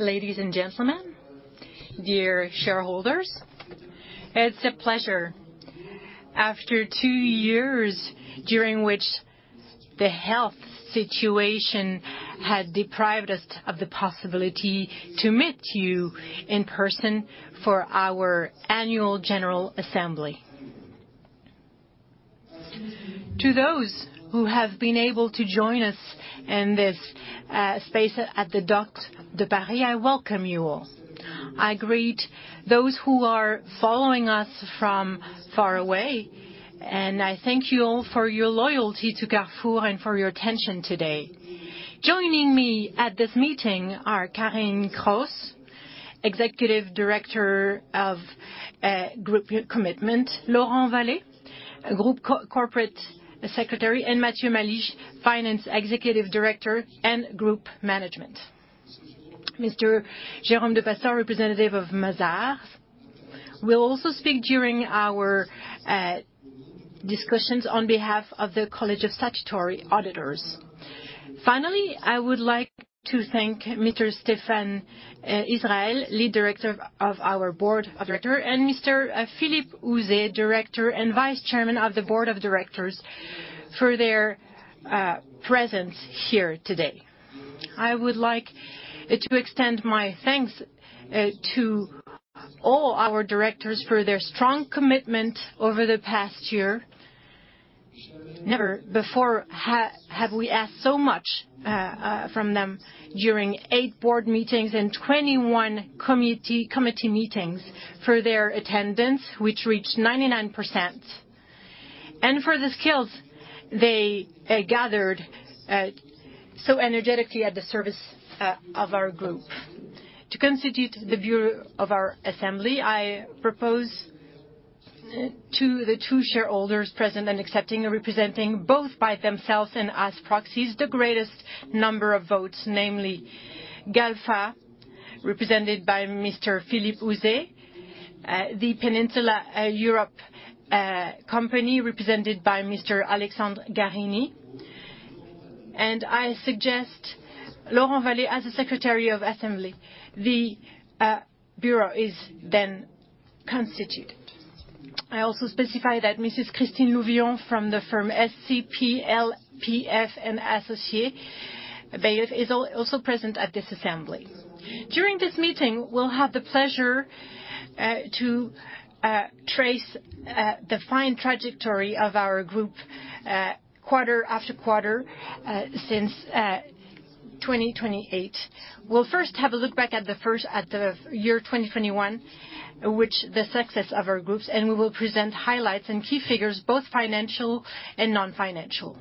Ladies and gentlemen, dear shareholders, it's a pleasure. After two years during which the health situation had deprived us of the possibility to meet you in person for our annual general assembly. To those who have been able to join us in this space at the Docks de Paris, I welcome you all. I greet those who are following us from far away, and I thank you all for your loyalty to Carrefour and for your attention today. Joining me at this meeting are Carine Kraus, Executive Director of Group Engagement, Laurent Vallée, Group Corporate Secretary, and Matthieu Malige, Finance Executive Director and Group Management. Mr. Jérôme de Pastors, representative of Mazars, will also speak during our discussions on behalf of the College of Statutory Auditors. Finally, I would like to thank Mr. Stéphane Israël, Lead Director of our board of directors, and Mr. Philippe Houzé, Director and Vice Chairman of the Board of Directors, for their presence here today. I would like to extend my thanks to all our directors for their strong commitment over the past year. Never before have we asked so much from them during eight board meetings and 21 committee meetings for their attendance, which reached 99%, and for the skills they gathered so energetically at the service of our group. To constitute the bureau of our assembly, I propose to the two shareholders present and accepting or representing both by themselves and as proxies the greatest number of votes, namely Galfa, represented by Mr. Philippe Houzé, the Peninsula Europe Company, represented by Mr. Alexandre Arnault. I suggest Laurent Vallée as a secretary of assembly. The bureau is then constituted. I also specify that Mrs. Christine Louvion from the firm SCP LPF & Associés is also present at this assembly. During this meeting, we'll have the pleasure to trace the fine trajectory of our group quarter after quarter since 2018. We'll first have a look back at the year 2021, with the success of our group, and we will present highlights and key figures, both financial and non-financial.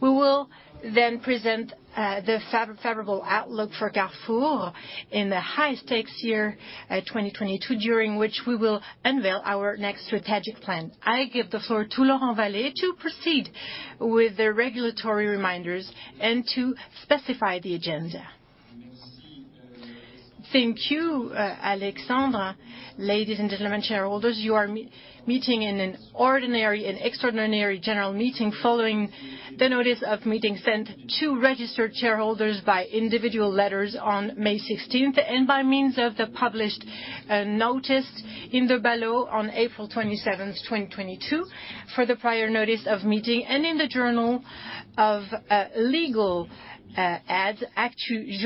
We will then present the favorable outlook for Carrefour in the high stakes year 2022, during which we will unveil our next strategic plan. I give the floor to Laurent Vallée to proceed with the regulatory reminders and to specify the agenda. Thank you, Alexandre. Ladies and gentlemen, shareholders, you are meeting in an ordinary and extraordinary general meeting following the notice of meeting sent to registered shareholders by individual letters on May 16th, and by means of the published notice in the BALO on April 27th, 2022 for the prior notice of meeting and in the Journal d'annonces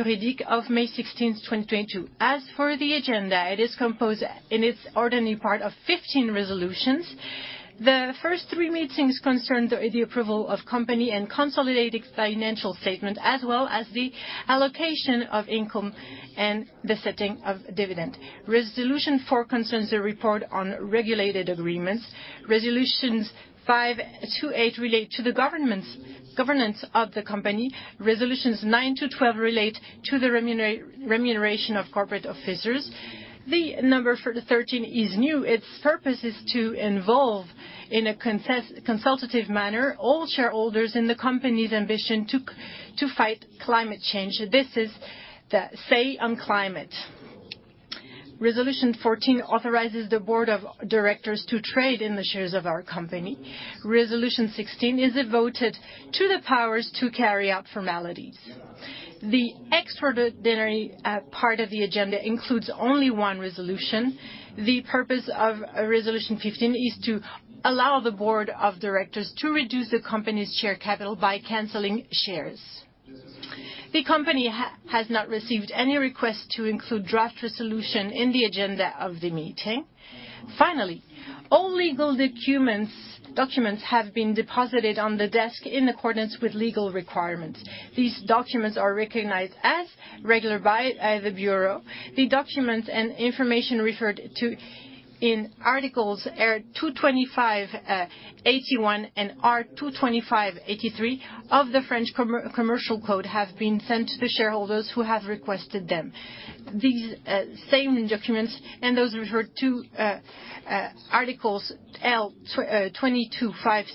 légales of May 16th, 2022. As for the agenda, it is composed in its ordinary part of 15 resolutions. The first three resolutions concern the approval of company and consolidated financial statements, as well as the allocation of income and the setting of dividend. Resolution 4 concerns a report on regulated agreements. Resolutions 5-8 relate to the governance of the company. Resolutions 9 to 12 relate to the remuneration of corporate officers. Resolution 13 is new. Its purpose is to involve, in a consultative manner, all shareholders in the company's ambition to fight climate change. This is the Say on Climate. Resolution 14 authorizes the board of directors to trade in the shares of our company. Resolution 16 is devoted to the powers to carry out formalities. The extraordinary part of the agenda includes only one resolution. The purpose of resolution 15 is to allow the board of directors to reduce the company's share capital by canceling shares. The company has not received any request to include draft resolution in the agenda of the meeting. Finally, all legal documents have been deposited on the desk in accordance with legal requirements. These documents are recognized as regular by the bureau. The documents and information referred to in articles R 225-81 and R 225-83 of the French Commercial Code have been sent to the shareholders who have requested them. These same documents and those referred to in articles L 225-15 et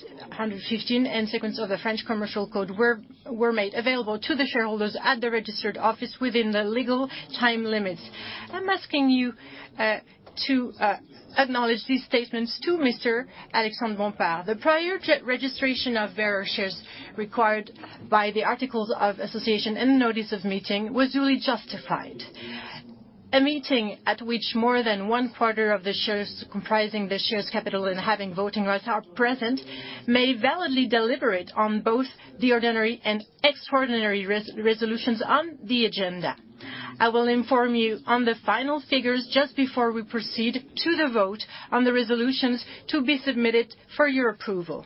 seq. of the French Commercial Code were made available to the shareholders at the registered office within the legal time limits. I'm asking you to acknowledge these statements to Mr. Alexandre Bompard. The prior registration of bearer shares required by the articles of association and notice of meeting was duly justified. A meeting at which more than one-quarter of the shares comprising the share capital and having voting rights are present may validly deliberate on both the ordinary and extraordinary resolutions on the agenda. I will inform you on the final figures just before we proceed to the vote on the resolutions to be submitted for your approval.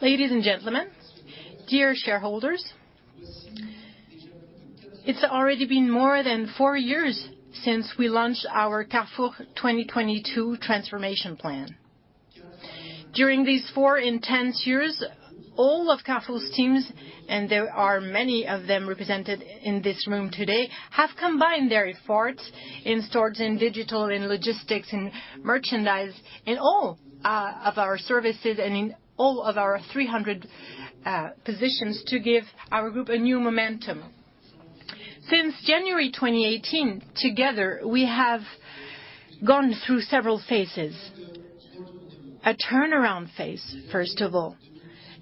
Ladies and gentlemen, dear shareholders, it's already been more than four years since we launched our Carrefour 2022 transformation plan. During these four intense years, all of Carrefour's teams, and there are many of them represented in this room today, have combined their efforts in stores, in digital, in logistics, in merchandise, in all, of our services and in all of our 300 positions to give our group a new momentum. Since January 2018, together we have gone through several phases. A turnaround phase, first of all.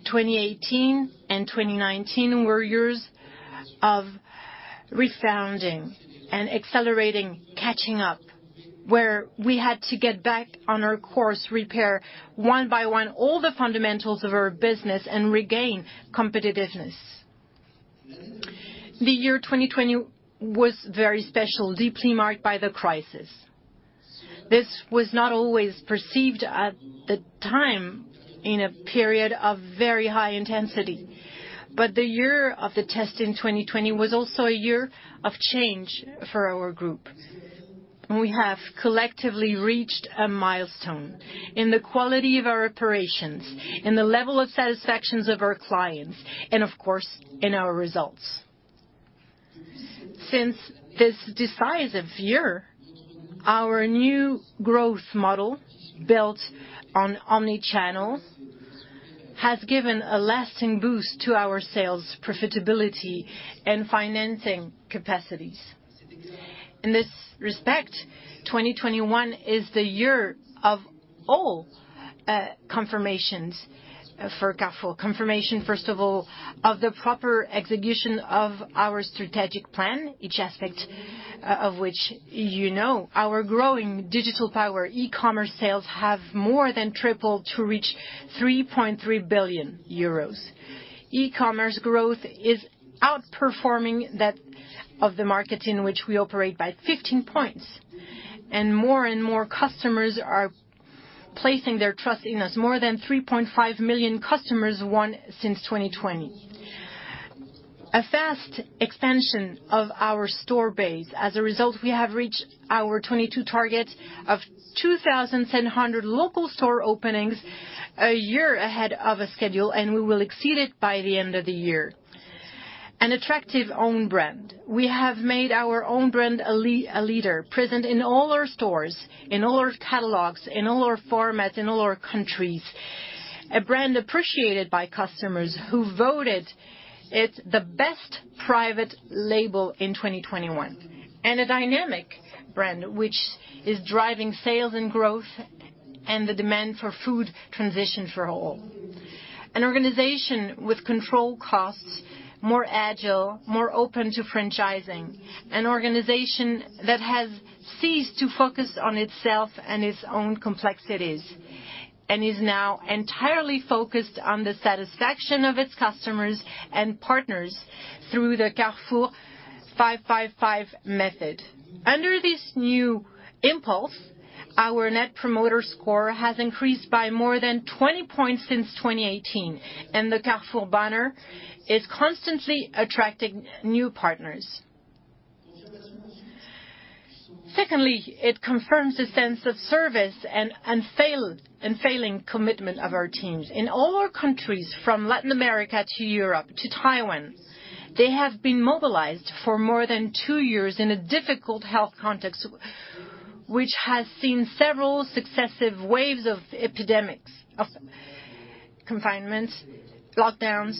2018 and 2019 were years of refounding and accelerating, catching up, where we had to get back on our course, repair one by one all the fundamentals of our business and regain competitiveness. The year 2020 was very special, deeply marked by the crisis. This was not always perceived at the time in a period of very high intensity, but the year of the test in 2020 was also a year of change for our group. We have collectively reached a milestone in the quality of our operations, in the level of satisfactions of our clients, and of course, in our results. Since this decisive year, our new growth model, built on omnichannel, has given a lasting boost to our sales profitability and financing capacities. In this respect, 2021 is the year of all confirmations for Carrefour. Confirmation, first of all, of the proper execution of our strategic plan, each aspect of which you know. Our growing digital power, e-commerce sales have more than tripled to reach 3.3 billion euros. E-commerce growth is outperforming that of the market in which we operate by 15%, and more and more customers are placing their trust in us, more than 3.5 million customers won since 2020. A fast expansion of our store base. As a result, we have reached our 2022 target of 2,100 local store openings a year ahead of schedule, and we will exceed it by the end of the year. An attractive own brand. We have made our own brand a leader present in all our stores, in all our catalogs, in all our formats, in all our countries. A brand appreciated by customers who voted it the best private label in 2021. A dynamic brand which is driving sales and growth and the demand for food transition for all. An organization with controlled costs, more agile, more open to franchising. An organization that has ceased to focus on itself and its own complexities, and is now entirely focused on the satisfaction of its customers and partners through the Carrefour 5/5/5 method. Under this new impulse, our net promoter score has increased by more than 20 points since 2018, and the Carrefour banner is constantly attracting new partners. Secondly, it confirms a sense of service and a failing commitment of our teams. In all our countries from Latin America to Europe to Taiwan, they have been mobilized for more than two years in a difficult health context which has seen several successive waves of epidemics, of confinements, lockdowns,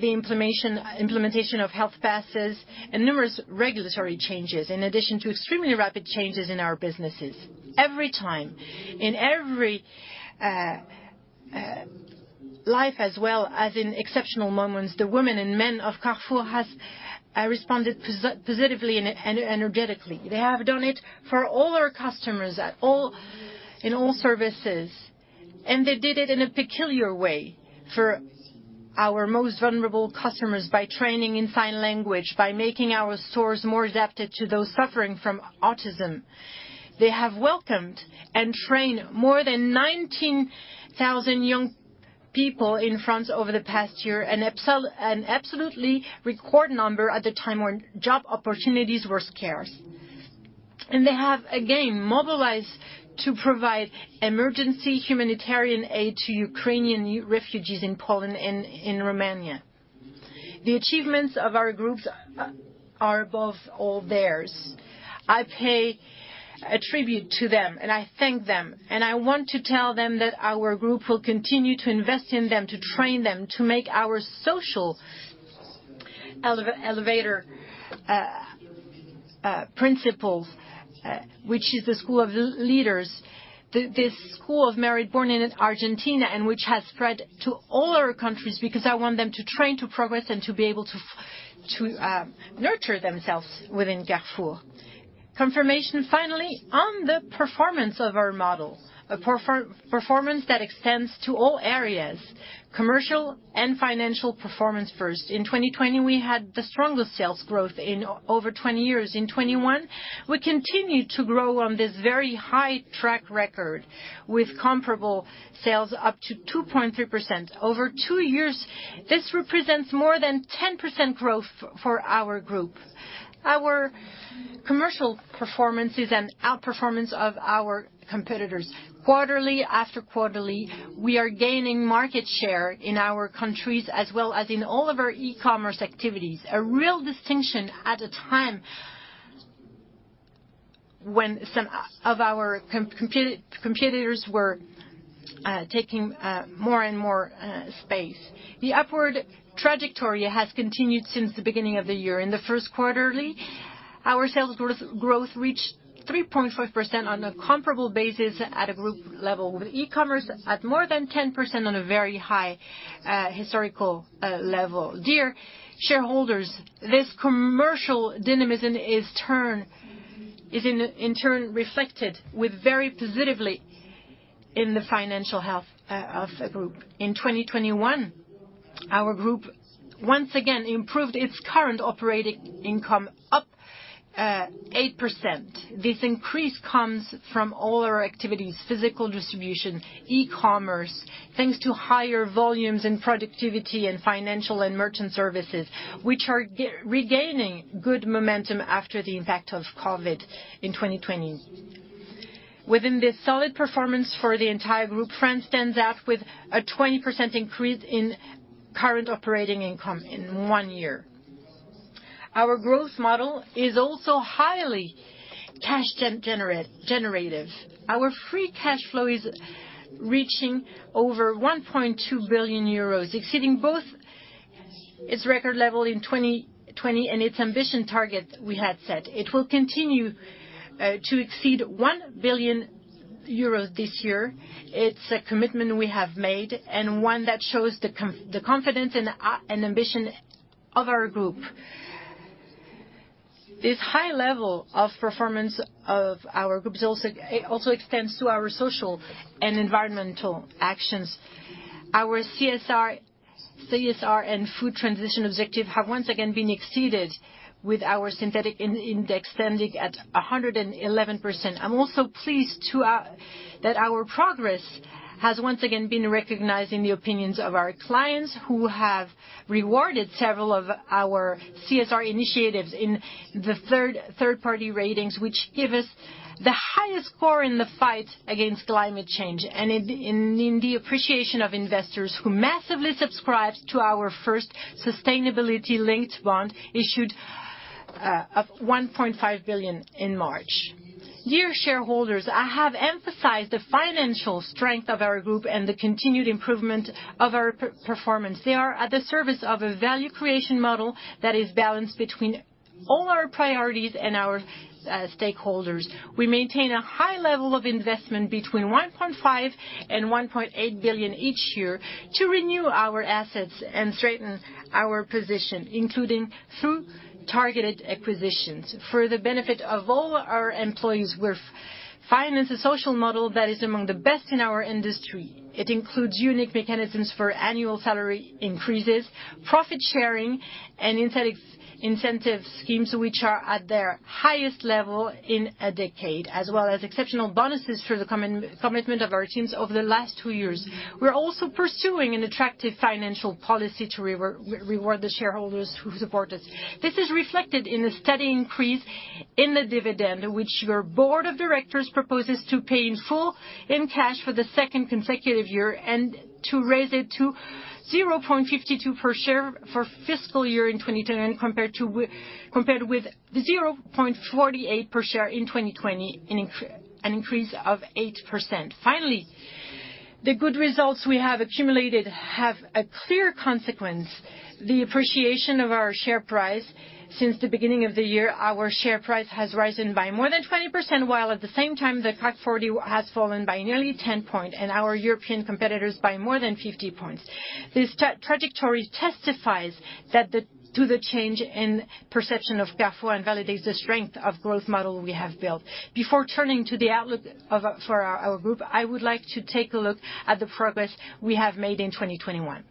the implementation of health passes and numerous regulatory changes, in addition to extremely rapid changes in our businesses. Every time, in everyday life as well as in exceptional moments, the women and men of Carrefour has responded positively and energetically. They have done it for all our customers in all services, and they did it in a particular way for our most vulnerable customers by training in sign language, by making our stores more adapted to those suffering from autism. They have welcomed and trained more than 19,000 young people in France over the past year, an absolutely record number at the time when job opportunities were scarce. They have, again, mobilized to provide emergency humanitarian aid to Ukrainian refugees in Poland and in Romania. The achievements of our group's are above all theirs. I pay a tribute to them and I thank them, and I want to tell them that our group will continue to invest in them, to train them, to make our social elevator principles, which is the school of leaders. This school of merit born in Argentina and which has spread to all our countries because I want them to train, to progress, and to be able to to nurture themselves within Carrefour. Confirmation finally on the performance of our model. A performance that extends to all areas, commercial and financial performance first. In 2020, we had the strongest sales growth in over twenty years. In 2021, we continued to grow on this very high track record with comparable sales up to 2.3%. Over two years, this represents more than 10% growth for our group. Our commercial performance is an outperformance of our competitors. Quarterly after quarterly, we are gaining market share in our countries as well as in all of our e-commerce activities. A real distinction at a time when some of our competitors were taking more and more space. The upward trajectory has continued since the beginning of the year. In the first quarter, our sales growth reached 3.5% on a comparable basis at a group level, with e-commerce at more than 10% on a very high historical level. Dear shareholders, this commercial dynamism is in turn reflected very positively in the financial health of the group. In 2021, our group once again improved its current operating income, up 8%. This increase comes from all our activities, physical distribution, e-commerce, thanks to higher volumes and productivity in financial and merchant services, which are regaining good momentum after the impact of COVID in 2020. Within this solid performance for the entire group, France stands out with a 20% increase in current operating income in one year. Our growth model is also highly cash generative. Our free cash flow is reaching over 1.2 billion euros, exceeding both its record level in 2020 and its ambition target we had set. It will continue to exceed 1 billion euros this year. It's a commitment we have made, and one that shows the confidence and ambition of our group. This high level of performance of our group also extends to our social and environmental actions. Our CSR and food transition objective have once again been exceeded with our synthetic index standing at 111%. I'm also pleased that our progress has once again been recognized in the opinions of our clients who have rewarded several of our CSR initiatives in the third-party ratings, which give us the highest score in the fight against climate change, and in the appreciation of investors who massively subscribed to our first sustainability-linked bond issued of 1.5 billion in March. Dear shareholders, I have emphasized the financial strength of our group and the continued improvement of our performance. They are at the service of a value creation model that is balanced between all our priorities and our stakeholders. We maintain a high level of investment between 1.5 billion and 1.8 billion each year to renew our assets and strengthen our position, including through targeted acquisitions. For the benefit of all our employees with financial and social model that is among the best in our industry. It includes unique mechanisms for annual salary increases, profit sharing, and incentive schemes which are at their highest level in a decade, as well as exceptional bonuses for the commitment of our teams over the last two years. We're also pursuing an attractive financial policy to reward the shareholders who support us. This is reflected in the steady increase in the dividend, which your board of directors proposes to pay in full in cash for the second consecutive year, and to raise it to 0.52 per share for fiscal year 2010 compared with the 0.48 per share in 2020, an increase of 8%. Finally, the good results we have accumulated have a clear consequence, the appreciation of our share price. Since the beginning of the year, our share price has risen by more than 20%, while at the same time the CAC 40 has fallen by nearly 10 points and our European competitors by more than 50 points. This trajectory testifies to the change in perception of Carrefour and validates the strength of growth model we have built. Before turning to the outlook for our group, I would like to take a look at the progress we have made in 2021.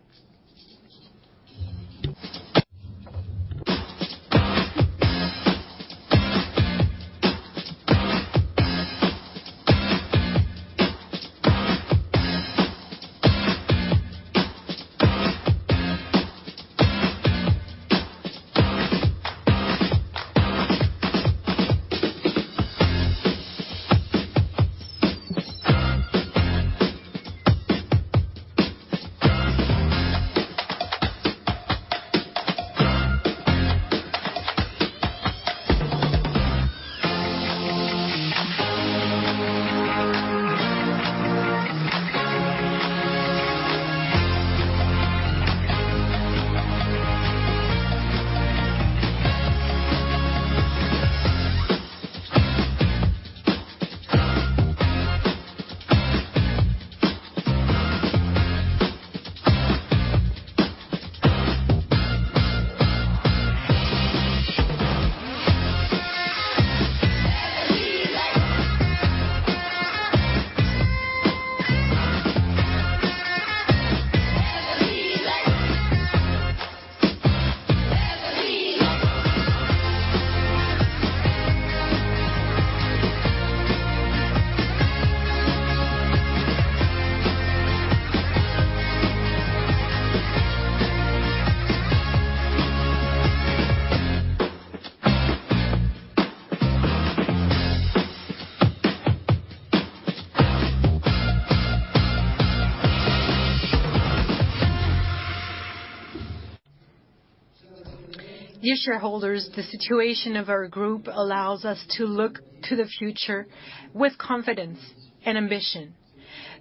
Dear shareholders, the situation of our group allows us to look to the future with confidence and ambition.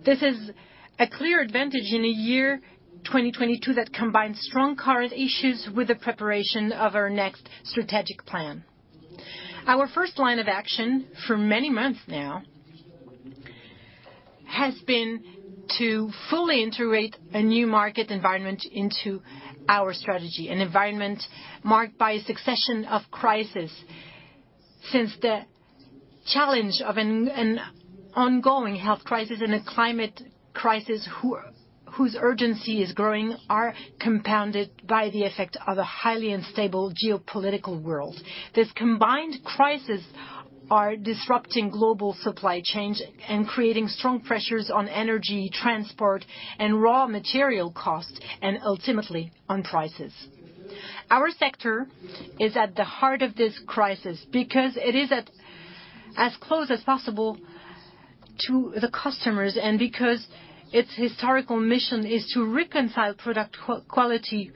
This is a clear advantage in a year, 2022, that combines strong current issues with the preparation of our next strategic plan. Our first line of action for many months now has been to fully integrate a new market environment into our strategy, an environment marked by a succession of crisis. Since the challenge of an ongoing health crisis and a climate crisis whose urgency is growing are compounded by the effect of a highly unstable geopolitical world. This combined crisis is disrupting global supply chains and creating strong pressures on energy, transport, and raw material costs, and ultimately on prices. Our sector is at the heart of this crisis because it is as close as possible to the customers and because its historical mission is to reconcile product quality,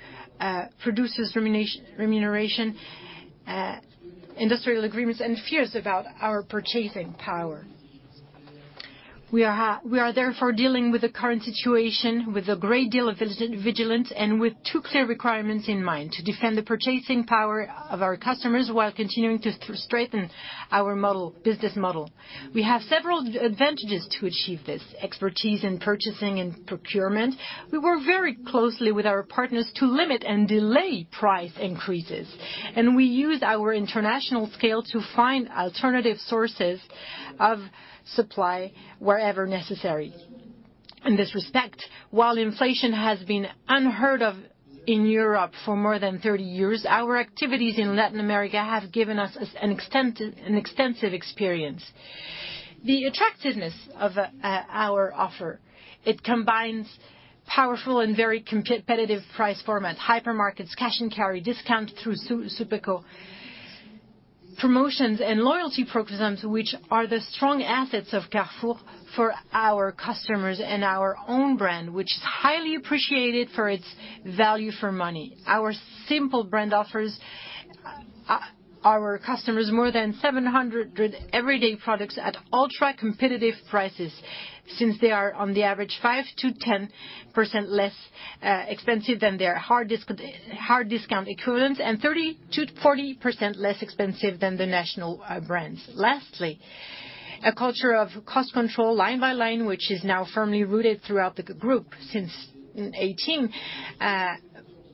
producers remuneration, industrial agreements, and fears about our purchasing power. We are therefore dealing with the current situation with a great deal of vigilance and with two clear requirements in mind to defend the purchasing power of our customers while continuing to strengthen our model, business model. We have several advantages to achieve this. Expertise in purchasing and procurement. We work very closely with our partners to limit and delay price increases, and we use our international scale to find alternative sources of supply wherever necessary. In this respect, while inflation has been unheard of in Europe for more than 30 years, our activities in Latin America have given us an extensive experience. The attractiveness of our offer, it combines powerful and very competitive price formats, hypermarkets, Cash & Carry, discount through Supeco, promotions, and loyalty programs, which are the strong assets of Carrefour for our customers and our own brand, which is highly appreciated for its value for money. Our simple brand offers our customers more than 700 everyday products at ultra-competitive prices since they are on the average 5%-10% less expensive than their hard discount equivalent and 30%-40% less expensive than the national brands. Lastly, a culture of cost control line by line, which is now firmly rooted throughout the Group since 2018.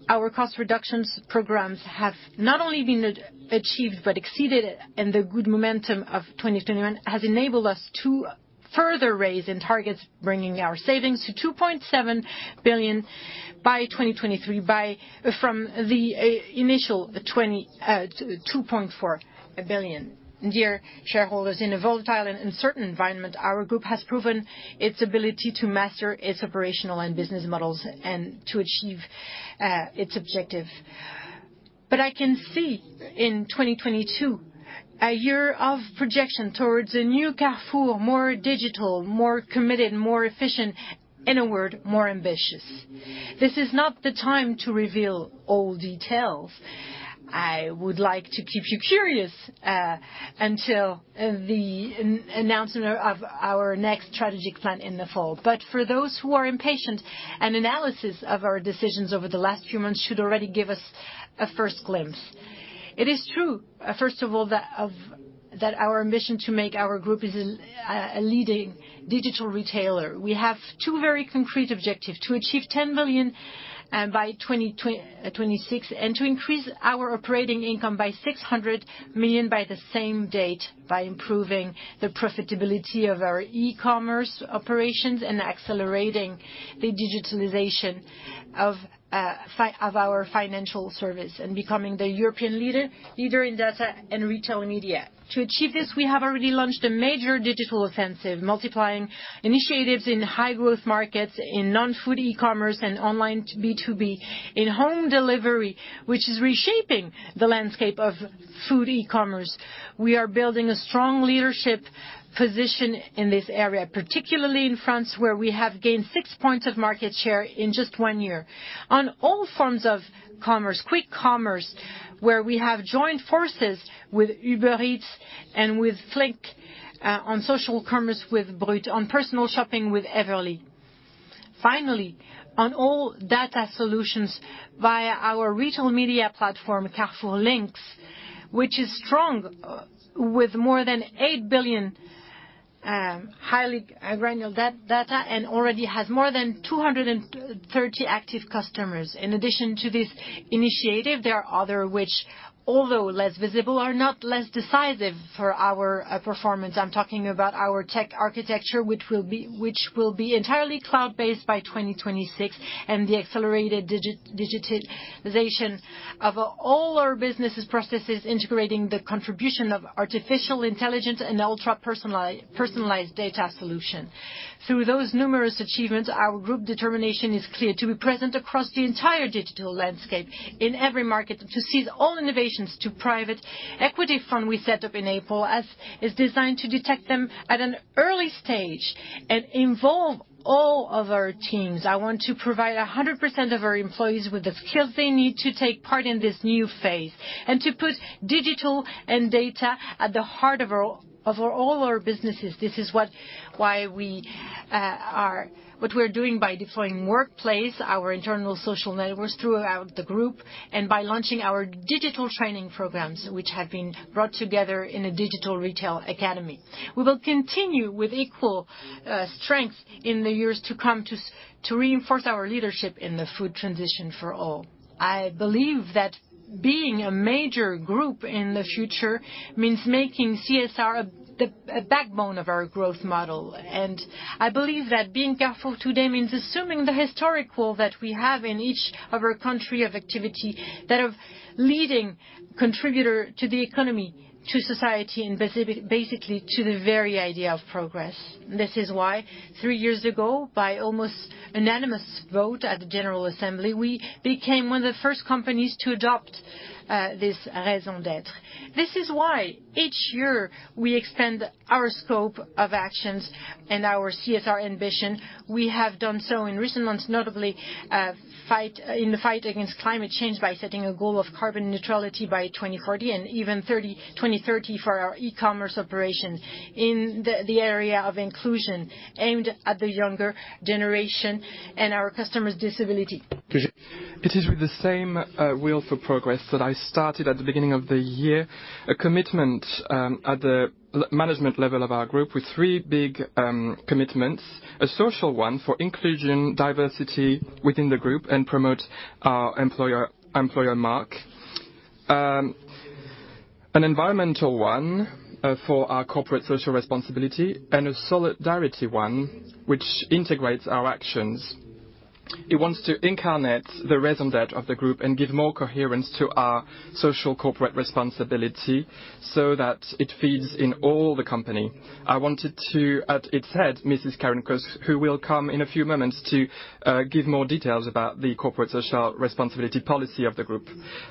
Our cost reductions programs have not only been achieved but exceeded, and the good momentum of 2021 has enabled us to further raise our targets, bringing our savings to 2.7 billion by 2023 from the initial 2.4 billion. Dear shareholders, in a volatile and uncertain environment, our group has proven its ability to master its operational and business models and to achieve its objective. I can see in 2022 a year of projection towards a new Carrefour, more digital, more committed, more efficient, in a word, more ambitious. This is not the time to reveal all details. I would like to keep you curious until the announcement of our next strategic plan in the fall. For those who are impatient, an analysis of our decisions over the last few months should already give us a first glimpse. It is true, first of all, that our mission to make our group is a leading digital retailer. We have two very concrete objectives, to achieve 10 billion by 2026 and to increase our operating income by 600 million by the same date by improving the profitability of our e-commerce operations and accelerating the digitalization of our financial service and becoming the European leader in data and retail media. To achieve this, we have already launched a major digital offensive, multiplying initiatives in high growth markets, in non-food e-commerce and online B2B. In home delivery, which is reshaping the landscape of food e-commerce, we are building a strong leadership position in this area, particularly in France, where we have gained 6 points of market share in just one year. On all forms of commerce, quick commerce, where we have joined forces with Uber Eats and with Flink, on social commerce with Brut, on personal shopping with Everli. Finally, on all data solutions via our retail media platform, Carrefour Links, which is strong with more than 8 billion highly granular data and already has more than 230 active customers. In addition to this initiative, there are other which, although less visible, are not less decisive for our performance. I'm talking about our tech architecture, which will be entirely cloud-based by 2026, and the accelerated digitization of all our businesses' processes integrating the contribution of artificial intelligence and ultra-personalized data solution. Through those numerous achievements, our group determination is clear, to be present across the entire digital landscape in every market, to seize all innovations through the private equity fund we set up in April, which is designed to detect them at an early stage and involve all of our teams. I want to provide 100% of our employees with the skills they need to take part in this new phase, and to put digital and data at the heart of our businesses. This is what we are. What we're doing by deploying Workplace, our internal social networks throughout the group, and by launching our digital training programs, which have been brought together in a Digital Retail Academy. We will continue with equal strength in the years to come to reinforce our leadership in the food transition for all. I believe that being a major group in the future means making CSR a backbone of our growth model. I believe that being Carrefour today means assuming the historic role that we have in each of our country of activity that are leading contributor to the economy, to society, and basically, to the very idea of progress. This is why three years ago, by almost unanimous vote at the general assembly, we became one of the first companies to adopt this raison d'être. This is why each year we expand our scope of actions and our CSR ambition. We have done so in recent months, notably in the fight against climate change by setting a goal of carbon neutrality by 2040 and even 2030 for our e-commerce operation in the area of inclusion aimed at the younger generation and our customers' disability. It is with the same will for progress that I started at the beginning of the year a commitment at the management level of our group with three big commitments, a social one for inclusion, diversity within the group and promote our employer brand. An environmental one for our corporate social responsibility and a solidarity one which integrates our actions. It wants to incarnate the raison d'être of the group and give more coherence to our corporate social responsibility so that it feeds in all the company. I wanted to at its head Ms. Carine Kraus, who will come in a few moments to give more details about the corporate social responsibility policy of the group.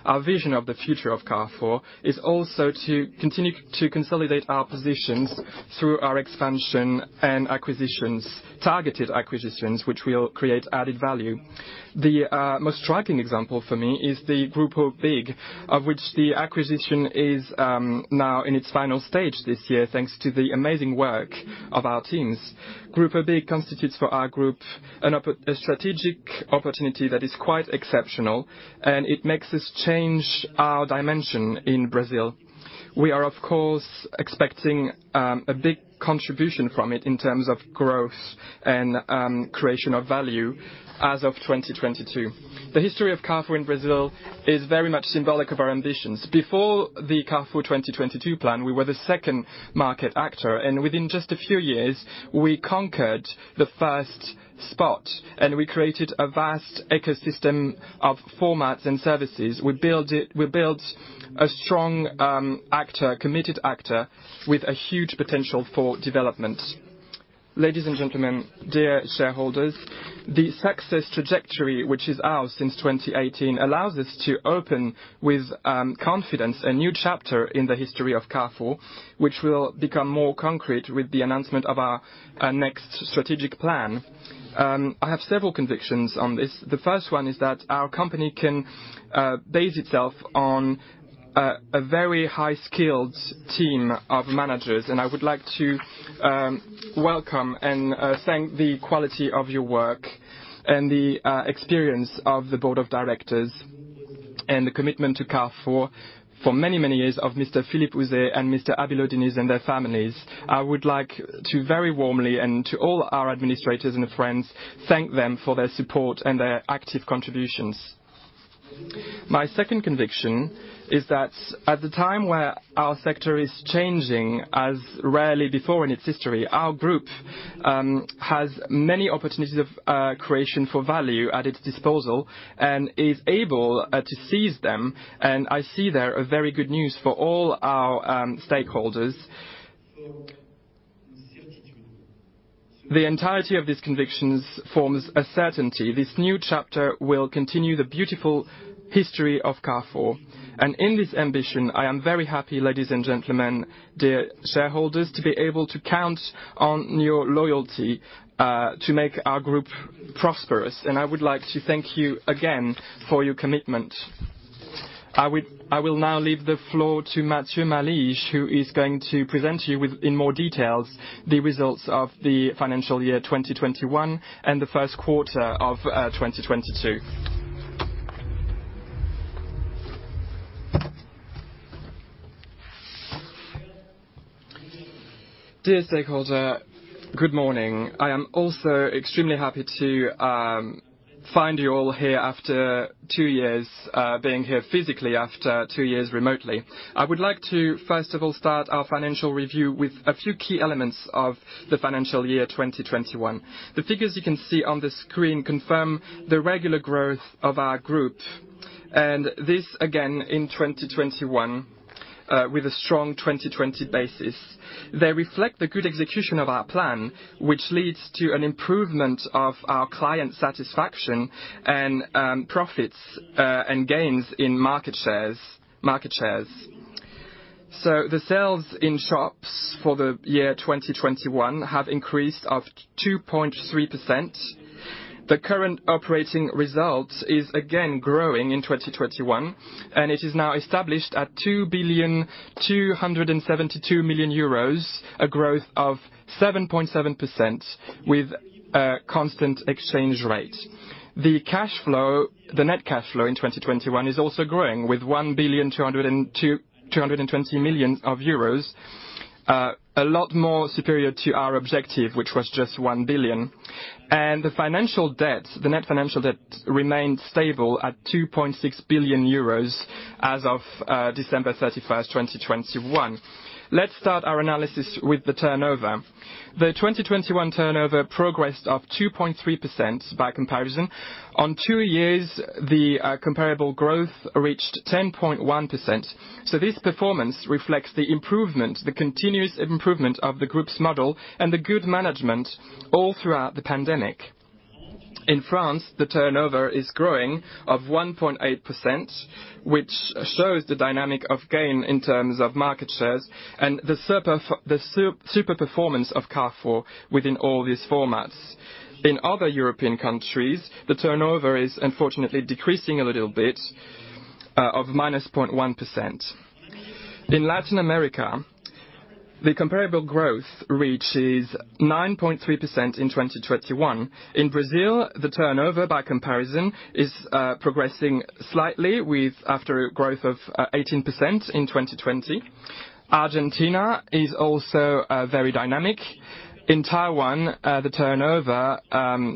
Our vision of the future of Carrefour is also to continue to consolidate our positions through our expansion and acquisitions, targeted acquisitions, which will create added value. The most striking example for me is the Grupo BIG, of which the acquisition is now in its final stage this year, thanks to the amazing work of our teams. Grupo BIG constitutes for our group a strategic opportunity that is quite exceptional, and it makes us change our dimension in Brazil. We are, of course, expecting a big contribution from it in terms of growth and creation of value as of 2022. The history of Carrefour in Brazil is very much symbolic of our ambitions. Before the Carrefour 2022 plan, we were the second market actor, and within just a few years, we conquered the first spot, and we created a vast ecosystem of formats and services. We built a strong actor, a committed actor with a huge potential for development. Ladies and gentlemen, dear shareholders, the success trajectory, which is ours since 2018, allows us to open with confidence a new chapter in the history of Carrefour, which will become more concrete with the announcement of our next strategic plan. I have several convictions on this. The first one is that our company can base itself on a very high skilled team of managers, and I would like to welcome and thank the quality of your work and the experience of the board of directors and the commitment to Carrefour for many years of Mr. Philippe Houzé and Mr. Abilio Diniz and their families. I would like to very warmly and to all our administrators and friends thank them for their support and their active contributions. My second conviction is that at the time where our sector is changing as rarely before in its history, our group has many opportunities of creation for value at its disposal and is able to seize them. I see there a very good news for all our stakeholders. The entirety of these convictions forms a certainty. This new chapter will continue the beautiful history of Carrefour. In this ambition, I am very happy, ladies and gentlemen, dear shareholders, to be able to count on your loyalty, to make our group prosperous. I would like to thank you again for your commitment. I will now leave the floor to Matthieu Malige, who is going to present to you in more details the results of the financial year 2021 and the first quarter of 2022. Dear stakeholder, good morning. I am also extremely happy to find you all here after two years being here physically after two years remotely. I would like to, first of all, start our financial review with a few key elements of the financial year 2021. The figures you can see on the screen confirm the regular growth of our group, and this again in 2021 with a strong 2020 basis. They reflect the good execution of our plan, which leads to an improvement of our client satisfaction and profits and gains in market shares. The sales in shops for the year 2021 have increased of 2.3%. The current operating result is again growing in 2021, and it is now established at 2.272 billion, a growth of 7.7% with constant exchange rate. The cash flow, the net cash flow in 2021 is also growing with 1.222 billion. A lot more superior to our objective, which was just 1 billion. The financial debt, the net financial debt remained stable at 2.6 billion euros as of December 31st, 2021. Let's start our analysis with the turnover. The 2021 turnover progressed of 2.3% by comparison. On two years, the comparable growth reached 10.1%. This performance reflects the improvement, the continuous improvement of the group's model and the good management all throughout the pandemic. In France, the turnover is growing of 1.8%, which shows the dynamic of gain in terms of market shares and the super performance of Carrefour within all these formats. In other European countries, the turnover is unfortunately decreasing a little bit of -0.1%. In Latin America, the comparable growth reaches 9.3% in 2021. In Brazil, the turnover by comparison is progressing slightly with a growth of 18% in 2020. Argentina is also very dynamic. In Taiwan, the turnover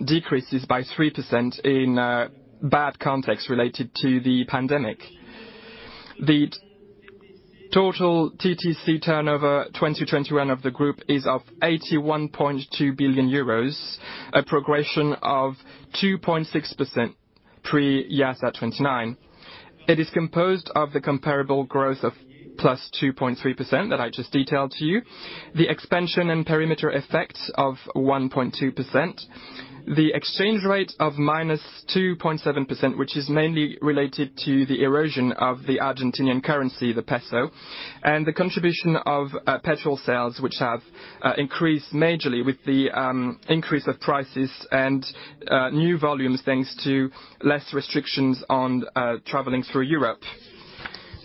decreases by 3% in a bad context related to the pandemic. The total TTC turnover 2021 of the group is 81.2 billion euros, a progression of 2.6% pre IAS 29. It is composed of the comparable growth of +2.3% that I just detailed to you. The expansion in perimeter effects of 1.2%. The exchange rate of -2.7%, which is mainly related to the erosion of the Argentinian currency, the peso, and the contribution of petrol sales, which have increased majorly with the increase of prices and new volumes, thanks to less restrictions on traveling through Europe.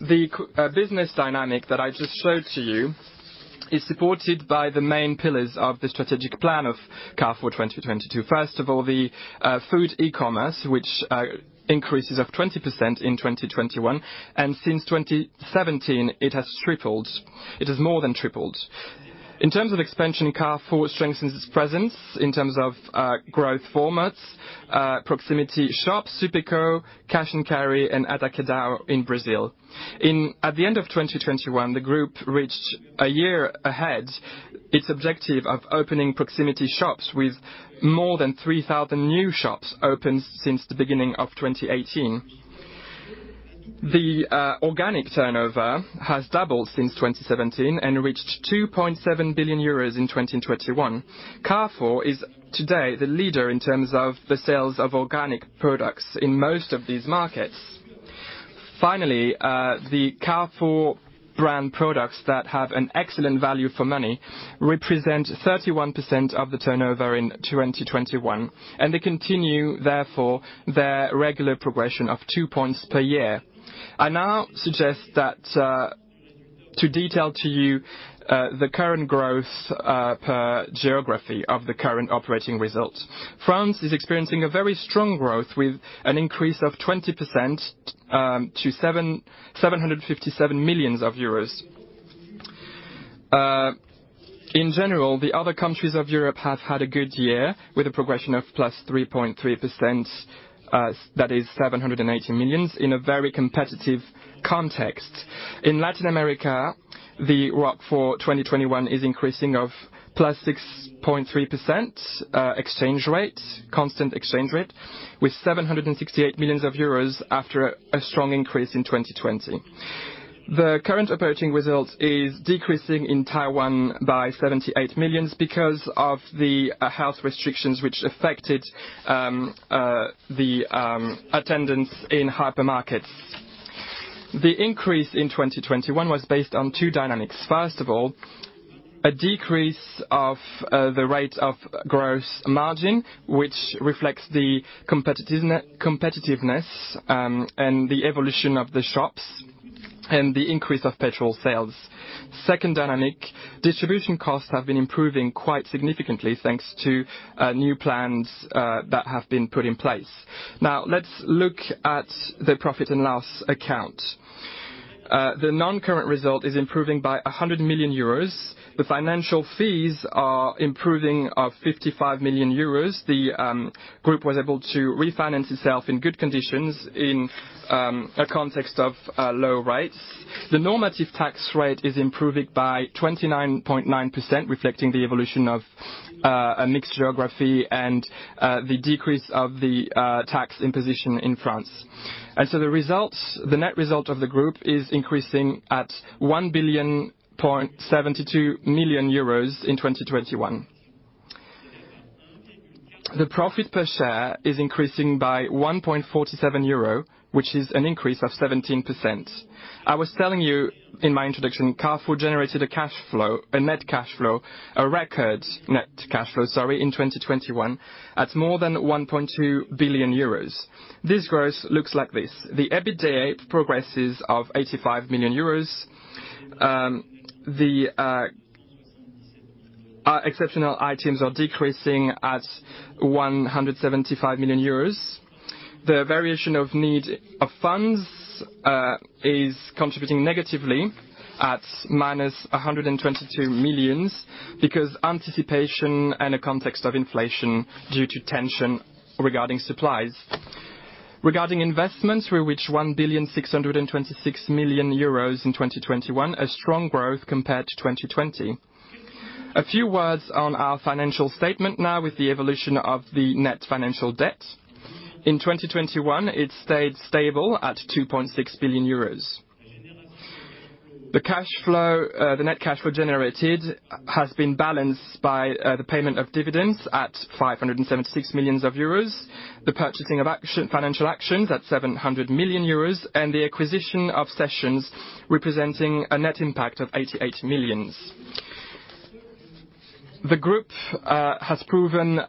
The business dynamic that I just showed to you is supported by the main pillars of the strategic plan of Carrefour 2022. First of all, the food e-commerce, which increases of 20% in 2021, and since 2017 it has tripled. It has more than tripled. In terms of expansion, Carrefour strengthens its presence in terms of growth formats, proximity shops, Supeco, Cash & Carry, and Atacadão in Brazil. At the end of 2021, the group reached a year ahead its objective of opening proximity shops with more than 3,000 new shops opened since the beginning of 2018. The organic turnover has doubled since 2017 and reached 2.7 billion euros in 2021. Carrefour is today the leader in terms of the sales of organic products in most of these markets. Finally, the Carrefour brand products that have an excellent value for money represent 31% of the turnover in 2021, and they continue therefore their regular progression of 2 points per year. I now suggest that to detail to you the current growth per geography of the current operating results. France is experiencing a very strong growth with an increase of 20% to 757 million euros. In general, the other countries of Europe have had a good year with a progression of +3.3%, that is 780 million in a very competitive context. In Latin America, the ROC for 2021 is increasing of +6.3%, exchange rate, constant exchange rate, with 768 million euros after a strong increase in 2020. The current approaching results is decreasing in Taiwan by 78 million because of the house restrictions which affected the attendance in hypermarkets. The increase in 2021 was based on two dynamics. First of all, a decrease of the rate of gross margin, which reflects the competitiveness, and the evolution of the shops and the increase of petrol sales. Second dynamic, distribution costs have been improving quite significantly thanks to new plans that have been put in place. Now, let's look at the profit and loss account. The non-current result is improving by 100 million euros. The financial fees are improving 55 million euros. The group was able to refinance itself in good conditions in a context of low rates. The normative tax rate is improving by 29.9%, reflecting the evolution of a mixed geography and the decrease of the tax imposition in France. The results, the net result of the group is increasing at 1.072 billion in 2021. The profit per share is increasing by 1.47 euro, which is an increase of 17%. I was telling you in my introduction, Carrefour generated a record net cash flow in 2021 at more than 1.2 billion euros. This growth looks like this. The EBITDA progresses of 85 million euros. The exceptional items are decreasing at 175 million euros. The variation of need of funds is contributing negatively at -122 million because anticipation in a context of inflation due to tension regarding supplies. Regarding investments, we reached 1.626 billion euros in 2021, a strong growth compared to 2020. A few words on our financial statement now with the evolution of the net financial debt. In 2021, it stayed stable at 2.6 billion euros. The cash flow, the net cash flow generated has been balanced by, the payment of dividends at 576 million euros, the purchasing of shares, own shares at 700 million euros, and the acquisitions and disposals representing a net impact of 88 million. The group has proven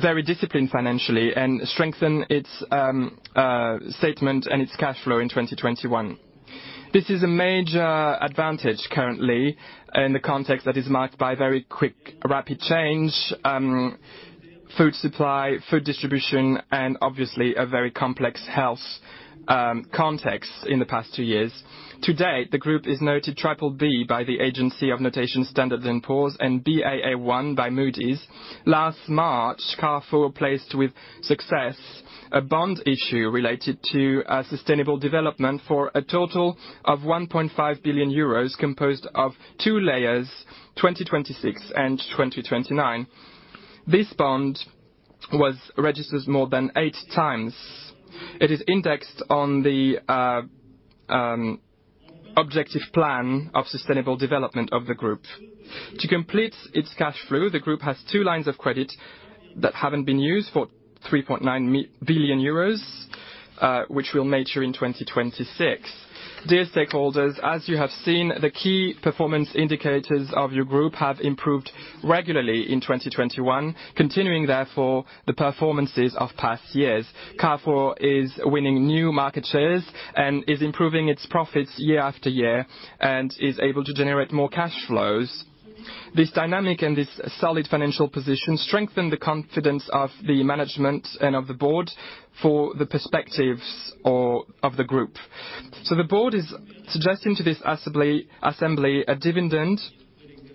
very disciplined financially and strengthened its balance sheet and its cash flow in 2021. This is a major advantage currently in the context that is marked by very quick, rapid change, food supply, food distribution, and obviously a very complex health context in the past two years. To date, the group is noted BBB by the agency of notations Standard & Poor's and Baa1 by Moody's. Last March, Carrefour placed with success a bond issue related to a sustainable development for a total of 1.5 billion euros composed of two layers, 2026 and 2029. This bond was registered more than eight times. It is indexed on the objective plan of sustainable development of the group. To complete its cash flow, the group has two lines of credit that haven't been used fora 3.9 billion euros, which will mature in 2026. Dear stakeholders, as you have seen, the key performance indicators of your group have improved regularly in 2021, continuing therefore the performances of past years. Carrefour is winning new market shares and is improving its profits year after year and is able to generate more cash flows. This dynamic and this solid financial position strengthen the confidence of the management and of the board for the perspectives of the group. The board is suggesting to this assembly a dividend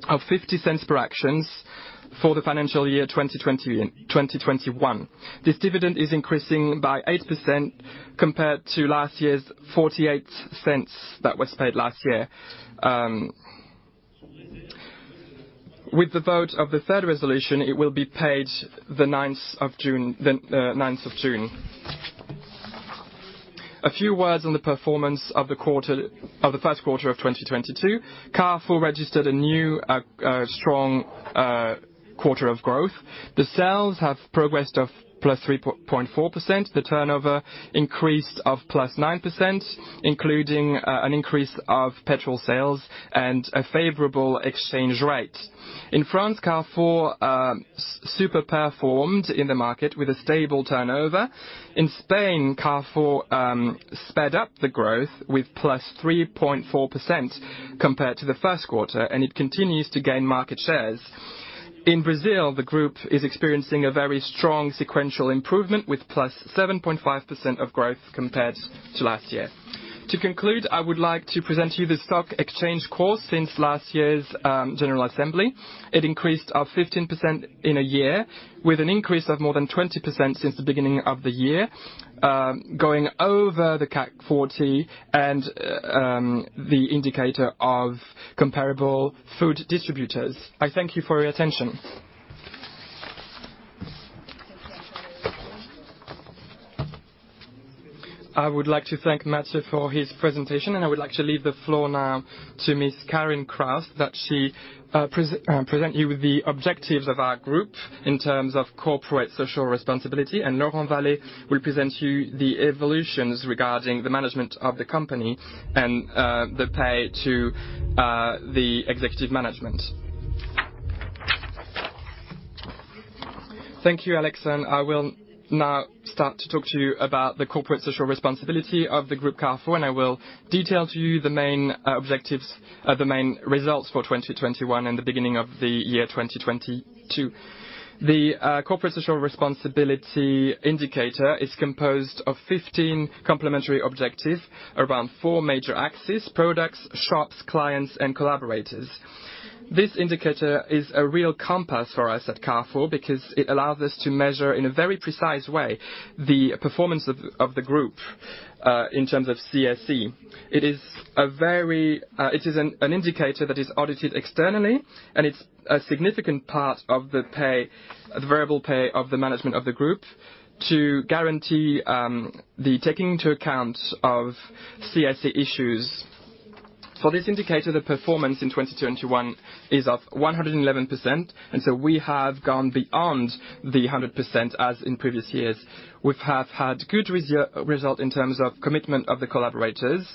of 0.50 per share for the financial year 2020 and 2021. This dividend is increasing by 8% compared to last year's 0.48 that was paid last year. With the vote of the third resolution, it will be paid the ninth of June. A few words on the performance of the first quarter of 2022. Carrefour registered a new strong quarter of growth. The sales have progressed by +3.4%. The turnover increased by +9%, including an increase of petrol sales and a favorable exchange rate. In France, Carrefour super performed in the market with a stable turnover. In Spain, Carrefour sped up the growth with +3.4% compared to the first quarter, and it continues to gain market shares. In Brazil, the group is experiencing a very strong sequential improvement with +7.5% of growth compared to last year. To conclude, I would like to present to you the stock exchange course since last year's general assembly. It increased of 15% in a year with an increase of more than 20% since the beginning of the year, going over the CAC 40 and the indicator of comparable food distributors. I thank you for your attention. I would like to thank Matthieu Malige for his presentation, and I would like to leave the floor now to Ms. Carine Kraus, that she present you with the objectives of our group in terms of corporate social responsibility. Laurent Vallée will present you the evolutions regarding the management of the company and the pay to the executive management. Thank you Alex. I will now start to talk to you about the corporate social responsibility of the Carrefour Group, and I will detail to you the main objectives and the main results for 2021 and the beginning of the year 2022. The corporate social responsibility indicator is composed of 15 complementary objectives around four major axes, products, shops, clients, and collaborators. This indicator is a real compass for us at Carrefour because it allows us to measure in a very precise way the performance of the group in terms of CSR. It is a very It is an indicator that is audited externally, and it's a significant part of the pay, the variable pay of the management of the group to guarantee the taking into account of CSE issues. For this indicator, the performance in 2021 is of 111%, we have gone beyond the 100% as in previous years. We have had good result in terms of commitment of the collaborators,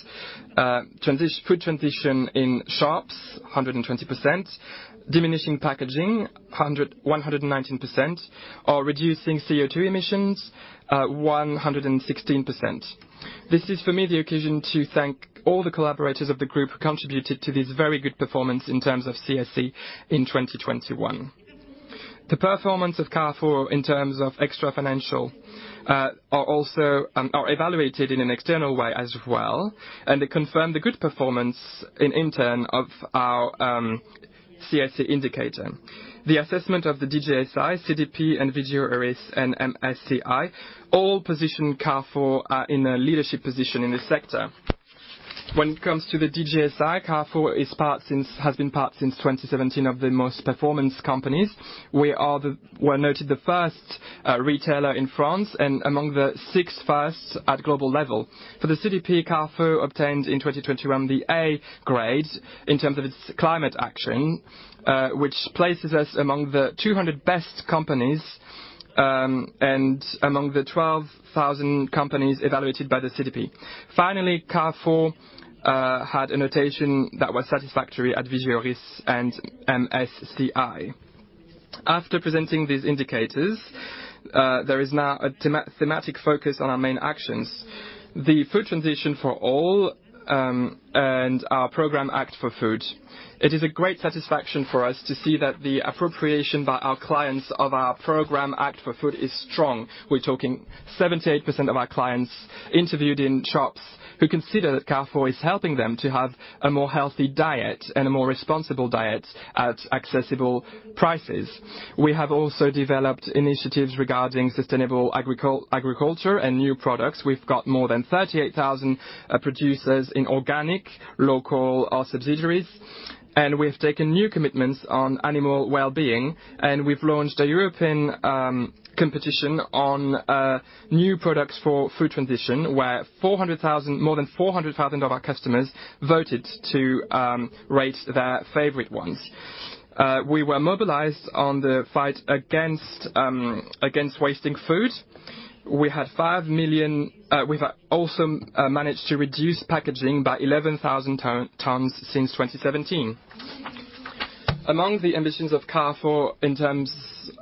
food transition in shops, 120%, diminishing packaging, 119%, or reducing CO2 emissions, 116%. This is for me the occasion to thank all the collaborators of the group who contributed to this very good performance in terms of CSE in 2021. The performance of Carrefour in terms of extrafinancial are also evaluated in an external way as well, and they confirm the good performance in terms of our CSR indicator. The assessment of the DJSI, CDP, and Vigeo Eiris and MSCI all position Carrefour in a leadership position in this sector. When it comes to the DJSI, Carrefour has been part since 2017 of the most performing companies. We were noted the first retailer in France and among the first six at global level. For the CDP, Carrefour obtained in 2021 the A grade in terms of its climate action, which places us among the 200 best companies and among the 12,000 companies evaluated by the CDP. Finally, Carrefour had a notation that was satisfactory at Vigeo Eiris and MSCI. After presenting these indicators, there is now a thematic focus on our main actions, the food transition for all, and our program Act for Food. It is a great satisfaction for us to see that the appropriation by our clients of our program, Act for Food, is strong. We're talking 78% of our clients interviewed in shops who consider that Carrefour is helping them to have a more healthy diet and a more responsible diet at accessible prices. We have also developed initiatives regarding sustainable agriculture and new products. We've got more than 38,000 producers in organic, local or sustainable, and we've taken new commitments on animal well-being. We've launched a European competition on new products for food transition, where more than 400,000 of our customers voted to rate their favorite ones. We were mobilized on the fight against wasting food. We had 5 million also managed to reduce packaging by 11,000 tons since 2017. Among the ambitions of Carrefour in terms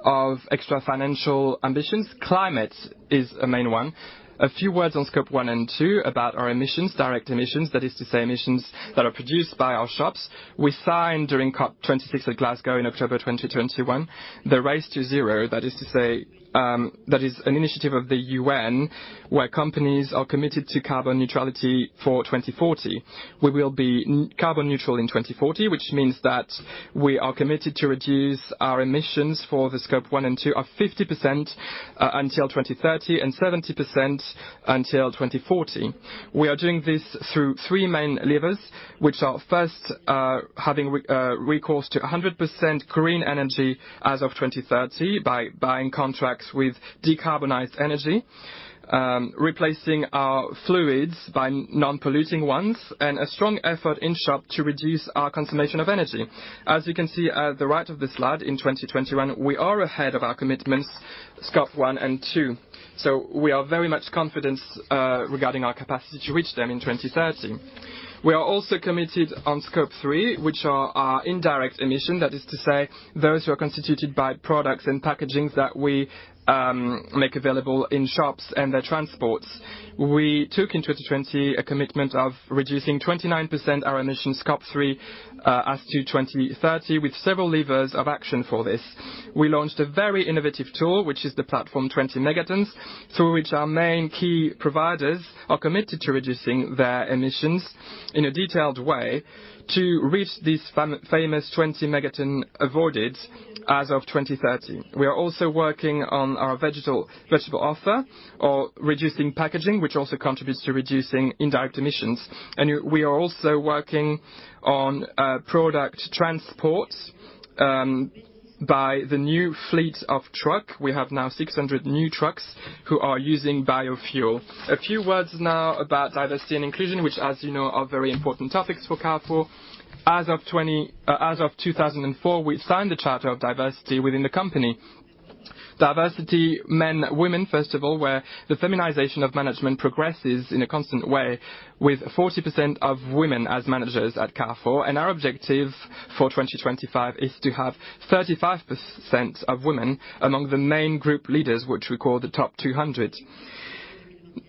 of extra financial ambitions, climate is a main one. A few words on Scope 1 and 2 about our emissions, direct emissions, that is to say, emissions that are produced by our shops. We signed during COP26 at Glasgow in October 2021, the Race to Zero. That is to say, that is an initiative of the UN, where companies are committed to carbon neutrality for 2040. We will be net-carbon neutral in 2040, which means that we are committed to reduce our emissions for the Scope 1 and 2 of 50% until 2030 and 70% until 2040. We are doing this through three main levers, which are first, having recourse to 100% green energy as of 2030 by buying contracts with decarbonized energy, replacing our fluids by non-polluting ones, and a strong effort in shops to reduce our consumption of energy. As you can see at the right of the slide in 2021, we are ahead of our commitments, Scope 1 and 2. We are very confident regarding our capacity to reach them in 2030. We are also committed on Scope 3, which are our indirect emissions. That is to say, those who are constituted by products and packaging that we make available in shops and their transports. We took in 2020 a commitment of reducing 29% our emissions, Scope 3, as to 2030, with several levers of action for this. We launched a very innovative tool, which is the platform 20 Megatons, through which our key suppliers are committed to reducing their emissions in a detailed way to reach this famous 20 megatons avoided as of 2030. We are also working on our vegetable offer and reducing packaging, which also contributes to reducing indirect emissions. We are also working on product transports by the new fleet of trucks. We have now 600 new trucks who are using biofuel. A few words now about diversity and inclusion, which, as you know, are very important topics for Carrefour. As of 2004, we signed the Diversity Charter within the company. Diversity, men, women, first of all, where the feminization of management progresses in a constant way with 40% of women as managers at Carrefour. Our objective for 2025 is to have 35% of women among the main group leaders, which we call the top 200.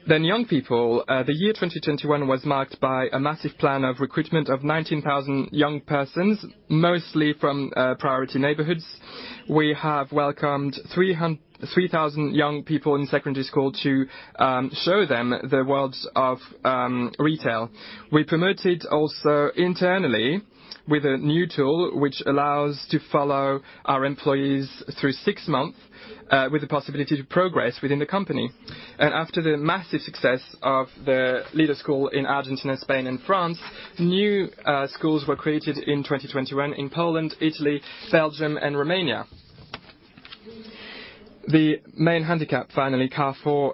Young people. The year 2021 was marked by a massive plan of recruitment of 19,000 young persons, mostly from priority neighborhoods. We have welcomed 3,000 young people in secondary school to show them the worlds of retail. We promoted also internally with a new tool which allows to follow our employees through six months with the possibility to progress within the company. After the massive success of the leader school in Argentina, Spain and France, new schools were created in 2021 in Poland, Italy, Belgium and Romania. The main handicap, finally, Carrefour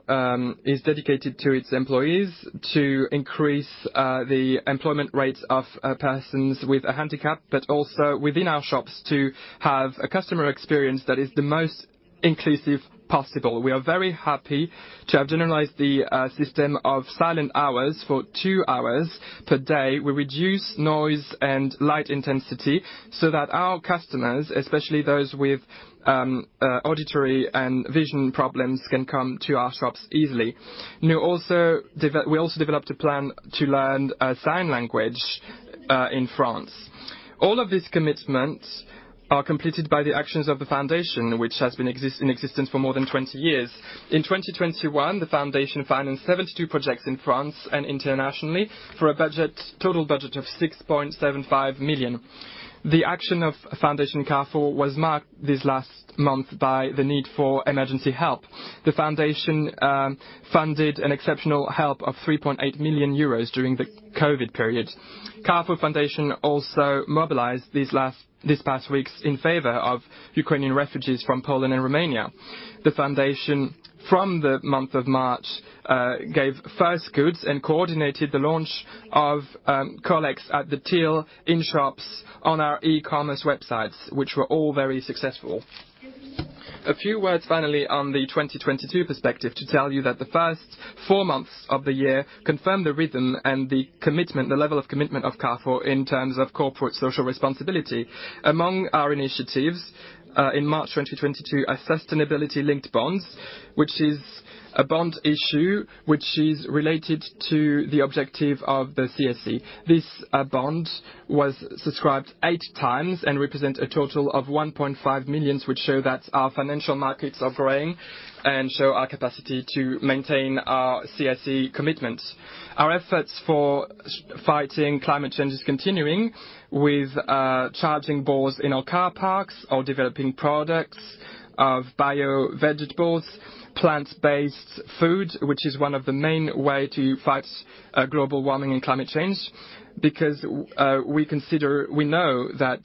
is dedicated to its employees to increase the employment rates of persons with a handicap, but also within our shops to have a customer experience that is the most inclusive possible. We are very happy to have generalized the system of silent hours for two hours per day. We reduce noise and light intensity so that our customers, especially those with auditory and vision problems, can come to our shops easily. We also developed a plan to learn sign language in France. All of these commitments are completed by the actions of the foundation, which has been in existence for more than 20 years. In 2021, the foundation financed 72 projects in France and internationally for a total budget of 6.75 million. The action of Fondation Carrefour was marked this last month by the need for emergency help. The foundation funded an exceptional help of 3.8 million euros during the COVID period. Fondation Carrefour also mobilized these past weeks in favor of Ukrainian refugees from Poland and Romania. The foundation, from the month of March, gave first goods and coordinated the launch of collects at the till in shops on our e-commerce websites, which were all very successful. A few words finally on the 2022 perspective to tell you that the first four months of the year confirmed the rhythm and the level of commitment of Carrefour in terms of corporate social responsibility. Among our initiatives in March 2022 are sustainability-linked bonds, which is a bond issue which is related to the objective of the CSR. This bond was subscribed eight times and represent a total of 1.5 million, which show that our financial markets are growing and show our capacity to maintain our ESG commitments. Our efforts for fighting climate change is continuing with charging boards in our car parks or developing products of bio vegetables, plant-based food, which is one of the main way to fight global warming and climate change because we consider, we know that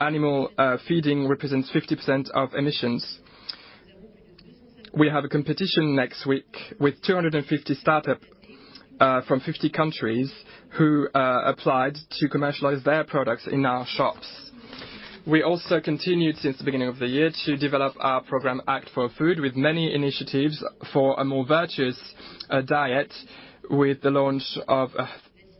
animal feeding represents 50% of emissions. We have a competition next week with 250 startups from 50 countries who applied to commercialize their products in our shops. We also continued since the beginning of the year to develop our program Act for Food with many initiatives for a more virtuous, diet with the launch of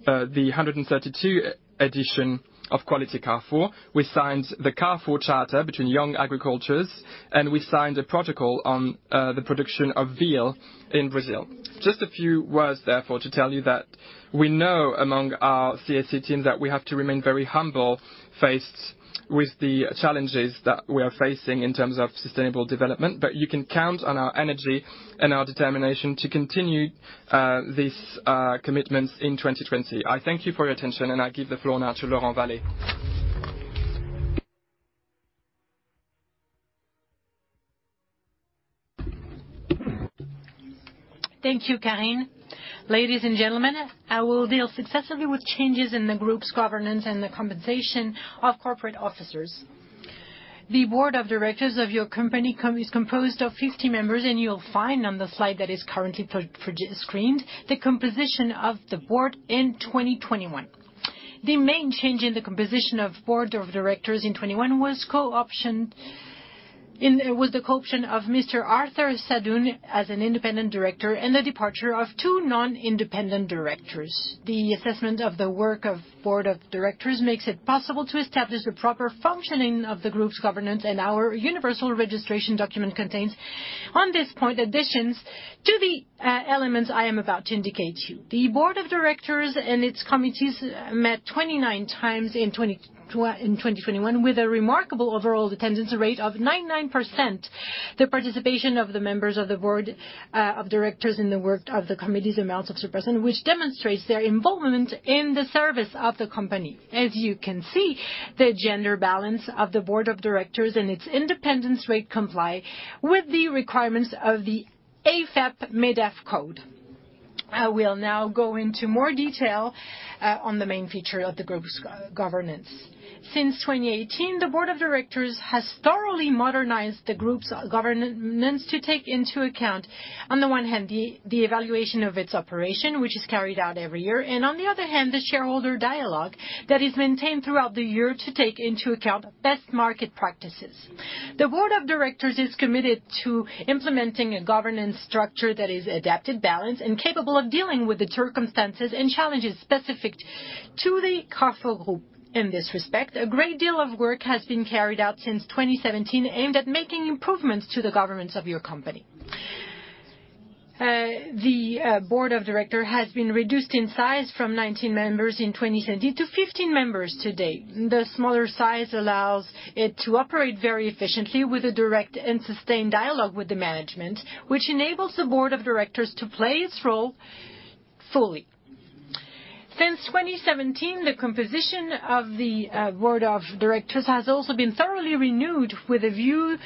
the 132nd edition of Quality Carrefour. We signed the Carrefour Charter between young agricultures, and we signed a protocol on the production of veal in Brazil. Just a few words therefore to tell you that we know among our CSE team that we have to remain very humble faced with the challenges that we are facing in terms of sustainable development, but you can count on our energy and our determination to continue these commitments in 2020. I thank you for your attention and I give the floor now to Laurent Vallée. Thank you Carine. Ladies and gentlemen, I will deal successively with changes in the group's governance and the compensation of corporate officers. The board of directors of your company is composed of 50 members, and you'll find on the slide that is currently projected on screen the composition of the board in 2021. The main change in the composition of board of directors in 2021 was the co-option of Mr. Arthur Sadoun as an independent director and the departure of two non-independent directors. The assessment of the work of board of directors makes it possible to establish the proper functioning of the group's governance and our universal registration document contains on this point additions to the elements I am about to indicate to you. The board of directors and its committees met 29 times in 2021 with a remarkable overall attendance rate of 99%. The participation of the members of the board of directors in the work of the committees amounts to 100% which demonstrates their involvement in the service of the company. As you can see, the gender balance of the board of directors and its independence rate comply with the requirements of the AFEP-MEDEF code. I will now go into more detail on the main feature of the group's governance. Since 2018, the board of directors has thoroughly modernized the group's governance to take into account, on the one hand, the evaluation of its operation, which is carried out every year, and on the other hand, the shareholder dialogue that is maintained throughout the year to take into account best market practices. The board of directors is committed to implementing a governance structure that is adapted, balanced, and capable of dealing with the circumstances and challenges specific to the Carrefour Group. In this respect, a great deal of work has been carried out since 2017 aimed at making improvements to the governance of your company. The board of director has been reduced in size from 19 members in 2017 to 15 members today. The smaller size allows it to operate very efficiently with a direct and sustained dialogue with the management, which enables the board of directors to play its role fully. Since 2017, the composition of the board of directors has also been thoroughly renewed with a view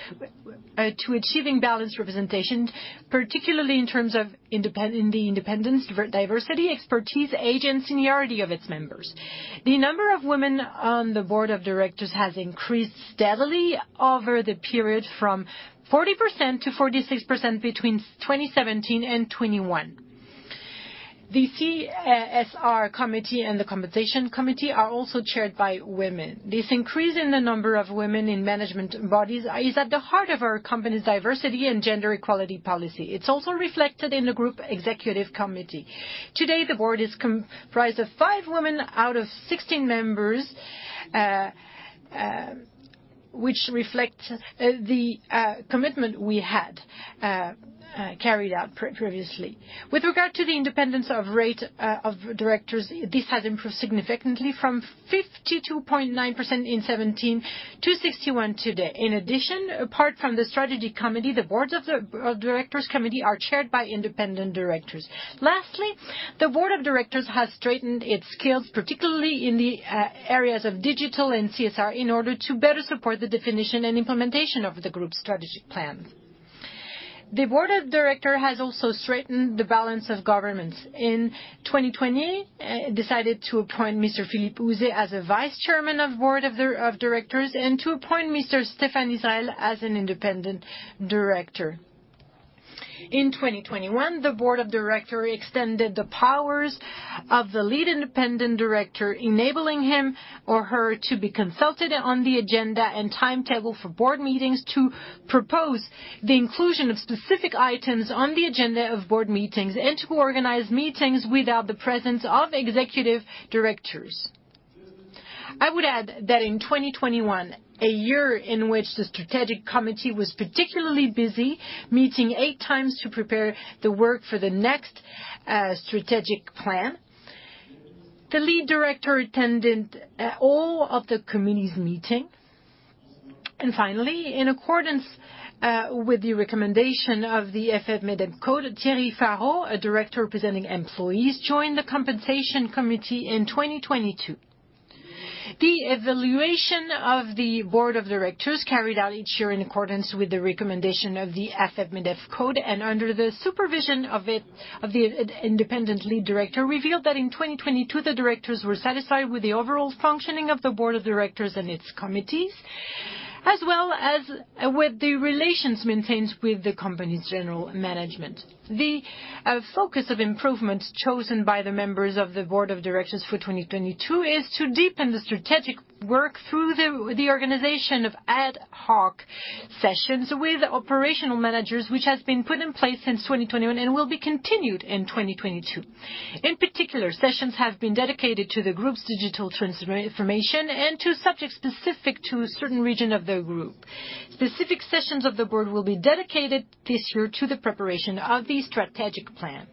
to achieving balanced representation, particularly in terms of independence, diversity, expertise, age, and seniority of its members. The number of women on the board of directors has increased steadily over the period from 40% to 46% between 2017 and 2021. The CSR committee and the Compensation Committee are also chaired by women. This increase in the number of women in management bodies is at the heart of our company's diversity and gender equality policy. It's also reflected in the group executive committee. Today, the board is comprised of 5 women out of 16 members, which reflect the commitment we had carried out previously. With regard to the independence rate of directors, this has improved significantly from 52.9% in 2017 to 61% today. In addition, apart from the Strategy Committee, the board committees are chaired by independent directors. Lastly, the board of directors has strengthened its skills, particularly in the areas of digital and CSR in order to better support the definition and implementation of the group's strategic plan. The board of directors has also strengthened the balance of governance. In 2020, it decided to appoint Mr. Philippe Houzé as a vice chairman of the board of directors and to appoint Mr. Stéphane Israël as an independent director. In 2021, the board of directors extended the powers of the lead independent director, enabling him or her to be consulted on the agenda and timetable for board meetings, to propose the inclusion of specific items on the agenda of board meetings, and to organize meetings without the presence of executive directors. I would add that in 2021, a year in which the Strategic Committee was particularly busy, meeting eight times to prepare the work for the next strategic plan. The lead director attended all of the committee's meetings. Finally, in accordance with the recommendation of the AFEP-MEDEF code, Thierry Faraut, a director representing employees, joined the Compensation Committee in 2022. The evaluation of the board of directors carried out each year in accordance with the recommendation of the AFEP-MEDEF code and under the supervision of the independent lead director, revealed that in 2022, the directors were satisfied with the overall functioning of the board of directors and its committees, as well as with the relations maintained with the company's general management. Focus of improvements chosen by the members of the board of directors for 2022 is to deepen the strategic work through the organization of ad hoc sessions with operational managers, which has been put in place since 2021 and will be continued in 2022. In particular, sessions have been dedicated to the group's digital transformation and to subjects specific to a certain region of the group. Specific sessions of the board will be dedicated this year to the preparation of the strategic plan.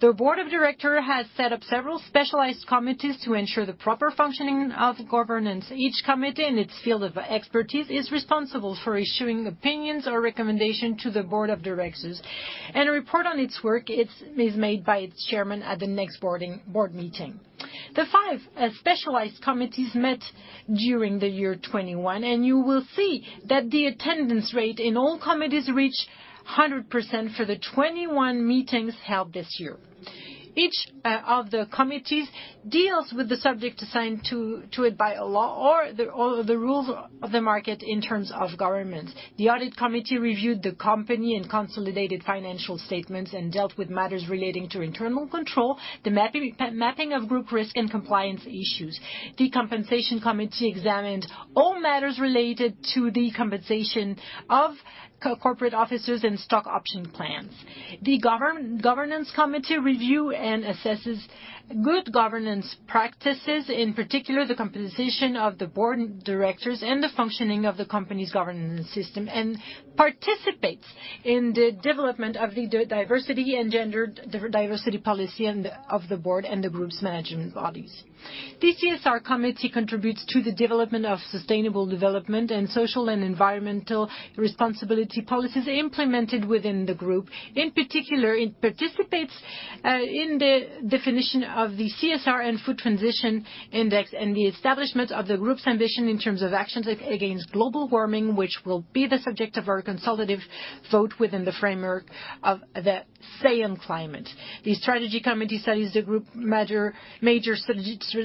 The board of directors has set up several specialized committees to ensure the proper functioning of governance. Each committee in its field of expertise is responsible for issuing opinions or recommendations to the board of directors. A report on its work is made by its chairman at the next board meeting. The five specialized committees met during the year 2021, and you will see that the attendance rate in all committees reached 100% for the 21 meetings held this year. Each of the committees deals with the subject assigned to it by a law or the rules of the market in terms of governance. The Audit Committee reviewed the company's consolidated financial statements and dealt with matters relating to internal control, the mapping of group risk and compliance issues. The Compensation Committee examined all matters related to the compensation of corporate officers and stock option plans. The Governance Committee reviews and assesses good governance practices, in particular, the composition of the board of directors and the functioning of the company's governance system, and participates in the development of the diversity and gender diversity policy of the board and the group's management bodies. The CSR Committee contributes to the development of sustainable development and social and environmental responsibility policies implemented within the group. In particular, it participates in the definition of the CSR and food transition index and the establishment of the group's ambition in terms of actions against global warming, which will be the subject of our consultative vote within the framework of the Say on Climate. The Strategy Committee studies the group's major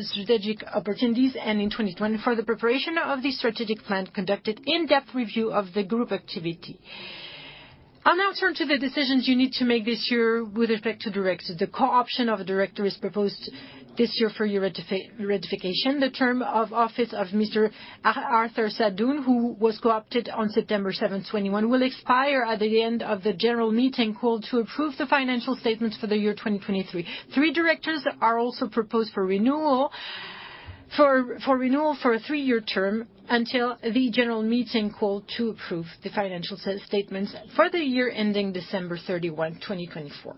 strategic opportunities, and in 2021, for the preparation of the strategic plan, conducted in-depth review of the group activity. Now on to the decisions you need to make this year with respect to directors. The co-option of a director is proposed this year for your ratification. The term of office of Mr. Arthur Sadoun, who was co-opted on September 7, 2021, will expire at the end of the general meeting called to approve the financial statements for the year 2023. Three directors are also proposed for renewal for a three-year term until the general meeting called to approve the financial statements for the year ending December 31, 2024.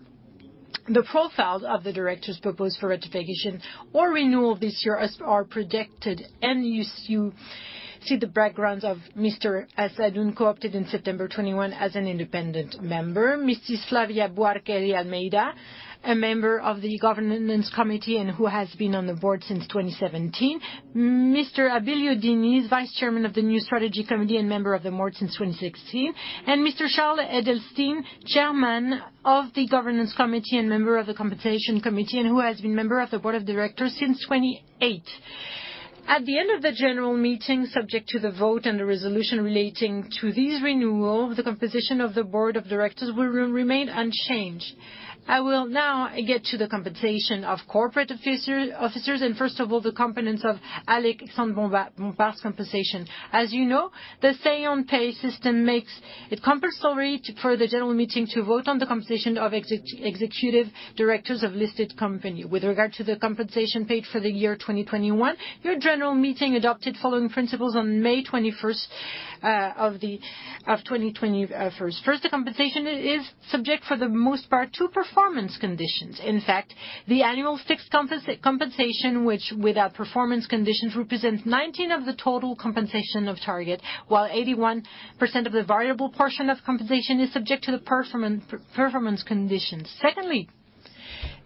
The profiles of the directors proposed for ratification or renewal this year as are presented, and you see the backgrounds of Mr. Arthur Sadoun, co-opted in September 2021 as an independent member. Mrs. Flavia Buarque de Almeida, a member of the Governance Committee, and who has been on the board since 2017. Mr. Abilio Diniz, Vice Chairman of the new Strategy Committee and member of the board since 2016. Mr. Charles Edelstenne, Chairman of the Governance Committee and member of the Compensation Committee, and who has been member of the Board of Directors since 2018. At the end of the general meeting, subject to the vote and the resolution relating to these renewals, the composition of the board of directors will remain unchanged. I will now get to the compensation of corporate officers, and first of all, the components of Alexandre Bompard's compensation. As you know, the say on pay system makes it compulsory for the general meeting to vote on the compensation of executive directors of listed company. With regard to the compensation paid for the year 2021, your general meeting adopted following principles on May 21st of 2021. First, the compensation is subject for the most part to performance conditions. In fact, the annual fixed compensation, which without performance conditions represents 19% of the total compensation of target, while 81% of the variable portion of compensation is subject to the performance conditions.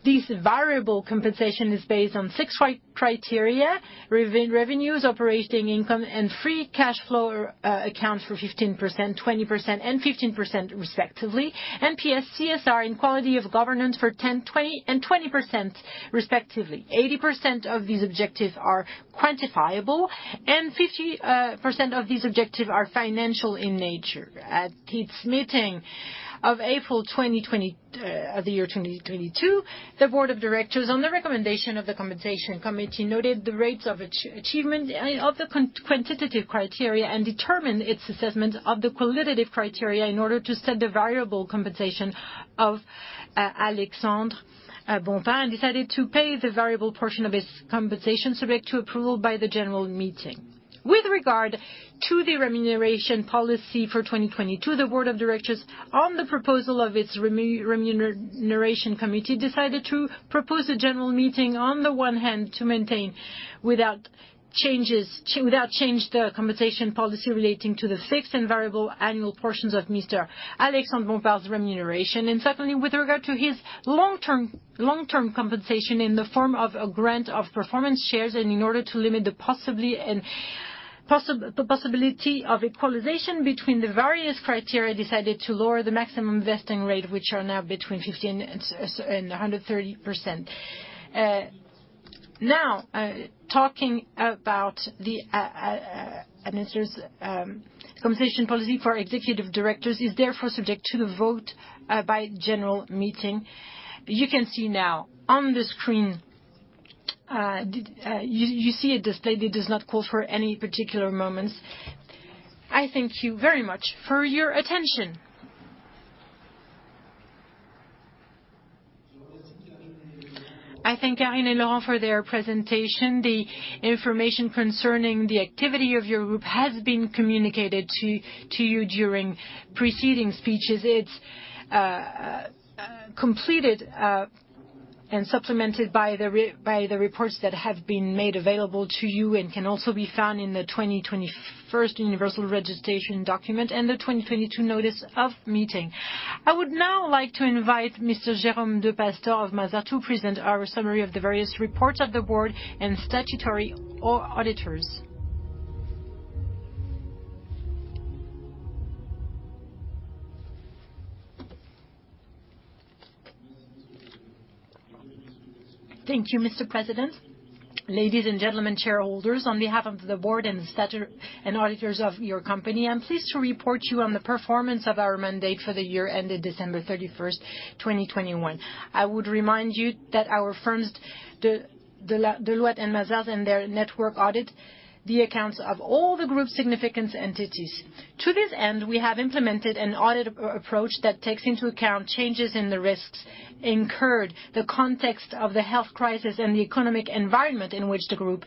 Secondly, this variable compensation is based on six criteria. Revenues, operating income, and free cash flow account for 15%, 20%, and 15% respectively. PS, CSR, and quality of governance for 10%, 20%, and 20% respectively. 80% of these objectives are quantifiable, and 50% of these objectives are financial in nature. At its meeting of April 2022, the board of directors, on the recommendation of the Remuneration Committee, noted the rates of achievement and of the quantitative criteria and determined its assessment of the qualitative criteria in order to set the variable compensation of Alexandre Bompard, and decided to pay the variable portion of his compensation subject to approval by the general meeting. With regard to the remuneration policy for 2022, the board of directors, on the proposal of its Remuneration Committee, decided to propose a general meeting on the one hand, to maintain without change the compensation policy relating to the fixed and variable annual portions of Mr. Alexandre Bompard's remuneration. Secondly, with regard to his long-term compensation in the form of a grant of performance shares, and in order to limit the possibility of equalization between the various criteria, decided to lower the maximum vesting rate, which are now between 50% and 130%. Now, talking about the administrators' compensation policy for executive directors is therefore subject to the vote by general meeting. You can see now on the screen, you see it displayed, it does not call for any particular comments. I thank you very much for your attention. I thank Carine and Laurent for their presentation. The information concerning the activity of your group has been communicated to you during preceding speeches. It's completed and supplemented by the reports that have been made available to you and can also be found in the 2021 universal registration document and the 2022 notice of meeting. I would now like to invite Mr. Jérôme de Pastors of Mazars to present our summary of the various reports of the board and statutory auditors. Thank you Mr. President. Ladies and gentlemen, shareholders, on behalf of the board and auditors of your company, I'm pleased to report to you on the performance of our mandate for the year ended December 31st, 2021. I would remind you that our firms, Deloitte and Mazars and their network audit, the accounts of all the group's significant entities. To this end, we have implemented an audit approach that takes into account changes in the risks incurred, the context of the health crisis, and the economic environment in which the group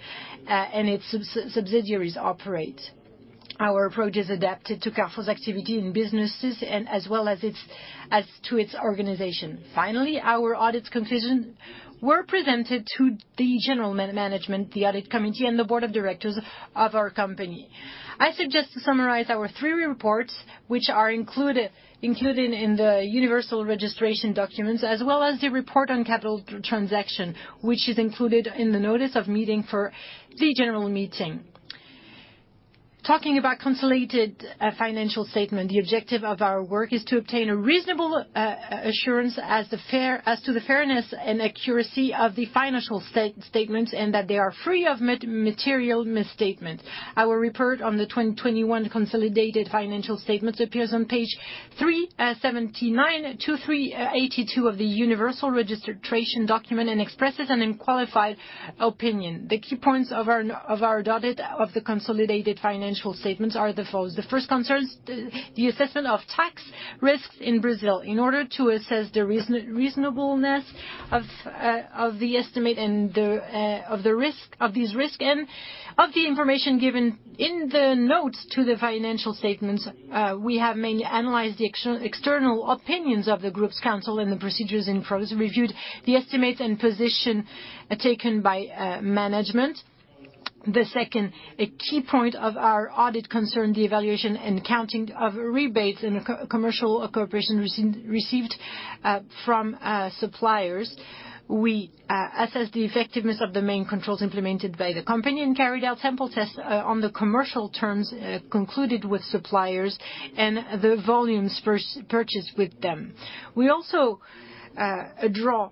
and its subsidiaries operate. Our approach is adapted to Carrefour's activity and businesses as well as to its organization. Finally, our audit's conclusions were presented to the general management, the Audit Committee, and the Board of Directors of our company. I suggest to summarize our three reports which are included in the universal registration documents, as well as the report on capital transaction, which is included in the notice of meeting for the general meeting. Talking about consolidated financial statement, the objective of our work is to obtain a reasonable assurance as to the fairness and accuracy of the financial statements and that they are free of material misstatement. Our report on the 2021 consolidated financial statements appears on page 379-382 of the universal registration document and expresses an unqualified opinion. The key points of our audit of the consolidated financial statements are the following. The first concerns the assessment of tax risks in Brazil. In order to assess the reasonableness of the estimate and of the risk and of the information given in the notes to the financial statements, we have mainly analyzed the external opinions of the group's counsel and the procedures in progress, reviewed the estimates and position taken by management. The second key point of our audit concerned the evaluation and counting of rebates and the commercial cooperation received from suppliers. We assessed the effectiveness of the main controls implemented by the company and carried out sample tests on the commercial terms concluded with suppliers and the volumes purchased with them. We also draw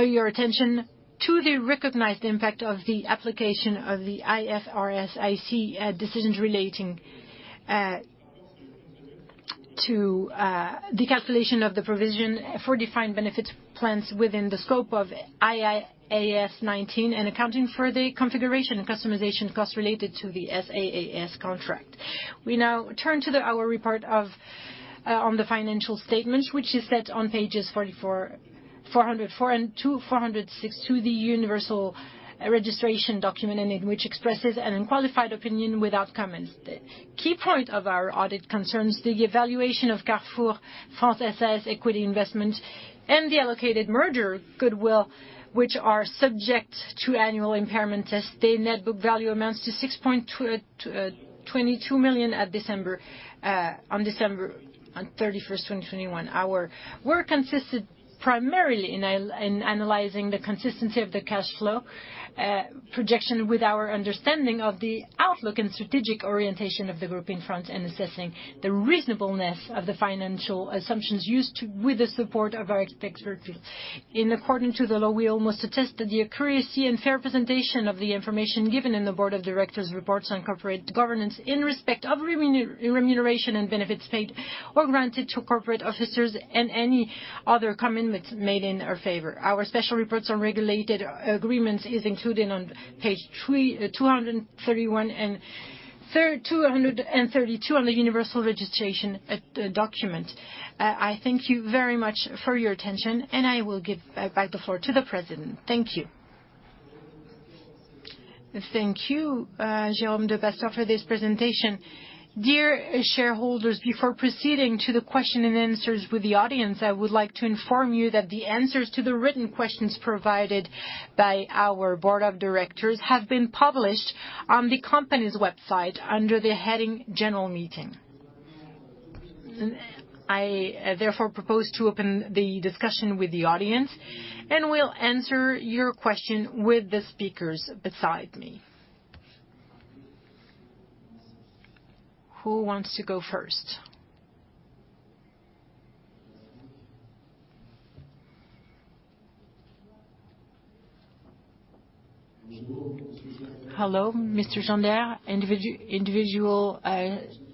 your attention to the recognized impact of the application of the IFRS IC decisions relating to the calculation of the provision for defined benefits plans within the scope of IAS 19 and accounting for the configuration and customization costs related to the SaaS contract. We now turn to our report on the financial statements, which is set on pages 44, 404 and 406 to the universal registration document, and in which expresses an unqualified opinion without comments. The key point of our audit concerns the evaluation of Carrefour France SAS equity investment and the allocated merger goodwill, which are subject to annual impairment test. The net book value amounts to 6.22 million on December 31st, 2021. Our work consisted primarily in analyzing the consistency of the cash flow projection with our understanding of the outlook and strategic orientation of the group in France and assessing the reasonableness of the financial assumptions used, with the support of our experts. In accordance to the law, we also attest that the accuracy and fair presentation of the information given in the board of directors' reports on corporate governance in respect of remuneration and benefits paid or granted to corporate officers and any other commitments made in our favor. Our special reports on regulated agreements is included on pages 231 and 232 of the universal registration document. I thank you very much for your attention, and I will give back the floor to the president. Thank you. Thank you Jérôme de Pastors for this presentation. Dear shareholders, before proceeding to the question and answers with the audience, I would like to inform you that the answers to the written questions provided by our board of directors have been published on the company's website under the heading General Meeting. I therefore propose to open the discussion with the audience, and we'll answer your question with the speakers beside me. Who wants to go first? Hello, Mr. Chandaire, individual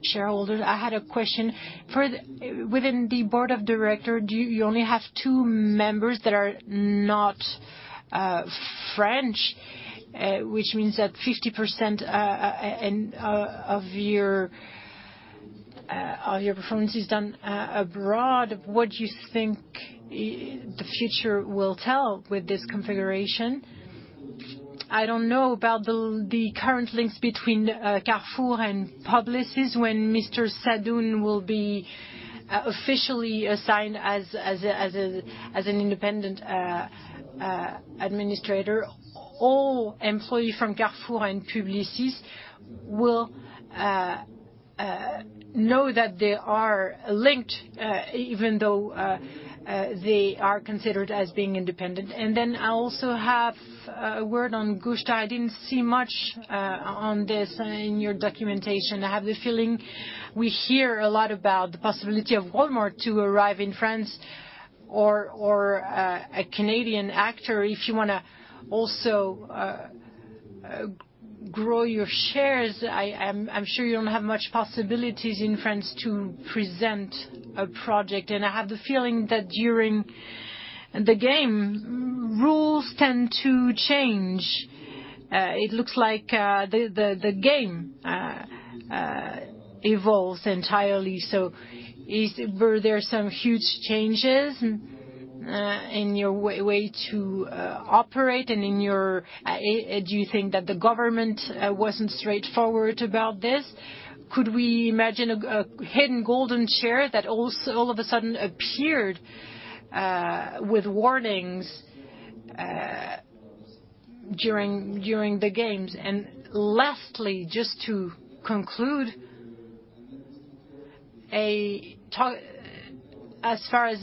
shareholder. I had a question. For the, within the board of directors, do you only have two members that are not French, which means that 50% of your performance is done abroad. What do you think the future will tell with this configuration? I don't know about the current links between Carrefour and Publicis when Mr. Arthur Sadoun will be officially assigned as an independent administrator. All employee from Carrefour and Publicis will know that they are linked even though they are considered as being independent. I also have a word on Couche-Tard. I didn't see much on this in your documentation. I have the feeling we hear a lot about the possibility of Walmart to arrive in France or a Canadian actor. If you wanna also grow your shares, I'm sure you don't have much possibilities in France to present a project. I have the feeling that during the game rules tend to change. It looks like the game evolves entirely. Were there some huge changes in your way to operate and in your? Do you think that the government wasn't straightforward about this? Could we imagine a hidden golden share that all of a sudden appeared with warnings during the games? Lastly, just to conclude, talk, as far as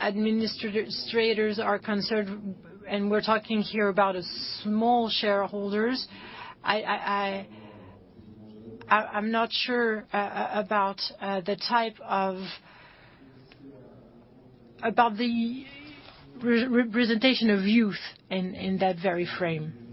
administrators are concerned, and we're talking here about small shareholders, I'm not sure about the type of. About the representation of youth in that very frame.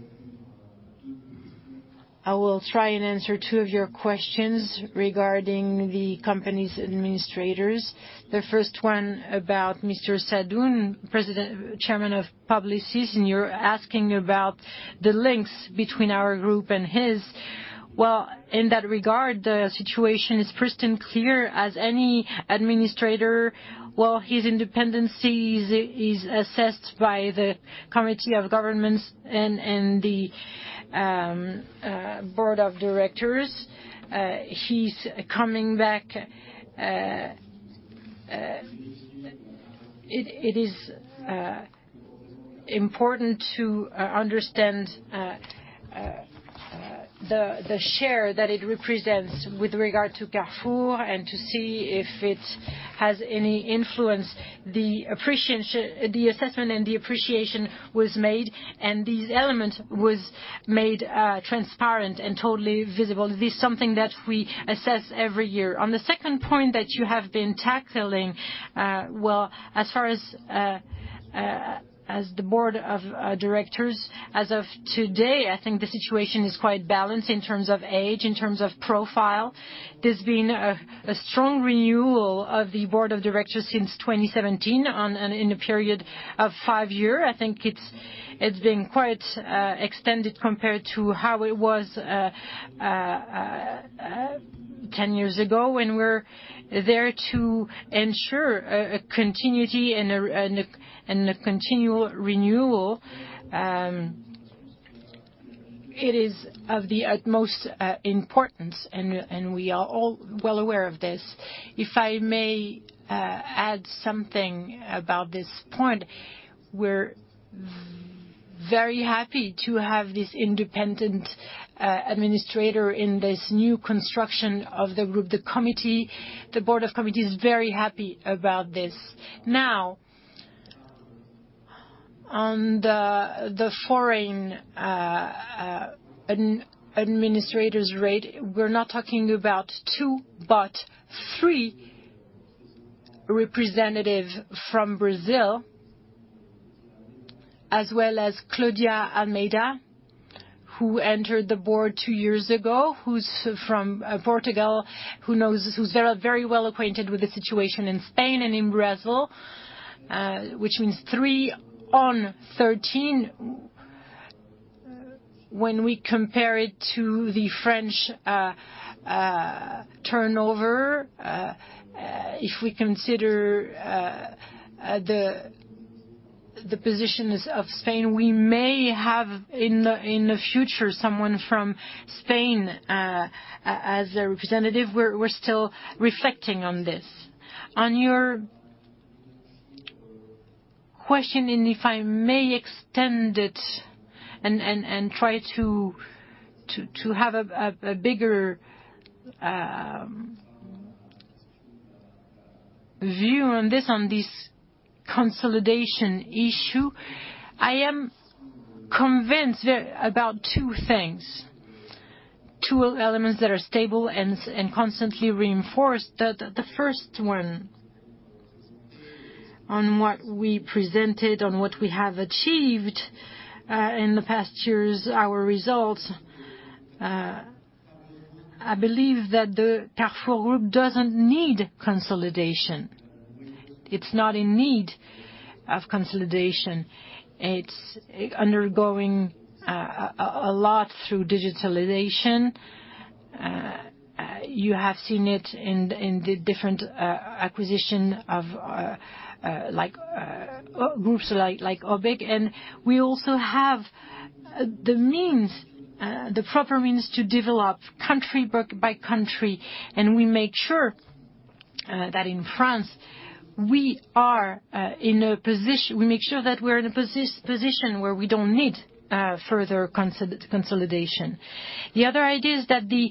I will try and answer two of your questions regarding the company's administrators. The first one about Mr. Sadoun, chairman of Publicis, and you're asking about the links between our group and his. Well, in that regard, the situation is perfectly clear as any administrator, while his independence is assessed by the governance committee and the board of directors. It is important to understand the share that it represents with regard to Carrefour and to see if it has any influence. The assessment and the appreciation was made, and these elements was made transparent and totally visible. This is something that we assess every year. On the second point that you have been tackling, well, as far as the board of directors, as of today, I think the situation is quite balanced in terms of age, in terms of profile. There's been a strong renewal of the board of directors since 2017 in a period of five-year. I think it's been quite extended compared to how it was 10 years ago. We're there to ensure a continuity and a continual renewal. It is of the utmost importance, and we are all well aware of this. If I may add something about this point, we're very happy to have this independent administrator in this new construction of the group. The committee, the board of committees, is very happy about this. Now, on the foreign administrators rate, we're not talking about two, but three representatives from Brazil, as well as Cláudia Almeida, who entered the Board two years ago, who's from Portugal, who knows, who's very well acquainted with the situation in Spain and in Brazil, which means three on 13. When we compare it to the French turnover, if we consider the positions of Spain, we may have in the future someone from Spain as a representative. We're still reflecting on this. On your question, and if I may extend it and try to have a bigger view on this consolidation issue, I am convinced about two things, two elements that are stable and constantly reinforced. The first one on what we presented, on what we have achieved in the past years, our results, I believe that the Carrefour Group doesn't need consolidation. It's not in need of consolidation. It's undergoing a lot through digitalization. You have seen it in the different acquisition of, like, groups like Grupo BIG. We also have the means, the proper means to develop country by country, and we make sure that in France, we are in a position. We make sure that we're in a position where we don't need further consolidation. The other idea is that the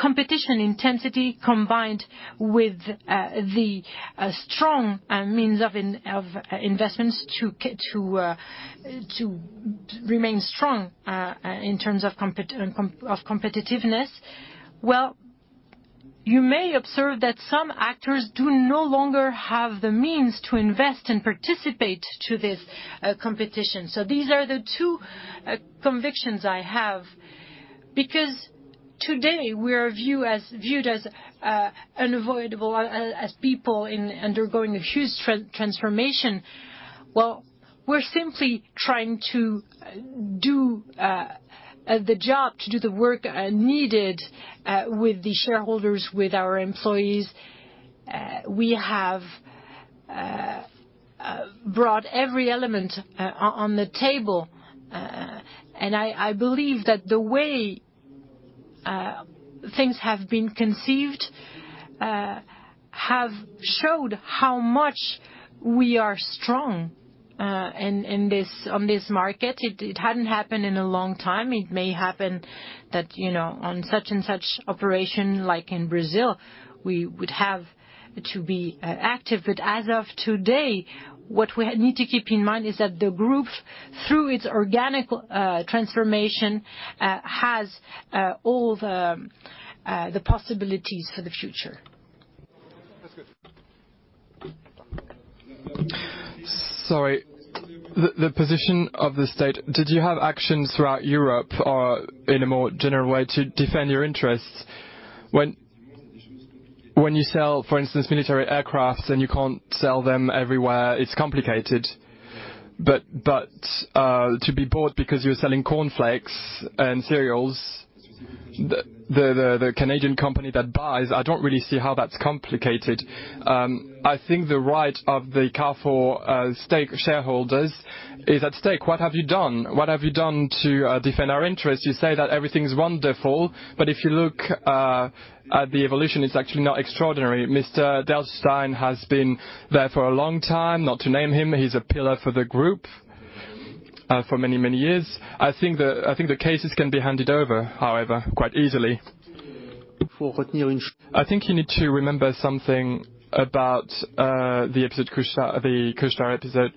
competition intensity combined with the strong means of investments to remain strong in terms of competitiveness. Well, you may observe that some actors no longer have the means to invest and participate in this competition. These are the two convictions I have, because today we are viewed as unavoidable, as people undergoing a huge transformation. We're simply trying to do the job, to do the work needed, with the shareholders, with our employees. We have brought every element on the table. I believe that the way things have been conceived have showed how much we are strong in this, on this market. It hadn't happened in a long time. It may happen that, you know, on such and such operation like in Brazil, we would have to be active. As of today, what we need to keep in mind is that the group, through its organic transformation, has all the possibilities for the future. Sorry, the position of the state, did you have actions throughout Europe or in a more general way to defend your interests? When you sell, for instance, military aircraft and you can't sell them everywhere, it's complicated. To be bought because you're selling cornflakes and cereals, the Canadian company that buys, I don't really see how that's complicated. I think the rights of the Carrefour stakeholders is at stake. What have you done to defend our interests? You say that everything is wonderful, but if you look at the evolution, it's actually not extraordinary. Mr. Charles Edelstenne has been there for a long time, not to name him. He's a pillar for the group for many years. I think the cases can be handed over, however, quite easily. I think you need to remember something about the episode Couche-Tard, the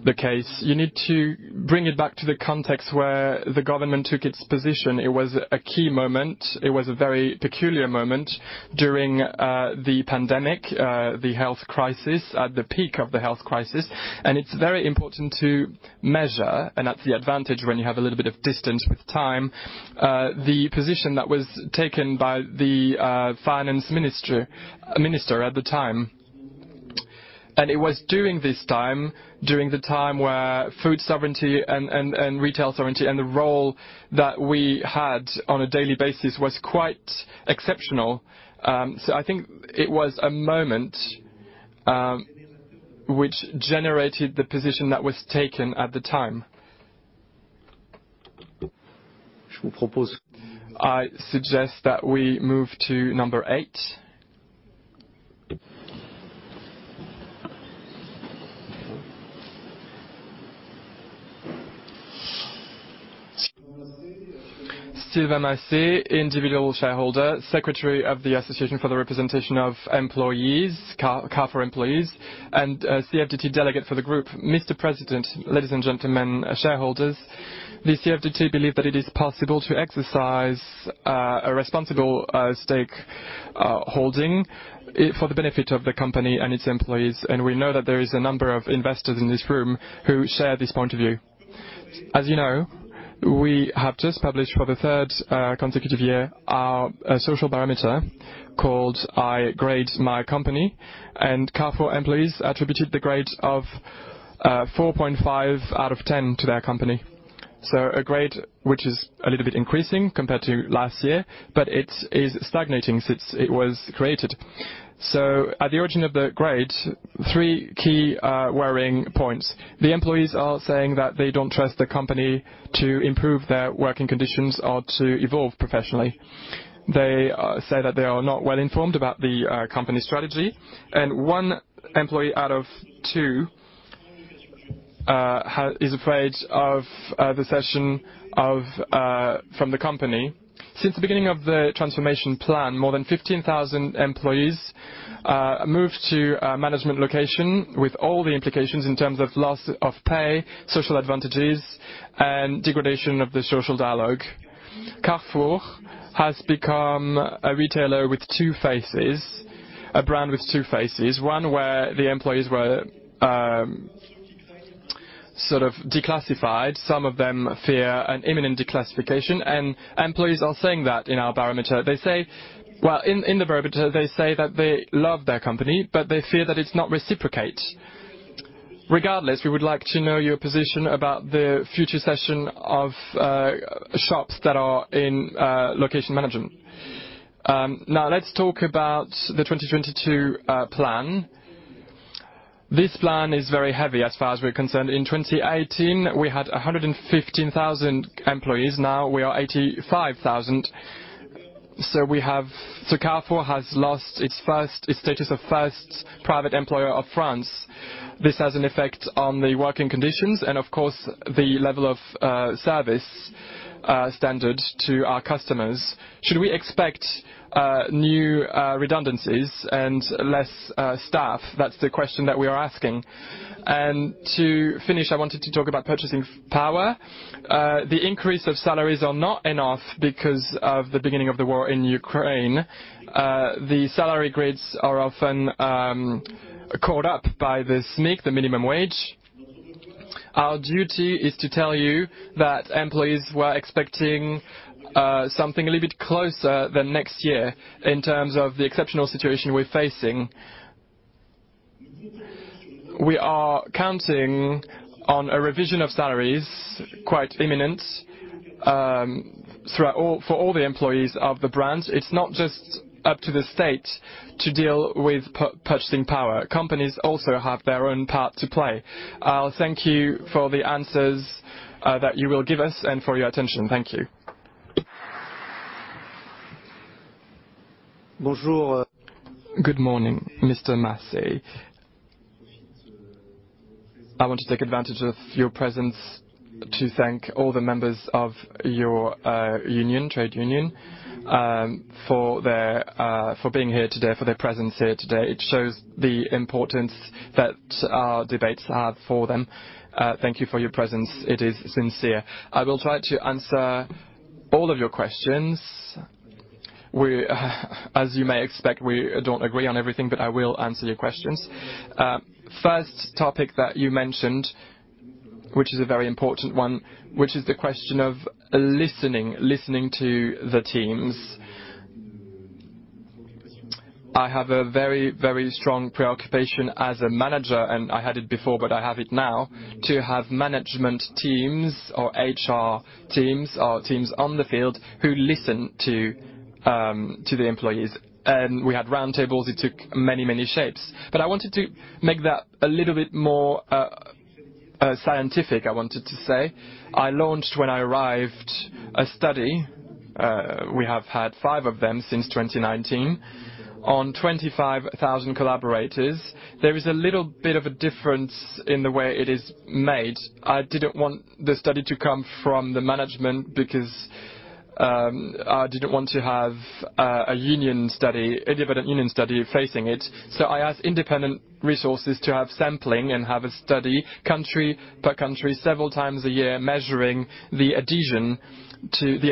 Couche-Tard episode, the case. You need to bring it back to the context where the government took its position. It was a key moment. It was a very peculiar moment during the pandemic, the health crisis, at the peak of the health crisis. It's very important to measure, and that's the advantage when you have a little bit of distance with time, the position that was taken by the finance minister at the time. It was during this time, during the time where food sovereignty and retail sovereignty and the role that we had on a daily basis was quite exceptional. I think it was a moment which generated the position that was taken at the time. I suggest that we move to number eight. Steve Massé, individual shareholder, Secretary of the Association for the Representation of Employees, Carrefour employees, and a CFDT delegate for the group. Mr. President, ladies and gentlemen, shareholders, the CFDT believe that it is possible to exercise a responsible stake holding for the benefit of the company and its employees. We know that there is a number of investors in this room who share this point of view. As you know, we have just published for the third consecutive year our social barometer called I Grade My Company, and Carrefour employees attributed the grade of 4.5 out of 10 to their company. A grade which is a little bit increasing compared to last year, but it is stagnating since it was created. At the origin of the grade, three key worrying points. The employees are saying that they don't trust the company to improve their working conditions or to evolve professionally. They say that they are not well informed about the company strategy. One employee out of two is afraid of the cessation from the company. Since the beginning of the transformation plan, more than 15,000 employees moved to a management location with all the implications in terms of loss of pay, social advantages, and degradation of the social dialogue. Carrefour has become a retailer with two faces, a brand with two faces. One where the employees were sort of declassified. Some of them fear an imminent declassification, and employees are saying that in our barometer. They say in the barometer that they love their company, but they fear that it's not reciprocated. Regardless, we would like to know your position about the future session of shops that are in location management. Now let's talk about the 2022 plan. This plan is very heavy as far as we're concerned. In 2018, we had 115,000 employees. Now we are 85,000. Carrefour has lost its status of first private employer of France. This has an effect on the working conditions and of course, the level of service standard to our customers. Should we expect new redundancies and less staff? That's the question that we are asking. To finish, I wanted to talk about purchasing power. The increase of salaries are not enough because of the beginning of the war in Ukraine. The salary grades are often caught up by the SMIC, the minimum wage. Our duty is to tell you that employees were expecting something a little bit closer than next year in terms of the exceptional situation we're facing. We are counting on a revision of salaries, quite imminent, for all the employees of the brand. It's not just up to the state to deal with purchasing power. Companies also have their own part to play. Thank you for the answers that you will give us and for your attention. Thank you. Good morning, Mr. Massé. I want to take advantage of your presence to thank all the members of your union, trade union, for being here today, for their presence here today. It shows the importance that our debates are for them. Thank you for your presence. It is sincere. I will try to answer all of your questions. As you may expect, we don't agree on everything, but I will answer your questions. First topic that you mentioned, which is a very important one, which is the question of listening to the teams. I have a very strong preoccupation as a manager, and I had it before, but I have it now to have management teams or HR teams or teams on the field who listen to the employees. We had roundtables. It took many shapes, but I wanted to make that a little bit more scientific, I wanted to say. I launched when I arrived a study, we have had five of them since 2019 on 25,000 collaborators. There is a little bit of a difference in the way it is made. I didn't want the study to come from the management because I didn't want to have a union study, independent union study facing it. I asked independent resources to have sampling and have a study country per country several times a year, measuring the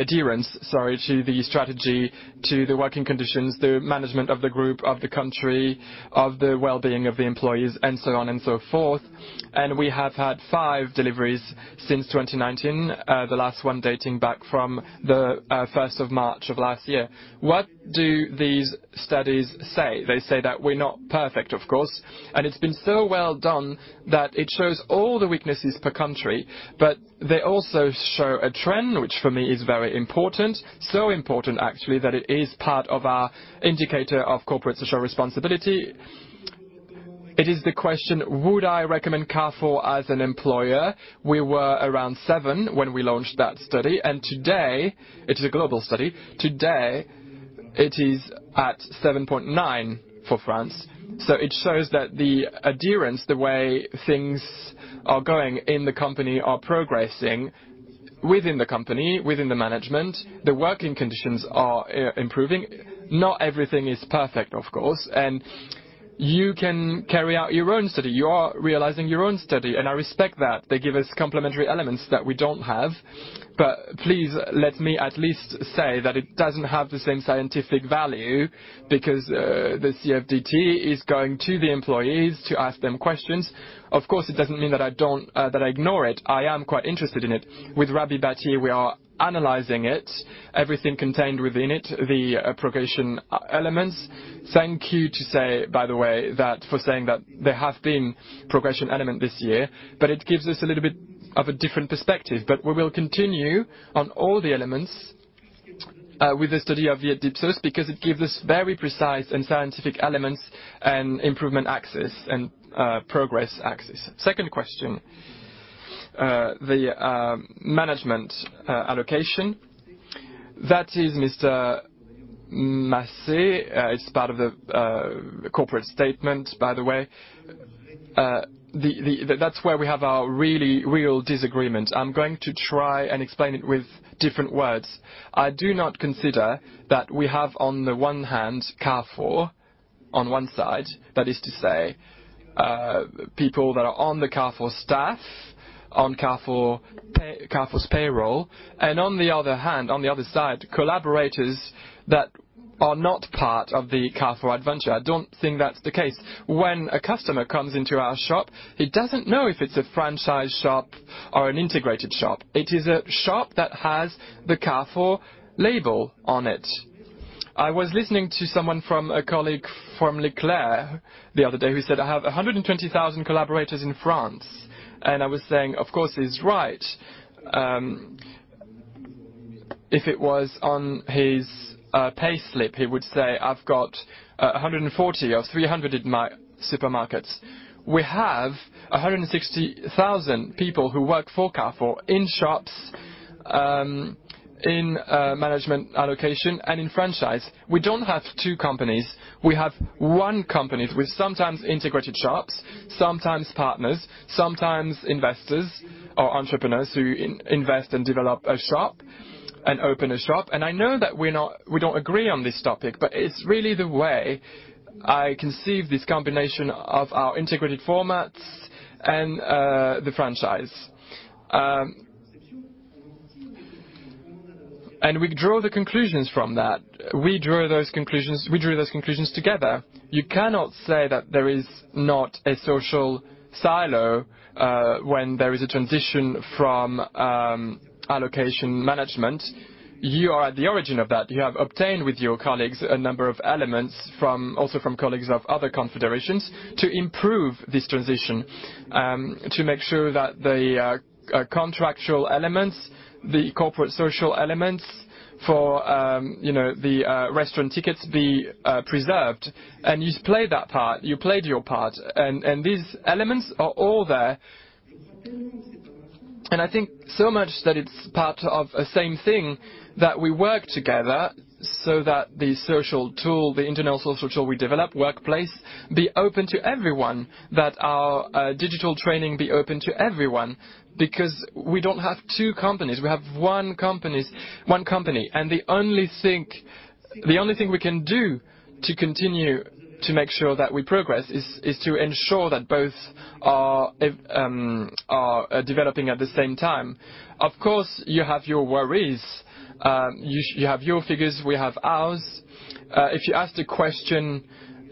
adherence to the strategy, to the working conditions, the management of the group, of the country, of the well-being of the employees, and so on and so forth. We have had five deliveries since 2019, the last one dating back from the first of March of last year. What do these studies say? They say that we're not perfect, of course. It's been so well done that it shows all the weaknesses per country. They also show a trend which for me is very important. So important actually, that it is part of our indicator of corporate social responsibility. It is the question, would I recommend Carrefour as an employer? We were around seven when we launched that study, and today. It is a global study. Today, it is at 7.9 for France. So it shows that the adherence, the way things are going in the company are progressing within the company, within the management, the working conditions are improving. Not everything is perfect, of course, and you can carry out your own study. You are realizing your own study, and I respect that. They give us complementary elements that we don't have. Please let me at least say that it doesn't have the same scientific value because the CFDT is going to the employees to ask them questions. Of course, it doesn't mean that I don't ignore it. I am quite interested in it. With Rabhi Battir, we are analyzing it. Everything contained within it, the progression elements. Thank you to say, by the way, that for saying that there have been progression elements this year, but it gives us a little bit of a different perspective. We will continue on all the elements with the study of Ipsos, because it gives us very precise and scientific elements and improvement aspects, and progress aspects. Second question, the management allocation, that is Mr. Massé. It's part of the corporate statement, by the way. That's where we have our real disagreement. I'm going to try and explain it with different words. I do not consider that we have, on the one hand, Carrefour on one side. That is to say, people that are on the Carrefour staff, on Carrefour's payroll. On the other hand, on the other side, collaborators that are not part of the Carrefour adventure. I don't think that's the case. When a customer comes into our shop, he doesn't know if it's a franchise shop or an integrated shop. It is a shop that has the Carrefour label on it. I was listening to a colleague from E.Leclerc the other day who said, "I have 120,000 collaborators in France." I was saying, "Of course, he's right." If it was on his pay slip, he would say, "I've got 140 or 300 in my supermarkets." We have 160,000 people who work for Carrefour in shops, in management allocation and in franchise. We don't have two companies. We have one company with sometimes integrated shops, sometimes partners, sometimes investors or entrepreneurs who invest and develop a shop and open a shop. I know that we don't agree on this topic, but it's really the way I conceive this combination of our integrated formats and the franchise. We draw the conclusions from that. We drew those conclusions together. You cannot say that there is not a social silo, when there is a transition from allocation management. You are at the origin of that. You have obtained with your colleagues a number of elements also from colleagues of other confederations to improve this transition, to make sure that the contractual elements, the corporate social elements for, you know, the restaurant tickets be preserved. You played that part, you played your part. These elements are all there. I think so much that it's part of a same thing that we work together so that the social tool, the internal social tool we develop, Workplace, be open to everyone. Our digital training be open to everyone. Because we don't have two companies, we have one company, and the only thing we can do to continue to make sure that we progress is to ensure that both are developing at the same time. Of course, you have your worries. You have your figures, we have ours. If you ask the question,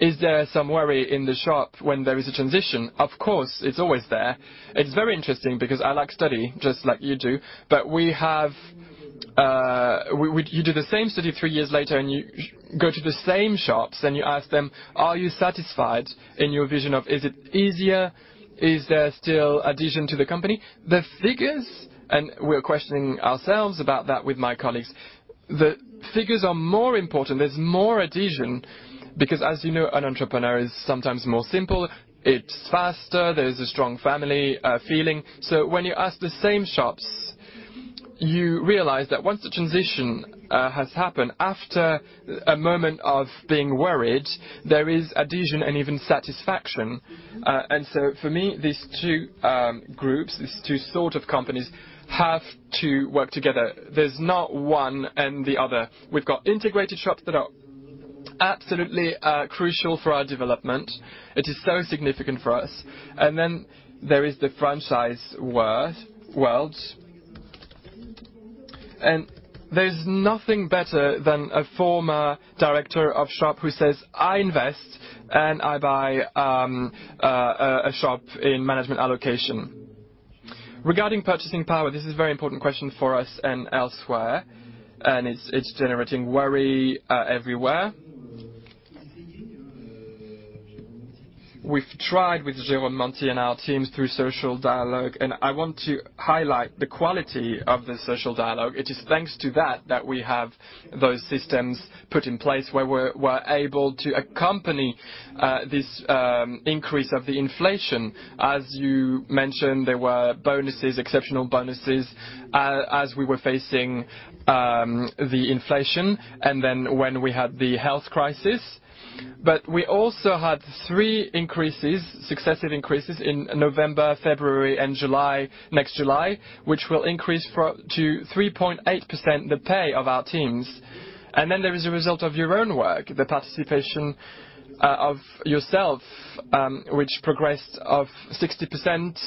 is there some worry in the shop when there is a transition? Of course, it's always there. It's very interesting because I like study just like you do, but we have you do the same study three years later, and you go to the same shops, and you ask them: Are you satisfied in your vision of is it easier? Is there still adhesion to the company? The figures, and we're questioning ourselves about that with my colleagues. The figures are more important. There's more adhesion because as you know, an entrepreneur is sometimes more simple. It's faster. There is a strong family feeling. When you ask the same shops, you realize that once the transition has happened, after a moment of being worried, there is adhesion and even satisfaction. For me, these two groups, these two sort of companies have to work together. There's not one and the other. We've got integrated shops that are absolutely crucial for our development. It is so significant for us. There is the franchise world. There's nothing better than a former director of shop who says, "I invest, and I buy a shop in management allocation." Regarding purchasing power, this is a very important question for us and elsewhere, and it's generating worry everywhere. We've tried with Jérôme Nanty and our teams through social dialogue, and I want to highlight the quality of the social dialogue. It is thanks to that we have those systems put in place where we're able to accompany this increase of the inflation. As you mentioned, there were bonuses, exceptional bonuses, as we were facing the inflation and then when we had the health crisis. We also had three increases, successive increases in November, February and July, next July, which will increase for up to 3.8% the pay of our teams. There is a result of your own work, the participation of yourself which progressed of 60%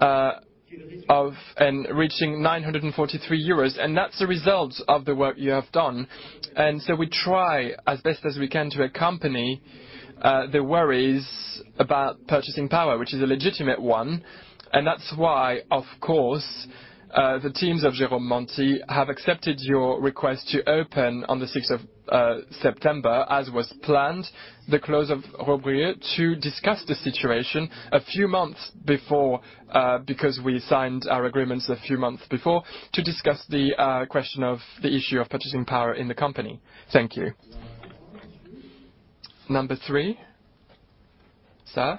of and reaching 943 euros. That's the result of the work you have done. We try as best as we can to accompany the worries about purchasing power, which is a legitimate one. That's why, of course, the teams of Jérôme Nanty have accepted your request to open, on the sixth of September as was planned, the clause de revoyure to discuss the situation a few months before, because we signed our agreements a few months before, to discuss the question of the issue of purchasing power in the company. Thank you. Number three. Sir.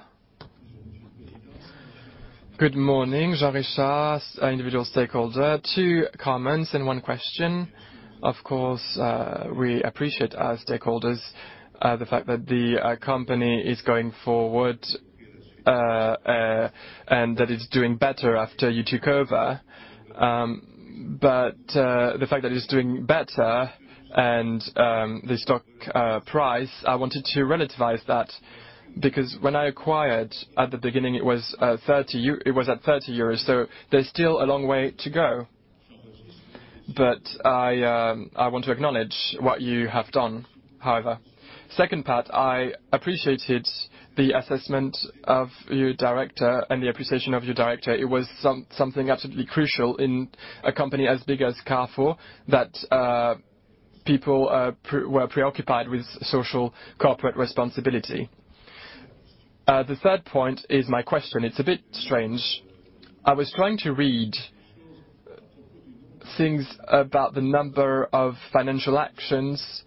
Good morning. Jean Richard de Latour, individual shareholder. Two comments and one question. Of course, we appreciate as shareholders the fact that the company is going forward and that it's doing better after you took over. The fact that it's doing better and the stock price, I wanted to relativize that, because when I acquired at the beginning, it was at 30 euros, so there's still a long way to go. I want to acknowledge what you have done, however. Second part, I appreciated the assessment of your director and the appreciation of your director. It was something absolutely crucial in a company as big as Carrefour that people were preoccupied with corporate social responsibility. The third point is my question. It's a bit strange. I was trying to read things about the number of shares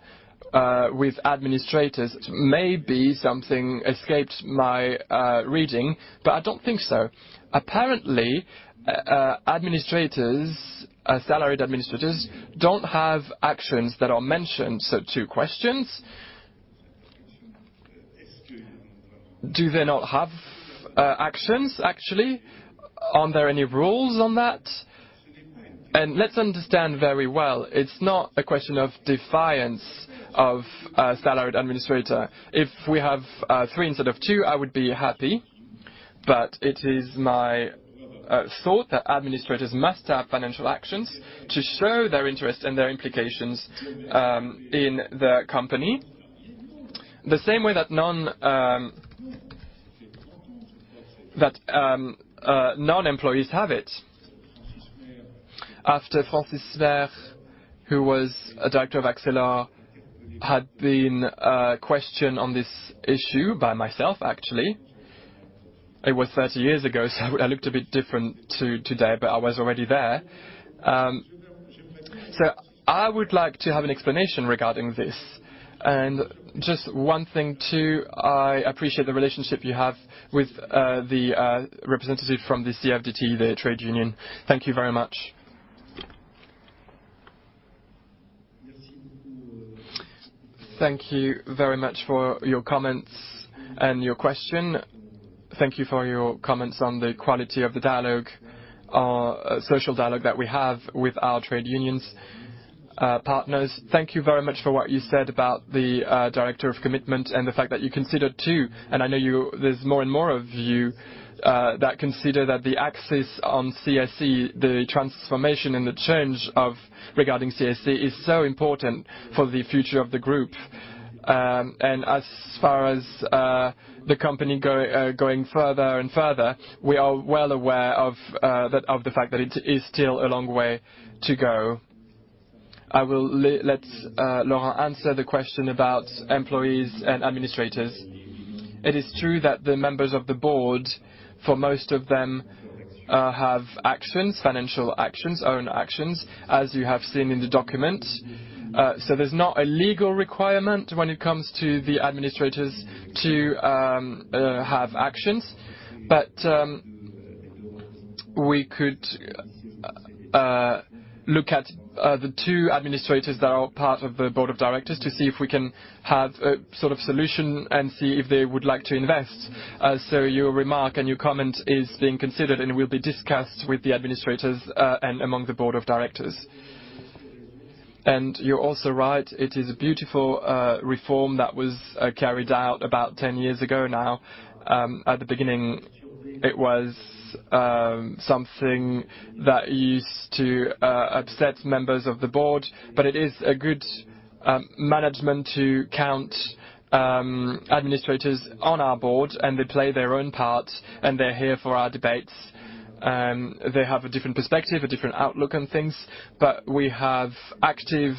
with directors. Maybe something escaped my reading, but I don't think so. Apparently, directors, salaried directors don't have shares that are mentioned. So two questions. Do they not have actions, actually? Are there any rules on that? Let's understand very well, it's not a question of defiance of a salaried administrator. If we have three instead of two, I would be happy. It is my thought that administrators must have financial actions to show their interest and their implications in the company. The same way that non-employees have it. After Francis Mer, who was a director of Arcelor, had been questioned on this issue by myself, actually. It was 30 years ago, so I looked a bit different to today, but I was already there. I would like to have an explanation regarding this. Just one thing, too, I appreciate the relationship you have with the representative from the CFDT, the trade union. Thank you very much. Thank you very much for your comments and your question. Thank you for your comments on the quality of the dialogue, social dialogue that we have with our trade unions. Partners, thank you very much for what you said about the director of engagement and the fact that you consider too, and I know there's more and more of you that consider that the axis on CSE, the transformation and the change regarding CSE is so important for the future of the group. As far as the company going further and further, we are well aware of the fact that it is still a long way to go. I will let Laurent answer the question about employees and administrators. It is true that the members of the board, for most of them, have actions, financial actions, own actions, as you have seen in the document. There's not a legal requirement when it comes to the administrators to have actions. We could look at the two administrators that are part of the board of directors to see if we can have a sort of solution and see if they would like to invest. Your remark and your comment is being considered, and it will be discussed with the administrators and among the board of directors. You're also right, it is a beautiful reform that was carried out about 10 years ago now. At the beginning, it was something that used to upset members of the board, but it is a good management to count administrators on our board, and they play their own part, and they're here for our debates. They have a different perspective, a different outlook on things. We have active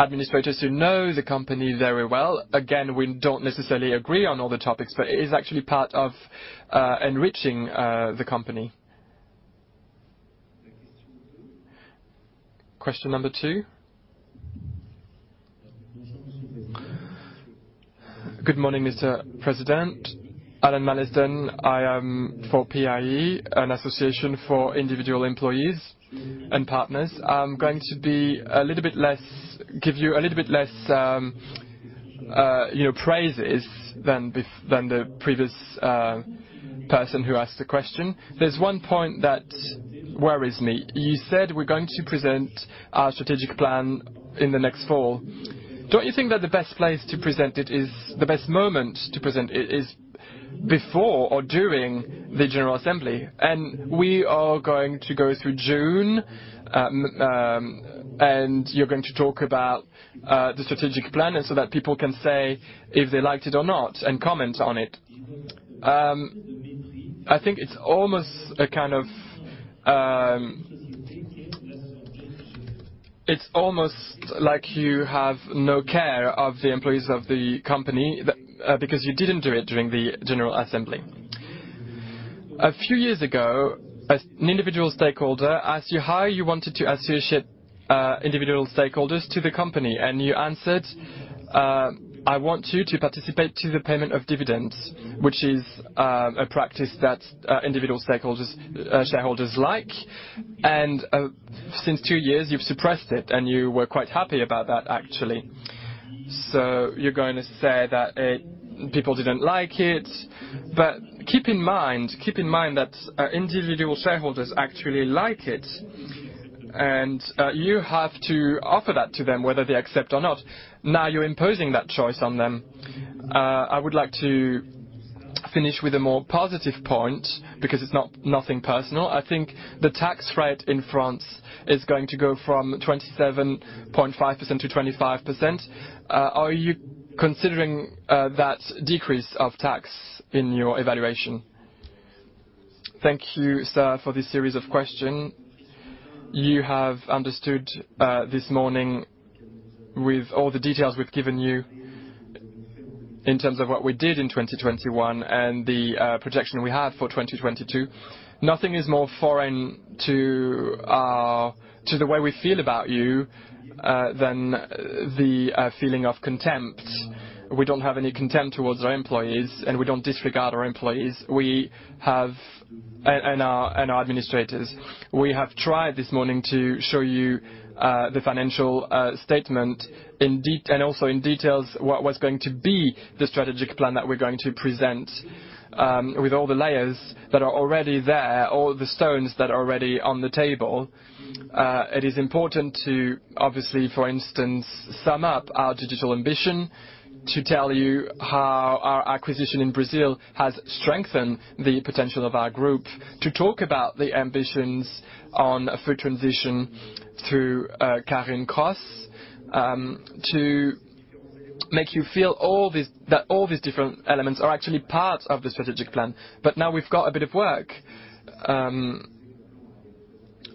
administrators who know the company very well. Again, we don't necessarily agree on all the topics, but it is actually part of enriching the company. Question number two. Good morning, Mr. President. Alain Malesden, I am for PIE, an association for individual employees and partners. I'm going to give you a little bit less, you know, praises than the previous person who asked the question. There's one point that worries me. You said we're going to present our strategic plan in the next fall. Don't you think that the best moment to present it is before or during the general assembly? We are going to go through June, and you're going to talk about the strategic plan and so that people can say if they liked it or not and comment on it. I think it's almost a kind of. It's almost like you have no care of the employees of the company because you didn't do it during the general assembly. A few years ago, as an individual stakeholder, asked you how you wanted to associate individual stakeholders to the company, and you answered, "I want you to participate to the payment of dividends," which is a practice that individual stakeholders shareholders like. Since two years, you've suppressed it, and you were quite happy about that, actually. You're going to say that it. People didn't like it. Keep in mind that individual shareholders actually like it. You have to offer that to them whether they accept or not. Now, you're imposing that choice on them. I would like to finish with a more positive point because it's not nothing personal. I think the tax rate in France is going to go from 27.5% to 25%. Are you considering that decrease of tax in your evaluation? Thank you sir for this series of questions. You have understood this morning with all the details we've given you in terms of what we did in 2021 and the projection we have for 2022. Nothing is more foreign to the way we feel about you than the feeling of contempt. We don't have any contempt towards our employees, and we don't disregard our employees and our administrators. We have tried this morning to show you the financial statement in detail and also in details what was going to be the strategic plan that we're going to present, with all the layers that are already there, all the stones that are already on the table. It is important to obviously, for instance, sum up our digital ambition, to tell you how our acquisition in Brazil has strengthened the potential of our group. To talk about the ambitions on a food transition through Carine Kraus, to make you feel that all these different elements are actually part of the strategic plan. Now we've got a bit of work.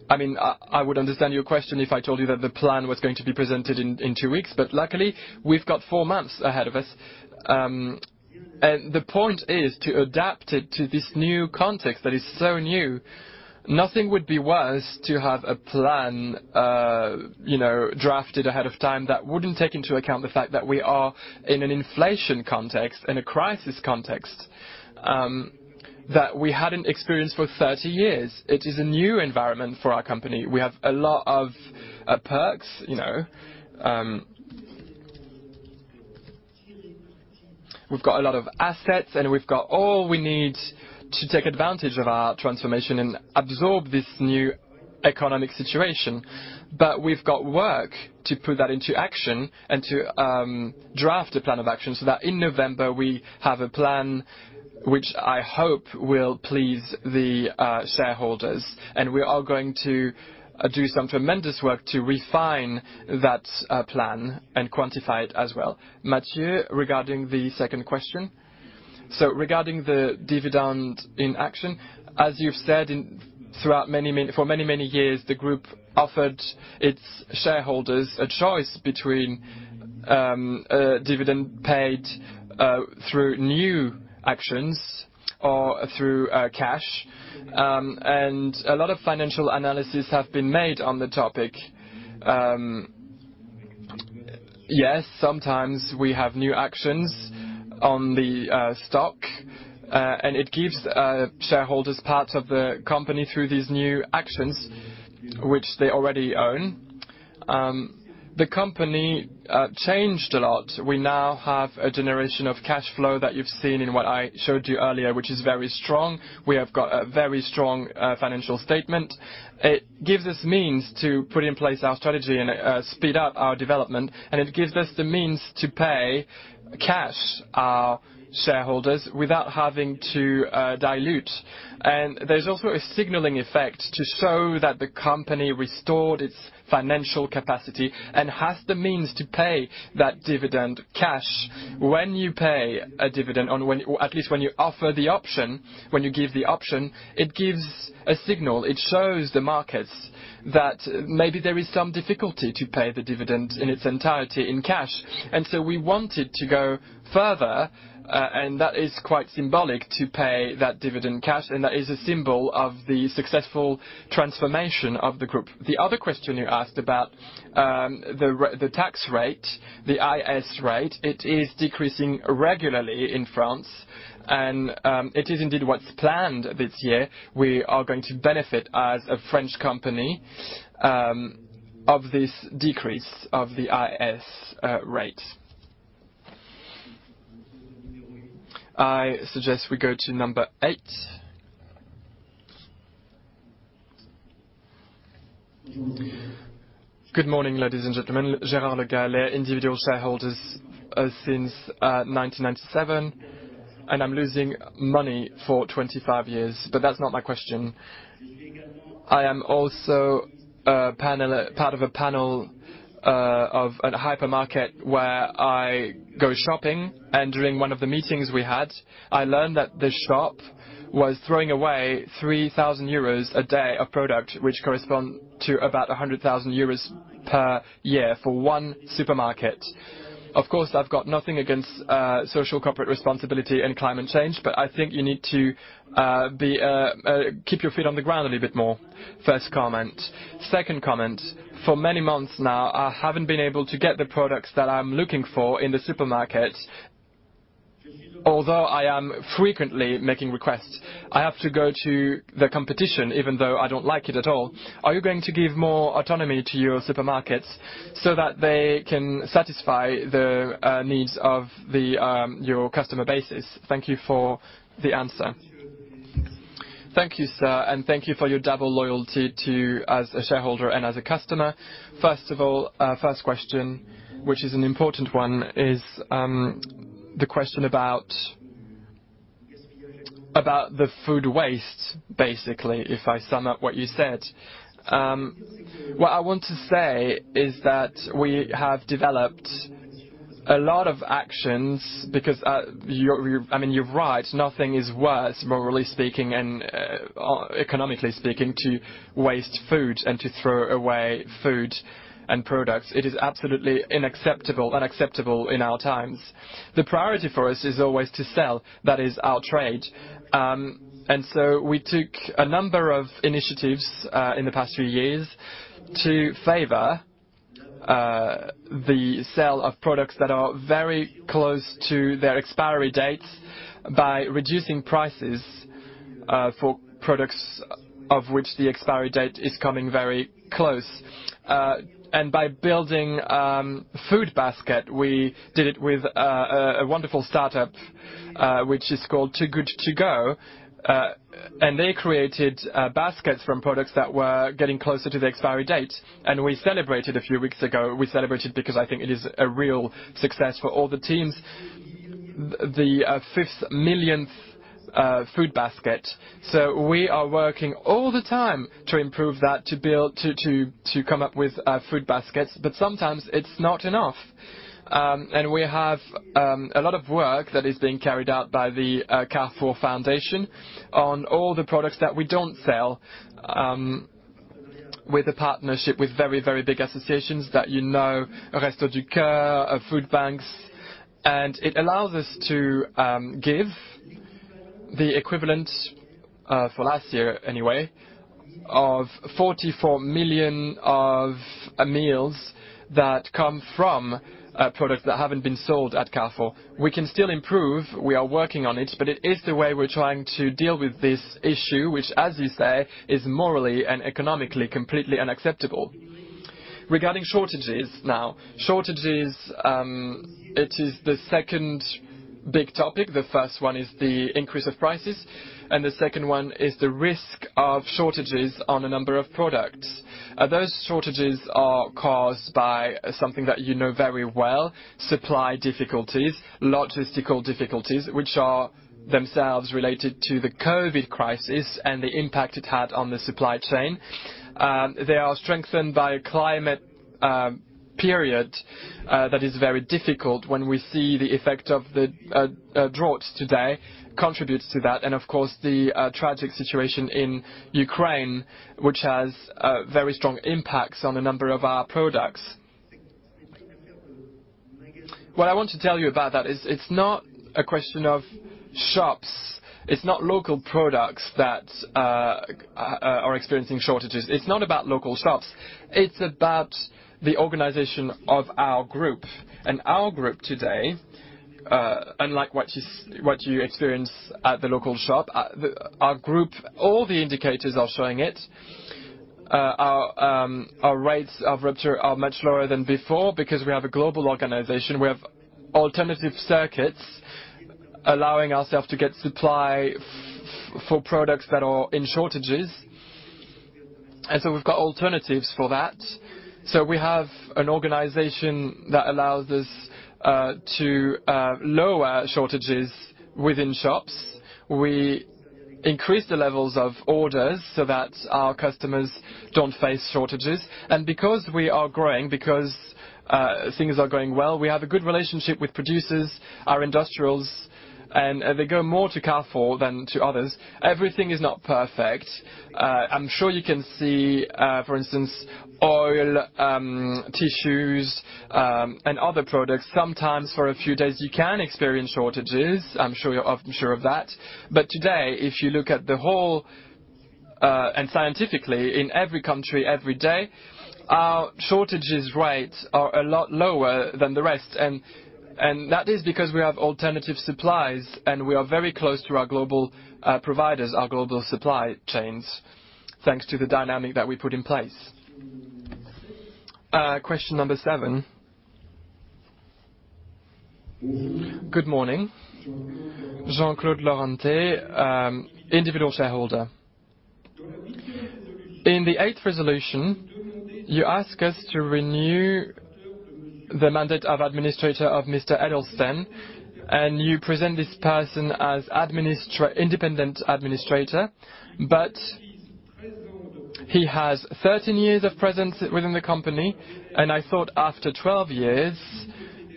I mean, I would understand your question if I told you that the plan was going to be presented in two weeks, but luckily, we've got four months ahead of us. The point is to adapt it to this new context that is so new. Nothing would be worse to have a plan, you know, drafted ahead of time that wouldn't take into account the fact that we are in an inflation context and a crisis context, that we hadn't experienced for 30 years. It is a new environment for our company. We have a lot of assets, and we've got all we need to take advantage of our transformation and absorb this new economic situation. We've got work to put that into action and to draft a plan of action so that in November we have a plan which I hope will please the shareholders. We are going to do some tremendous work to refine that plan and quantify it as well. Matthieu, regarding the second question. Regarding the dividend in actions, as you've said, throughout many years, the group offered its shareholders a choice between a dividend paid through new actions or through cash. A lot of financial analysis have been made on the topic. Yes, sometimes we have new actions on the stock, and it gives shareholders parts of the company through these new actions which they already own. The company changed a lot. We now have a generation of cash flow that you've seen in what I showed you earlier, which is very strong. We have got a very strong financial statement. It gives us means to put in place our strategy and speed up our development, and it gives us the means to pay cash our shareholders without having to dilute. There's also a signaling effect to show that the company restored its financial capacity and has the means to pay that dividend cash. When you pay a dividend, at least when you offer the option, when you give the option, it gives a signal. It shows the markets that maybe there is some difficulty to pay the dividend in its entirety in cash. We wanted to go further, and that is quite symbolic to pay that dividend cash, and that is a symbol of the successful transformation of the group. The other question you asked about, the tax rate, the IS rate, it is decreasing regularly in France, and it is indeed what's planned this year. We are going to benefit as a French company of this decrease of the IS rate. I suggest we go to number eight. Good morning, ladies and gentlemen. Gérard Legal, individual shareholder, since 1997, and I'm losing money for 25 years, but that's not my question. I am also part of a panel of a hypermarket where I go shopping, and during one of the meetings we had, I learned that the shop was throwing away 3,000 euros a day of product, which correspond to about 100,000 euros per year for one supermarket. Of course, I've got nothing against corporate social responsibility and climate change, but I think you need to keep your feet on the ground a little bit more. First comment. Second comment. For many months now, I haven't been able to get the products that I'm looking for in the supermarket, although I am frequently making requests. I have to go to the competition, even though I don't like it at all. Are you going to give more autonomy to your supermarkets so that they can satisfy the needs of your customer bases? Thank you for the answer. Thank you, sir, and thank you for your double loyalty to as a shareholder and as a customer. First of all, first question, which is an important one, is the question about the food waste, basically, if I sum up what you said. What I want to say is that we have developed a lot of actions because I mean, you're right. Nothing is worse, morally speaking and economically speaking, to waste food and to throw away food and products. It is absolutely unacceptable in our times. The priority for us is always to sell. That is our trade. We took a number of initiatives in the past few years to favor the sale of products that are very close to their expiration dates by reducing prices for products of which the expiration date is coming very close. By building food basket. We did it with a wonderful startup which is called Too Good To Go. They created baskets from products that were getting closer to the expiration date. We celebrated a few weeks ago. We celebrated because I think it is a real success for all the teams, the 5 millionth food basket. We are working all the time to improve that, to come up with food baskets, but sometimes it's not enough. We have a lot of work that is being carried out by the Fondation Carrefour on all the products that we don't sell, with a partnership with very, very big associations that you know, Les Restos du Cœur, Banques Alimentaires. It allows us to give the equivalent, for last year anyway, of 44 million meals that come from products that haven't been sold at Carrefour. We can still improve. We are working on it, but it is the way we're trying to deal with this issue, which as you say, is morally and economically completely unacceptable. Regarding shortages now. Shortages, it is the second big topic. The first one is the increase of prices, and the second one is the risk of shortages on a number of products. Those shortages are caused by something that you know very well. Supply difficulties, logistical difficulties, which are themselves related to the COVID crisis and the impact it had on the supply chain. They are strengthened by a climatic period that is very difficult when we see the effect of the droughts today contributes to that. Of course, the tragic situation in Ukraine, which has very strong impacts on a number of our products. What I want to tell you about that is it's not a question of shops. It's not local products that are experiencing shortages. It's not about local shops. It's about the organization of our group. Our group today, unlike what you experience at the local shop, our group, all the indicators are showing it. Our rates of rupture are much lower than before because we have a global organization. We have alternative circuits allowing ourselves to get supply for products that are in shortages. We've got alternatives for that. We have an organization that allows us to lower shortages within shops. We increase the levels of orders so that our customers don't face shortages. Because we are growing, things are going well, we have a good relationship with producers, our industrials, and they go more to Carrefour than to others. Everything is not perfect. I'm sure you can see, for instance, oil, tissues, and other products. Sometimes for a few days you can experience shortages. I'm sure you're often short of that. Today, if you look at the whole, and statistically, in every country, every day, our shortage rates are a lot lower than the rest. That is because we have alternative supplies, and we are very close to our global providers, our global supply chains, thanks to the dynamic that we put in place. Question number seven. Good morning. Jean-Claude Laurenté, individual shareholder. In the eighth resolution, you ask us to renew the mandate of administrator of Mr. Edelstenne, and you present this person as independent administrator. But he has 13 years of presence within the company, and I thought after 12 years,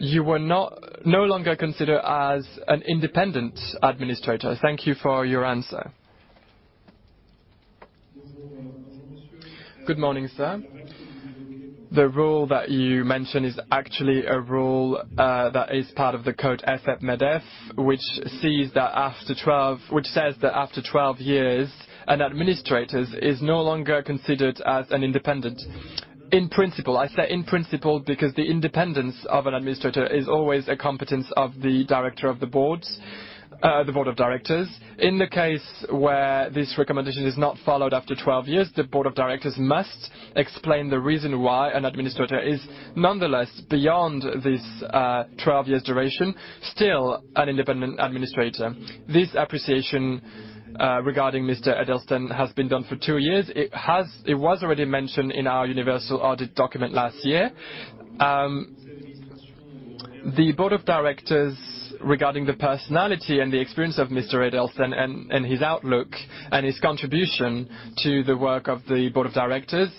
you were no longer considered as an independent administrator. Thank you for your answer. Good morning, sir. The role that you mention is actually a role that is part of the Code AFEP-MEDEF, which says that after 12 years, an administrator is no longer considered as an independent. In principle. I say in principle because the independence of an administrator is always a competence of the director of the boards, the board of directors. In the case where this recommendation is not followed after twelve years, the board of directors must explain the reason why an administrator is nonetheless, beyond this, twelve years duration, still an independent administrator. This appreciation, regarding Mr. Edelstenne has been done for two years. It was already mentioned in our universal registration document last year. The board of directors, regarding the personality and the experience of Mr. Edelstenne and his outlook and his contribution to the work of the board of directors,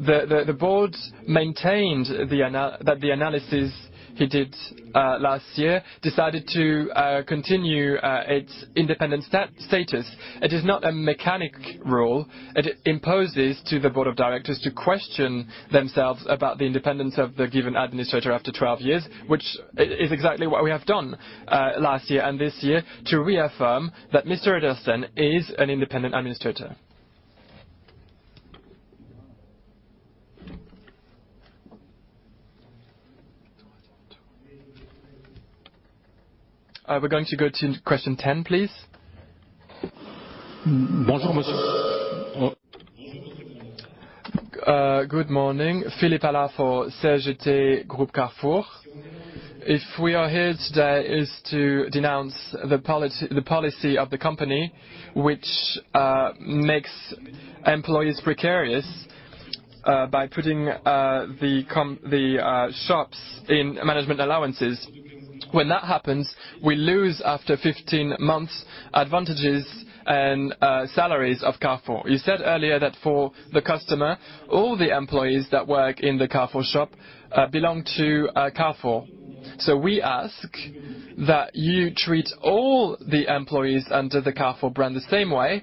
the board maintained that the analysis he did last year, decided to continue its independent status. It is not a mechanical role. It imposes to the board of directors to question themselves about the independence of the given administrator after 12 years, which is exactly what we have done last year and this year to reaffirm that Mr. Edelstenne is an independent administrator. We're going to go to question 10, please. Bonjour, monsieur. Good morning. Philippe Allard for CGT Groupe Carrefour. If we are here today iss to denounce the policy of the company, which makes employees precarious by putting the shops in management allowances. When that happens, we lose after 15 months advantages and salaries of Carrefour. You said earlier that for the customer, all the employees that work in the Carrefour shop belong to Carrefour. We ask that you treat all the employees under the Carrefour brand the same way,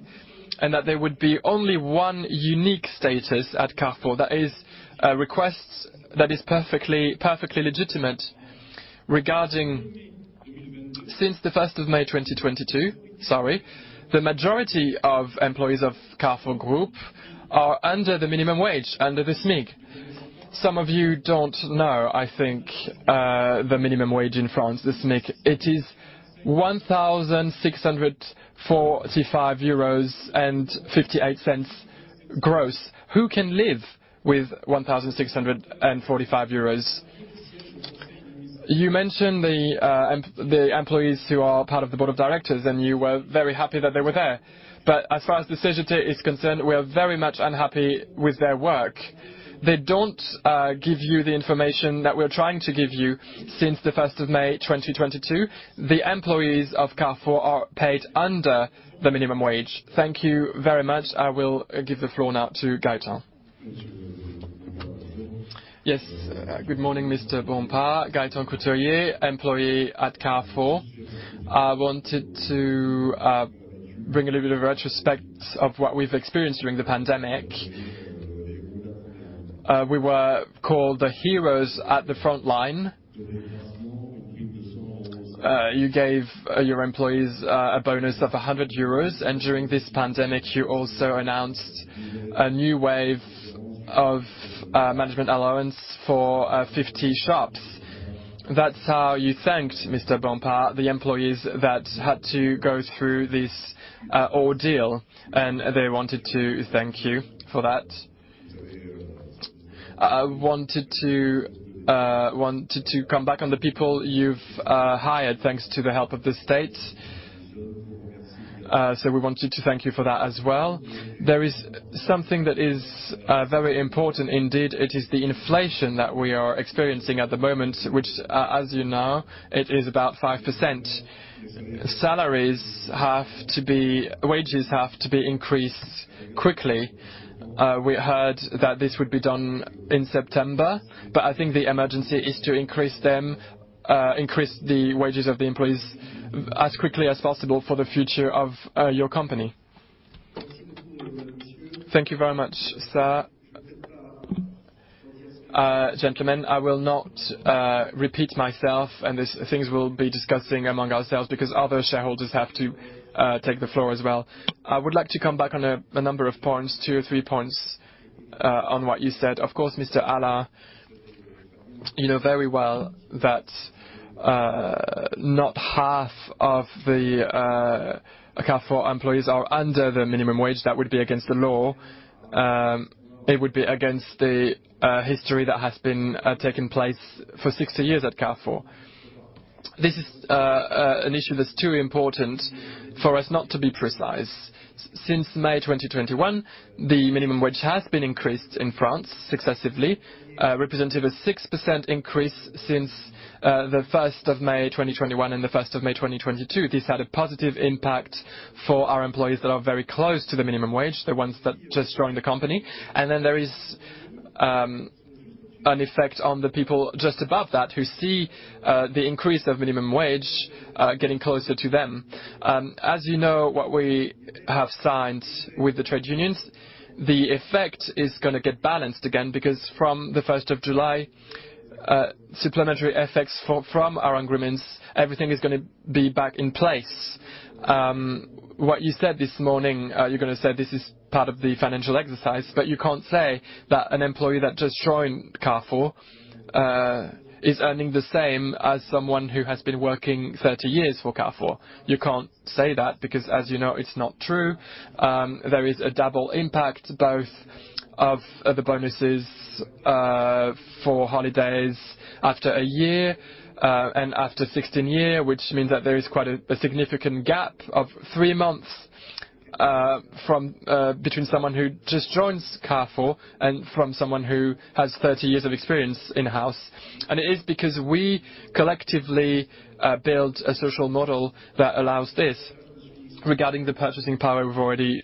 and that there would be only one unique status at Carrefour. That is a request that is perfectly legitimate. Since the first of May 2022, the majority of employees of Carrefour Group are under the minimum wage, under the SMIC. Some of you don't know, I think, the minimum wage in France, the SMIC. It is 1,645.58 euros gross. Who can live with 1,645 euros? You mentioned the employees who are part of the board of directors, and you were very happy that they were there. As far as the CGT is concerned, we are very much unhappy with their work. They don't give you the information that we're trying to give you since the first of May, 2022. The employees of Carrefour are paid under the minimum wage. Thank you very much. I will give the floor now to Gaëtan. Yes. Good morning, Mr. Bompard. Gaëtan Couturier, employee at Carrefour. I wanted to bring a little bit of retrospect of what we've experienced during the pandemic. We were called the heroes at the front line. You gave your employees a bonus of 100 euros, and during this pandemic, you also announced a new wave of management allowance for 50 shops. That's how you thanked, Mr. Bompard, the employees that had to go through this ordeal, and they wanted to thank you for that. I wanted to come back on the people you've hired, thanks to the help of the state. We wanted to thank you for that as well. There is something that is very important indeed. It is the inflation that we are experiencing at the moment, which as you know, it is about 5%. Wages have to be increased quickly. We heard that this would be done in September, but I think the emergency is to increase the wages of the employees as quickly as possible for the future of your company. Thank you very much, sir. Gentlemen, I will not repeat myself, and these things we'll be discussing among ourselves because other shareholders have to take the floor as well. I would like to come back on a number of points, two or three points, on what you said. Of course, Mr. Allard, you know very well that not half of the Carrefour employees are under the minimum wage. That would be against the law. It would be against the history that has been taking place for 60 years at Carrefour. This is an issue that's too important for us not to be precise. Since May 2021, the minimum wage has been increased in France successively, representative of 6% increase since the first of May 2021, and the first of May 2022. This had a positive impact for our employees that are very close to the minimum wage, the ones that just joined the company. There is an effect on the people just above that, who see the increase of minimum wage getting closer to them. As you know, what we have signed with the trade unions, the effect is gonna get balanced again because from the first of July, supplementary effects from our agreements, everything is gonna be back in place. What you said this morning, you're gonna say this is part of the financial exercise, but you can't say that an employee that just joined Carrefour is earning the same as someone who has been working 30 years for Carrefour. You can't say that because, as you know, it's not true. There is a double impact, both of the bonuses for holidays after a year and after 16 years, which means that there is quite a significant gap of three months between someone who just joins Carrefour and someone who has 30 years of experience in-house. It is because we collectively build a social model that allows this. Regarding the purchasing power, we've already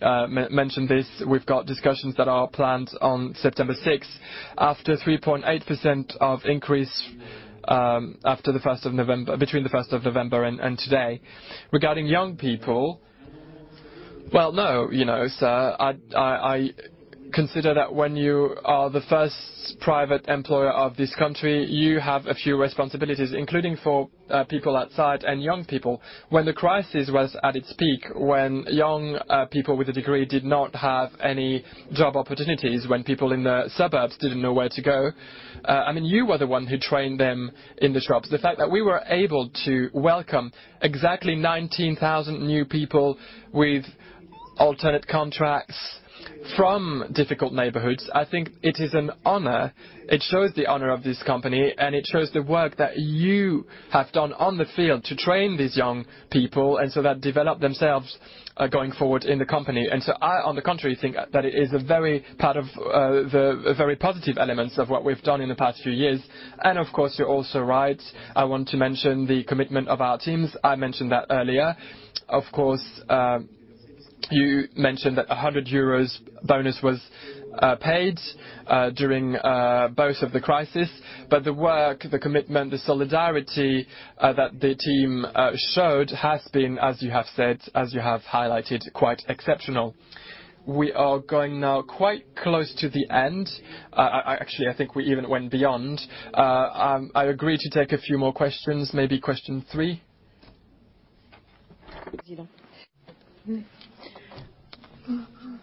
mentioned this. We've got discussions that are planned on September 6. After 3.8% increase after the 1st of November between the 1st of November and today. Regarding young people, well, no, you know, sir, I consider that when you are the first private employer of this country, you have a few responsibilities, including for people outside and young people. When the crisis was at its peak, when young people with a degree did not have any job opportunities, when people in the suburbs didn't know where to go, I mean, you were the one who trained them in the shops. The fact that we were able to welcome exactly 19,000 new people with alternate contracts from difficult neighborhoods, I think it is an honor. It shows the honor of this company, and it shows the work that you have done on the field to train these young people and so that develop themselves going forward in the company. I, on the contrary, think that it is a very part of the very positive elements of what we've done in the past few years. Of course, you're also right. I want to mention the commitment of our teams. I mentioned that earlier. Of course, you mentioned that 100 euros bonus was paid during both of the crisis, but the work, the commitment, the solidarity, that the team showed has been, as you have said, as you have highlighted, quite exceptional. We are going now quite close to the end. Actually, I think we even went beyond. I agree to take a few more questions, maybe question three.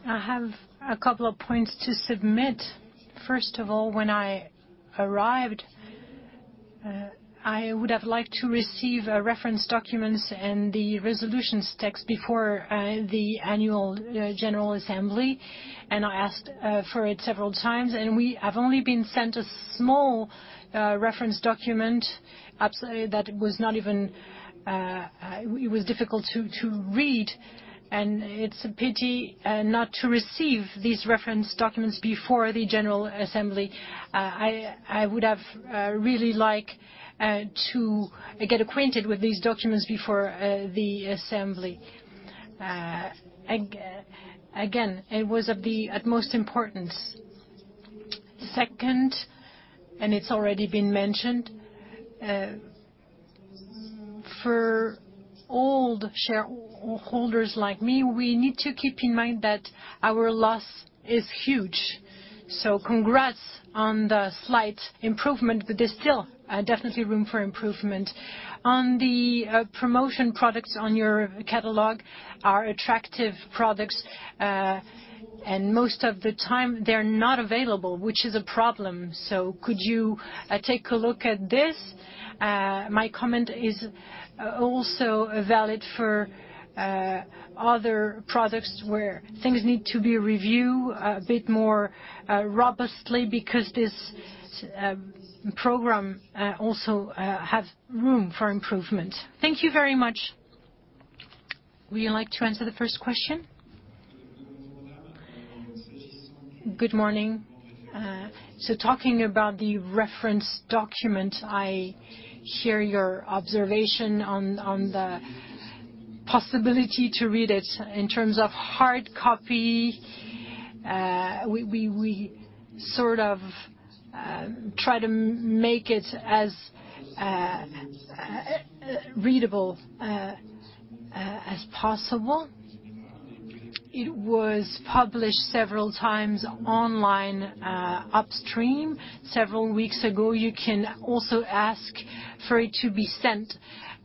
I have a couple of points to submit. First of all, when I arrived, I would have liked to receive reference documents and the resolutions text before the annual general assembly. I asked for it several times, and we have only been sent a small reference document that was not even. It was difficult to read. It's a pity not to receive these reference documents before the general assembly. I would have really like to get acquainted with these documents before the assembly. Again, it was of the utmost importance. Second, it's already been mentioned, for old shareholders like me, we need to keep in mind that our loss is huge. Congrats on the slight improvement, but there's still definitely room for improvement. On the promotion products on your catalog are attractive products, and most of the time they're not available, which is a problem. Could you take a look at this? My comment is also valid for other products where things need to be reviewed a bit more robustly because this program also has room for improvement. Thank you very much. Would you like to answer the first question? Good morning. Talking about the reference document, I hear your observation on the possibility to read it. In terms of hard copy, we sort of try to make it as readable as possible. It was published several times online upstream several weeks ago. You can also ask for it to be sent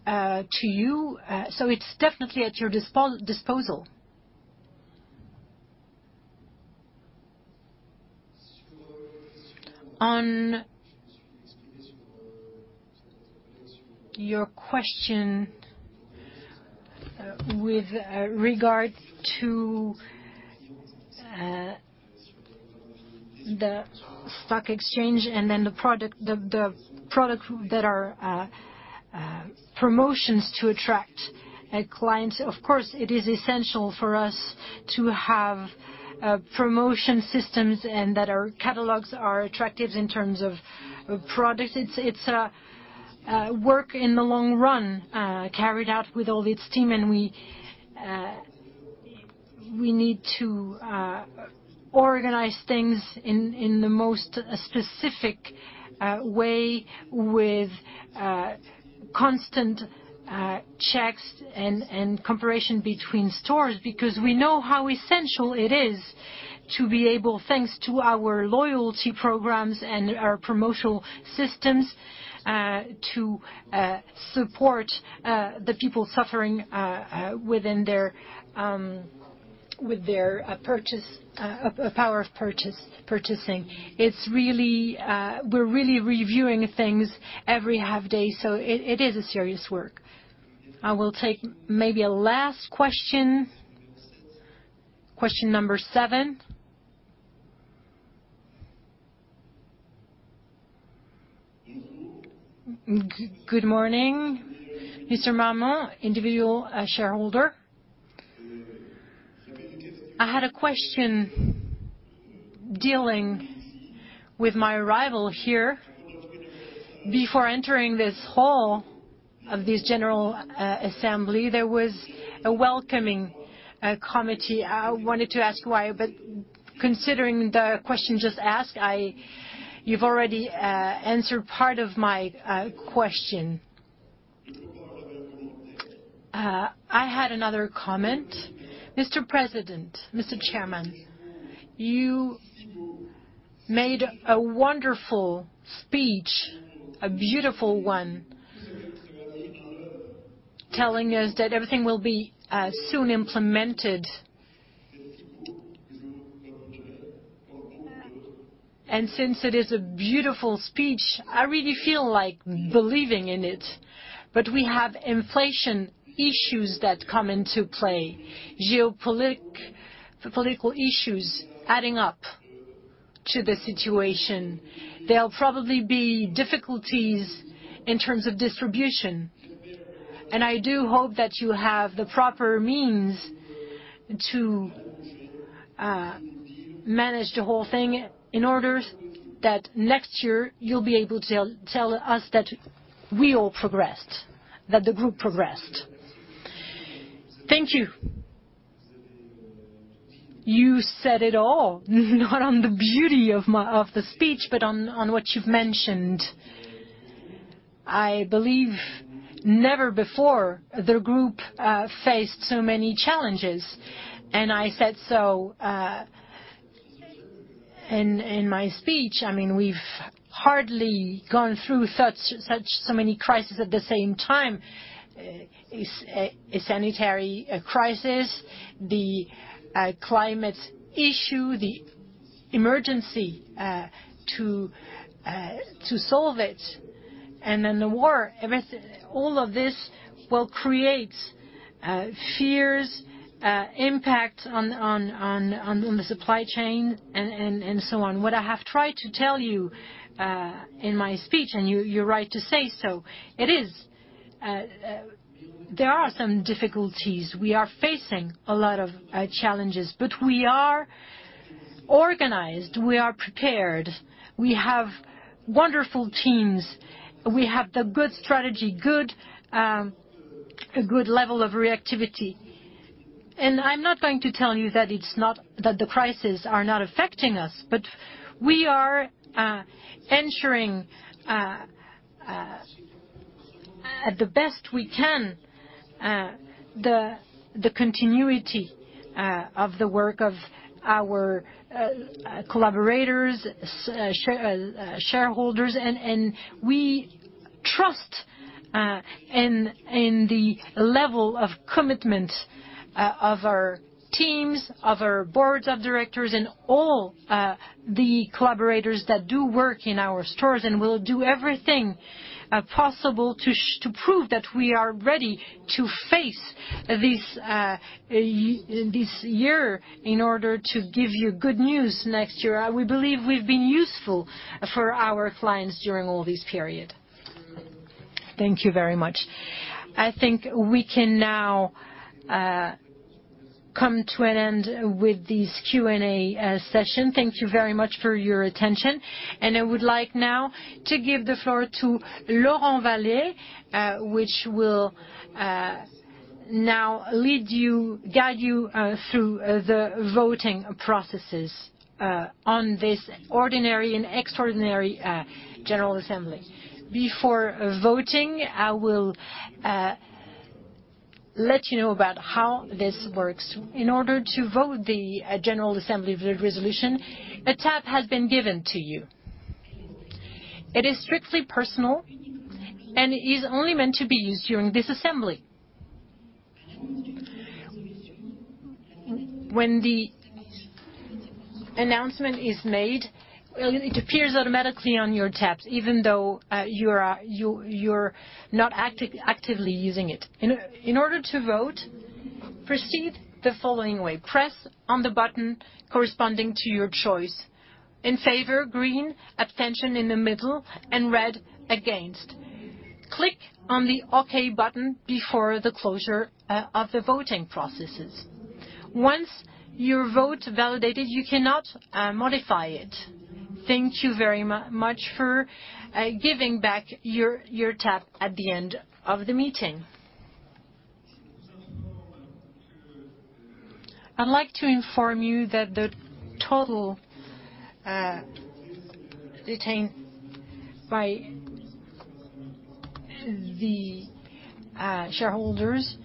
to you. It's definitely at your disposal. On your question with regard to the stock exchange and then the product, the product that are promotions to attract clients. Of course, it is essential for us to have promotion systems and that our catalogs are attractive in terms of products. It's a work in the long run carried out with all of its team, and we need to organize things in the most specific way with constant checks and comparison between stores because we know how essential it is to be able, thanks to our loyalty programs and our promotional systems, to support the people suffering within their with their purchase power of purchase, purchasing. It's really. We're really reviewing things every half day, so it is a serious work. I will take maybe a last question. Question number seven. Good morning. Mr. Marmont, individual shareholder. I had a question dealing with my arrival here. Before entering this hall of this general assembly, there was a welcoming committee. I wanted to ask why, but considering the question just asked, you've already answered part of my question. I had another comment. Mr. President, Mr. Chairman, you made a wonderful speech, a beautiful one, telling us that everything will be soon implemented. Since it is a beautiful speech, I really feel like believing in it. We have inflation issues that come into play, geopolitical issues adding up to the situation. There'll probably be difficulties in terms of distribution. I do hope that you have the proper means to manage the whole thing in order that next year you'll be able to tell us that we all progressed, that the group progressed. Thank you. You said it all, not on the beauty of my speech, but on what you've mentioned. I believe never before the group faced so many challenges, and I said so in my speech. I mean, we've hardly gone through such so many crises at the same time. It's a sanitary crisis, the climate issue, the emergency to solve it, and then the war. All of this will create fears, impact on the supply chain and so on. What I have tried to tell you, in my speech, and you're right to say so, it is, there are some difficulties. We are facing a lot of challenges, but we are organized, we are prepared. We have wonderful teams. We have the good strategy, good, a good level of reactivity. I'm not going to tell you that it's not that the crisis are not affecting us, but we are ensuring, at the best we can, the continuity of the work of our collaborators, shareholders. We trust in the level of commitment of our teams, of our boards of directors, and all the collaborators that do work in our stores and will do everything possible to prove that we are ready to face this year in order to give you good news next year. We believe we've been useful for our clients during all this period. Thank you very much. I think we can now come to an end with this Q&A session. Thank you very much for your attention. I would like now to give the floor to Laurent Vallée, which will now lead you, guide you through the voting processes on this ordinary and extraordinary general assembly. Before voting, I will let you know about how this works. In order to vote the General Assembly resolutions, a tab has been given to you. It is strictly personal, and it is only meant to be used during this assembly. When the announcement is made, it appears automatically on your tabs, even though you're not actively using it. In order to vote, proceed the following way. Press on the button corresponding to your choice. In favor, green. Abstention, in the middle. Red, against. Click on the Okay button before the closure of the voting processes. Once your vote validated, you cannot modify it. Thank you very much for giving back your tab at the end of the meeting. I'd like to inform you that the total represented by the shareholders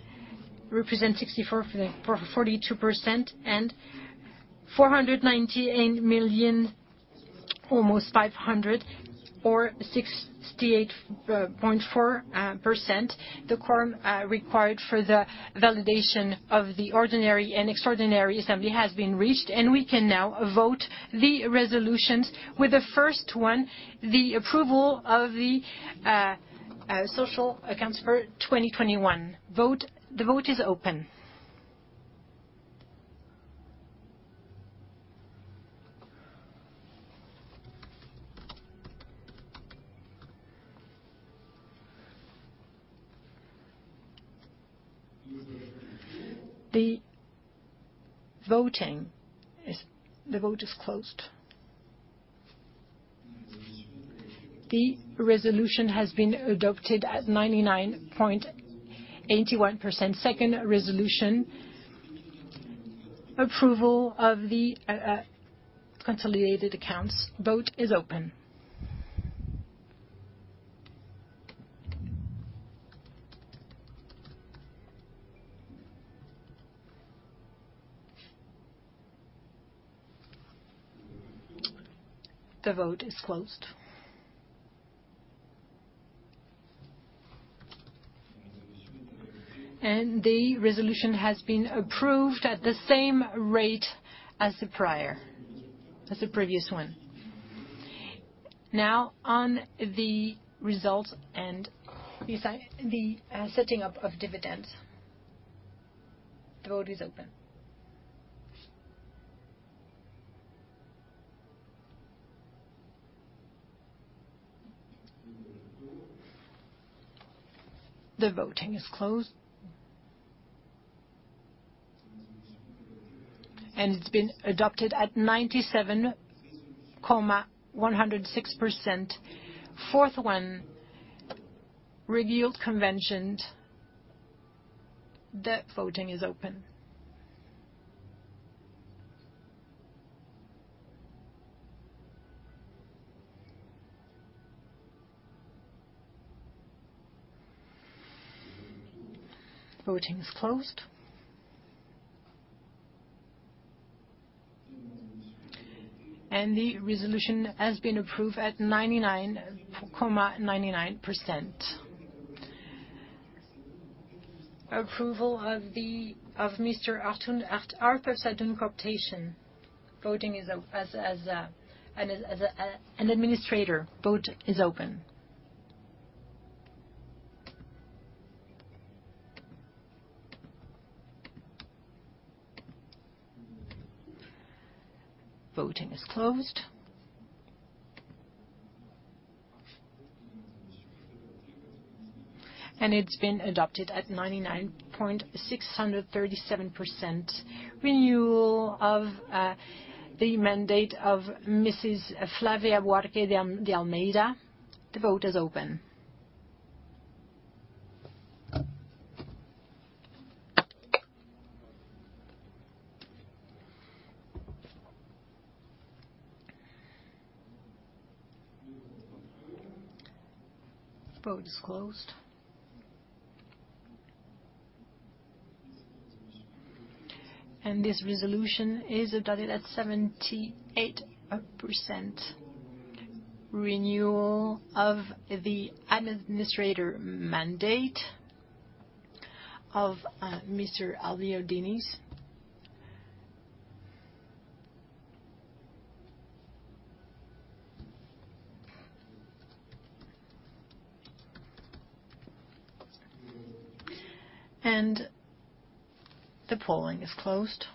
represents 64.42% and 498 million, almost 500, or 68.4%. The quorum required for the validation of the ordinary and extraordinary assembly has been reached, and we can now vote the resolutions with the first one, the approval of the social accounts for 2021. Vote, the vote is open. The vote is closed. The resolution has been adopted at 99.81%. Second resolution, approval of the consolidated accounts. Vote is open. The vote is closed. The resolution has been approved at the same rate as the previous one. Now on the result and the setting up of dividends. The vote is open. The vote is closed. It's been adopted at 97.106%. Fourth resolution. The voting is open. Voting is closed. The resolution has been approved at 99.99%. Approval of the cooptation of Mr. Arthur Sadoun as an administrator. Vote is open. Voting is closed. It's been adopted at 99.637%. Renewal of the mandate of Mrs. Flavia Buarque de Almeida. The vote is open. Vote is closed. This resolution is adopted at 78%. Renewal of the administrator mandate of Mr. Abilio Diniz. The polling is closed.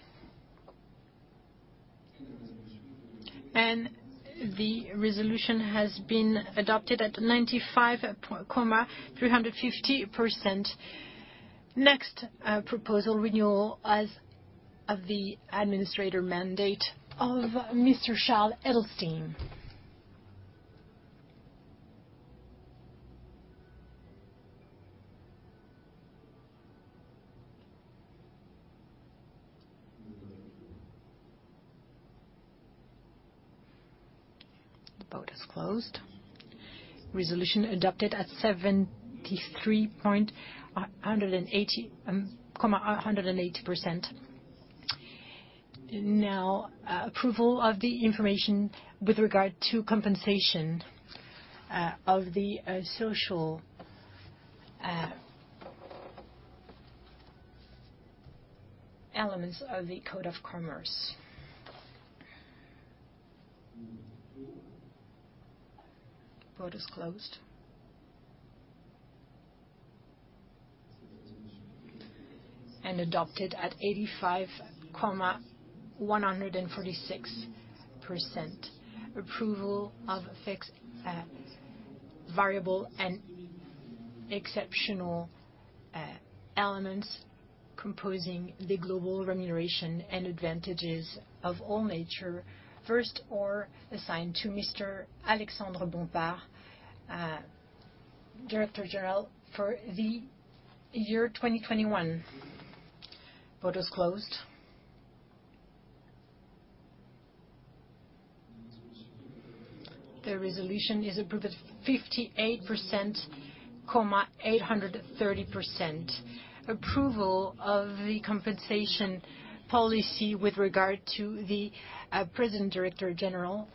The resolution has been adopted at 95.350%. Next, proposal renewal of the administrator mandate of Mr. Charles Edelstenne. The vote is closed. Resolution adopted at 73.80, 180%. Now, approval of the information with regard to compensation of the social elements of the Code of Commerce. Vote is closed. Adopted at 85.146%. Approval of fixed, variable and exceptional elements composing the global remuneration and advantages of all nature, paid or assigned to Mr. Alexandre Bompard, Director General for the year 2021. Vote is closed. The resolution is approved at 58.83%. Approval of the compensation policy with regard to the President Director General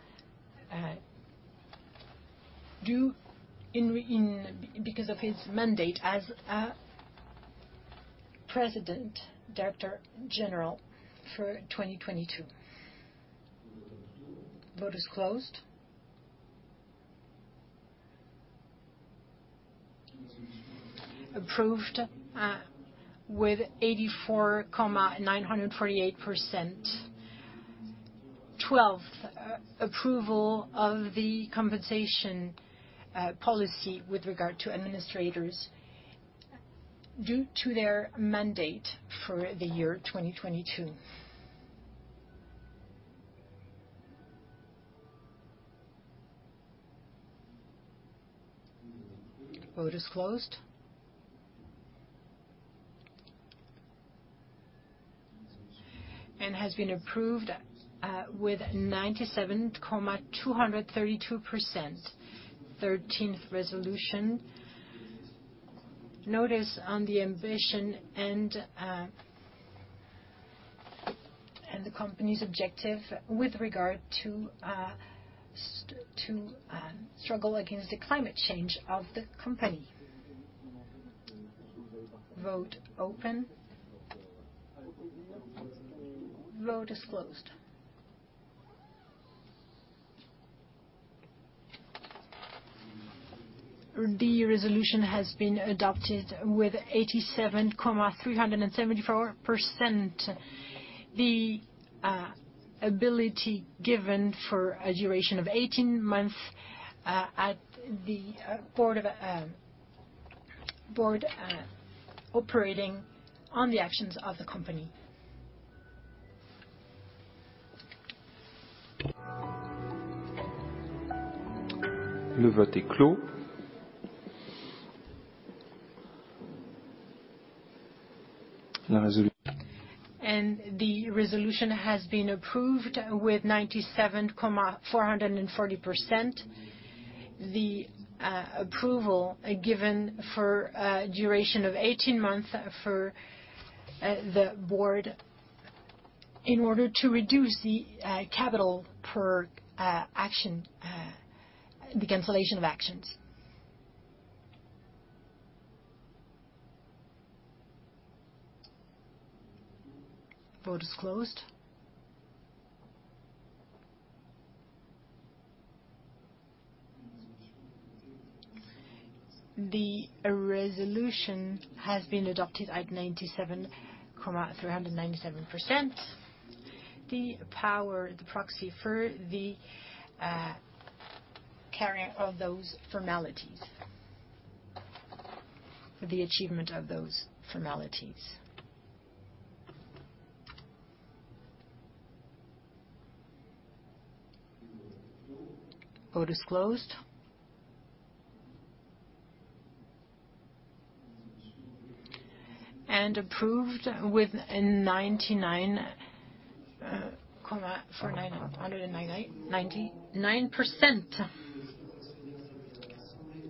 due in 2022 because of his mandate as President Director General for 2022. Vote is closed. Approved with 84.948%. 12, approval of the compensation policy with regard to administrators due to their mandate for the year 2022. Vote is closed. Has been approved with 97.232%. Thirteenth resolution, notice on the ambition and the company's objective with regard to struggle against the climate change of the company. Vote open. Vote is closed. The resolution has been adopted with 87.374%. The ability given for a duration of 18 months at the board operating on the actions of the company. The resolution has been approved with 97.440%. The approval given for a duration of 18 months for the board in order to reduce the capital per action, the cancellation of actions. Vote is closed. The resolution has been adopted at 97.397%. The power, the proxy for the carrying of those formalities, for the achievement of those formalities. Vote is closed. Approved with 99.499%.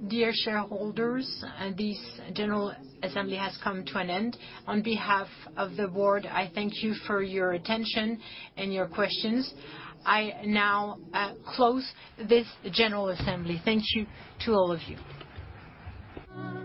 Dear shareholders, this general assembly has come to an end. On behalf of the board, I thank you for your attention and your questions. I now close this general assembly. Thank you to all of you.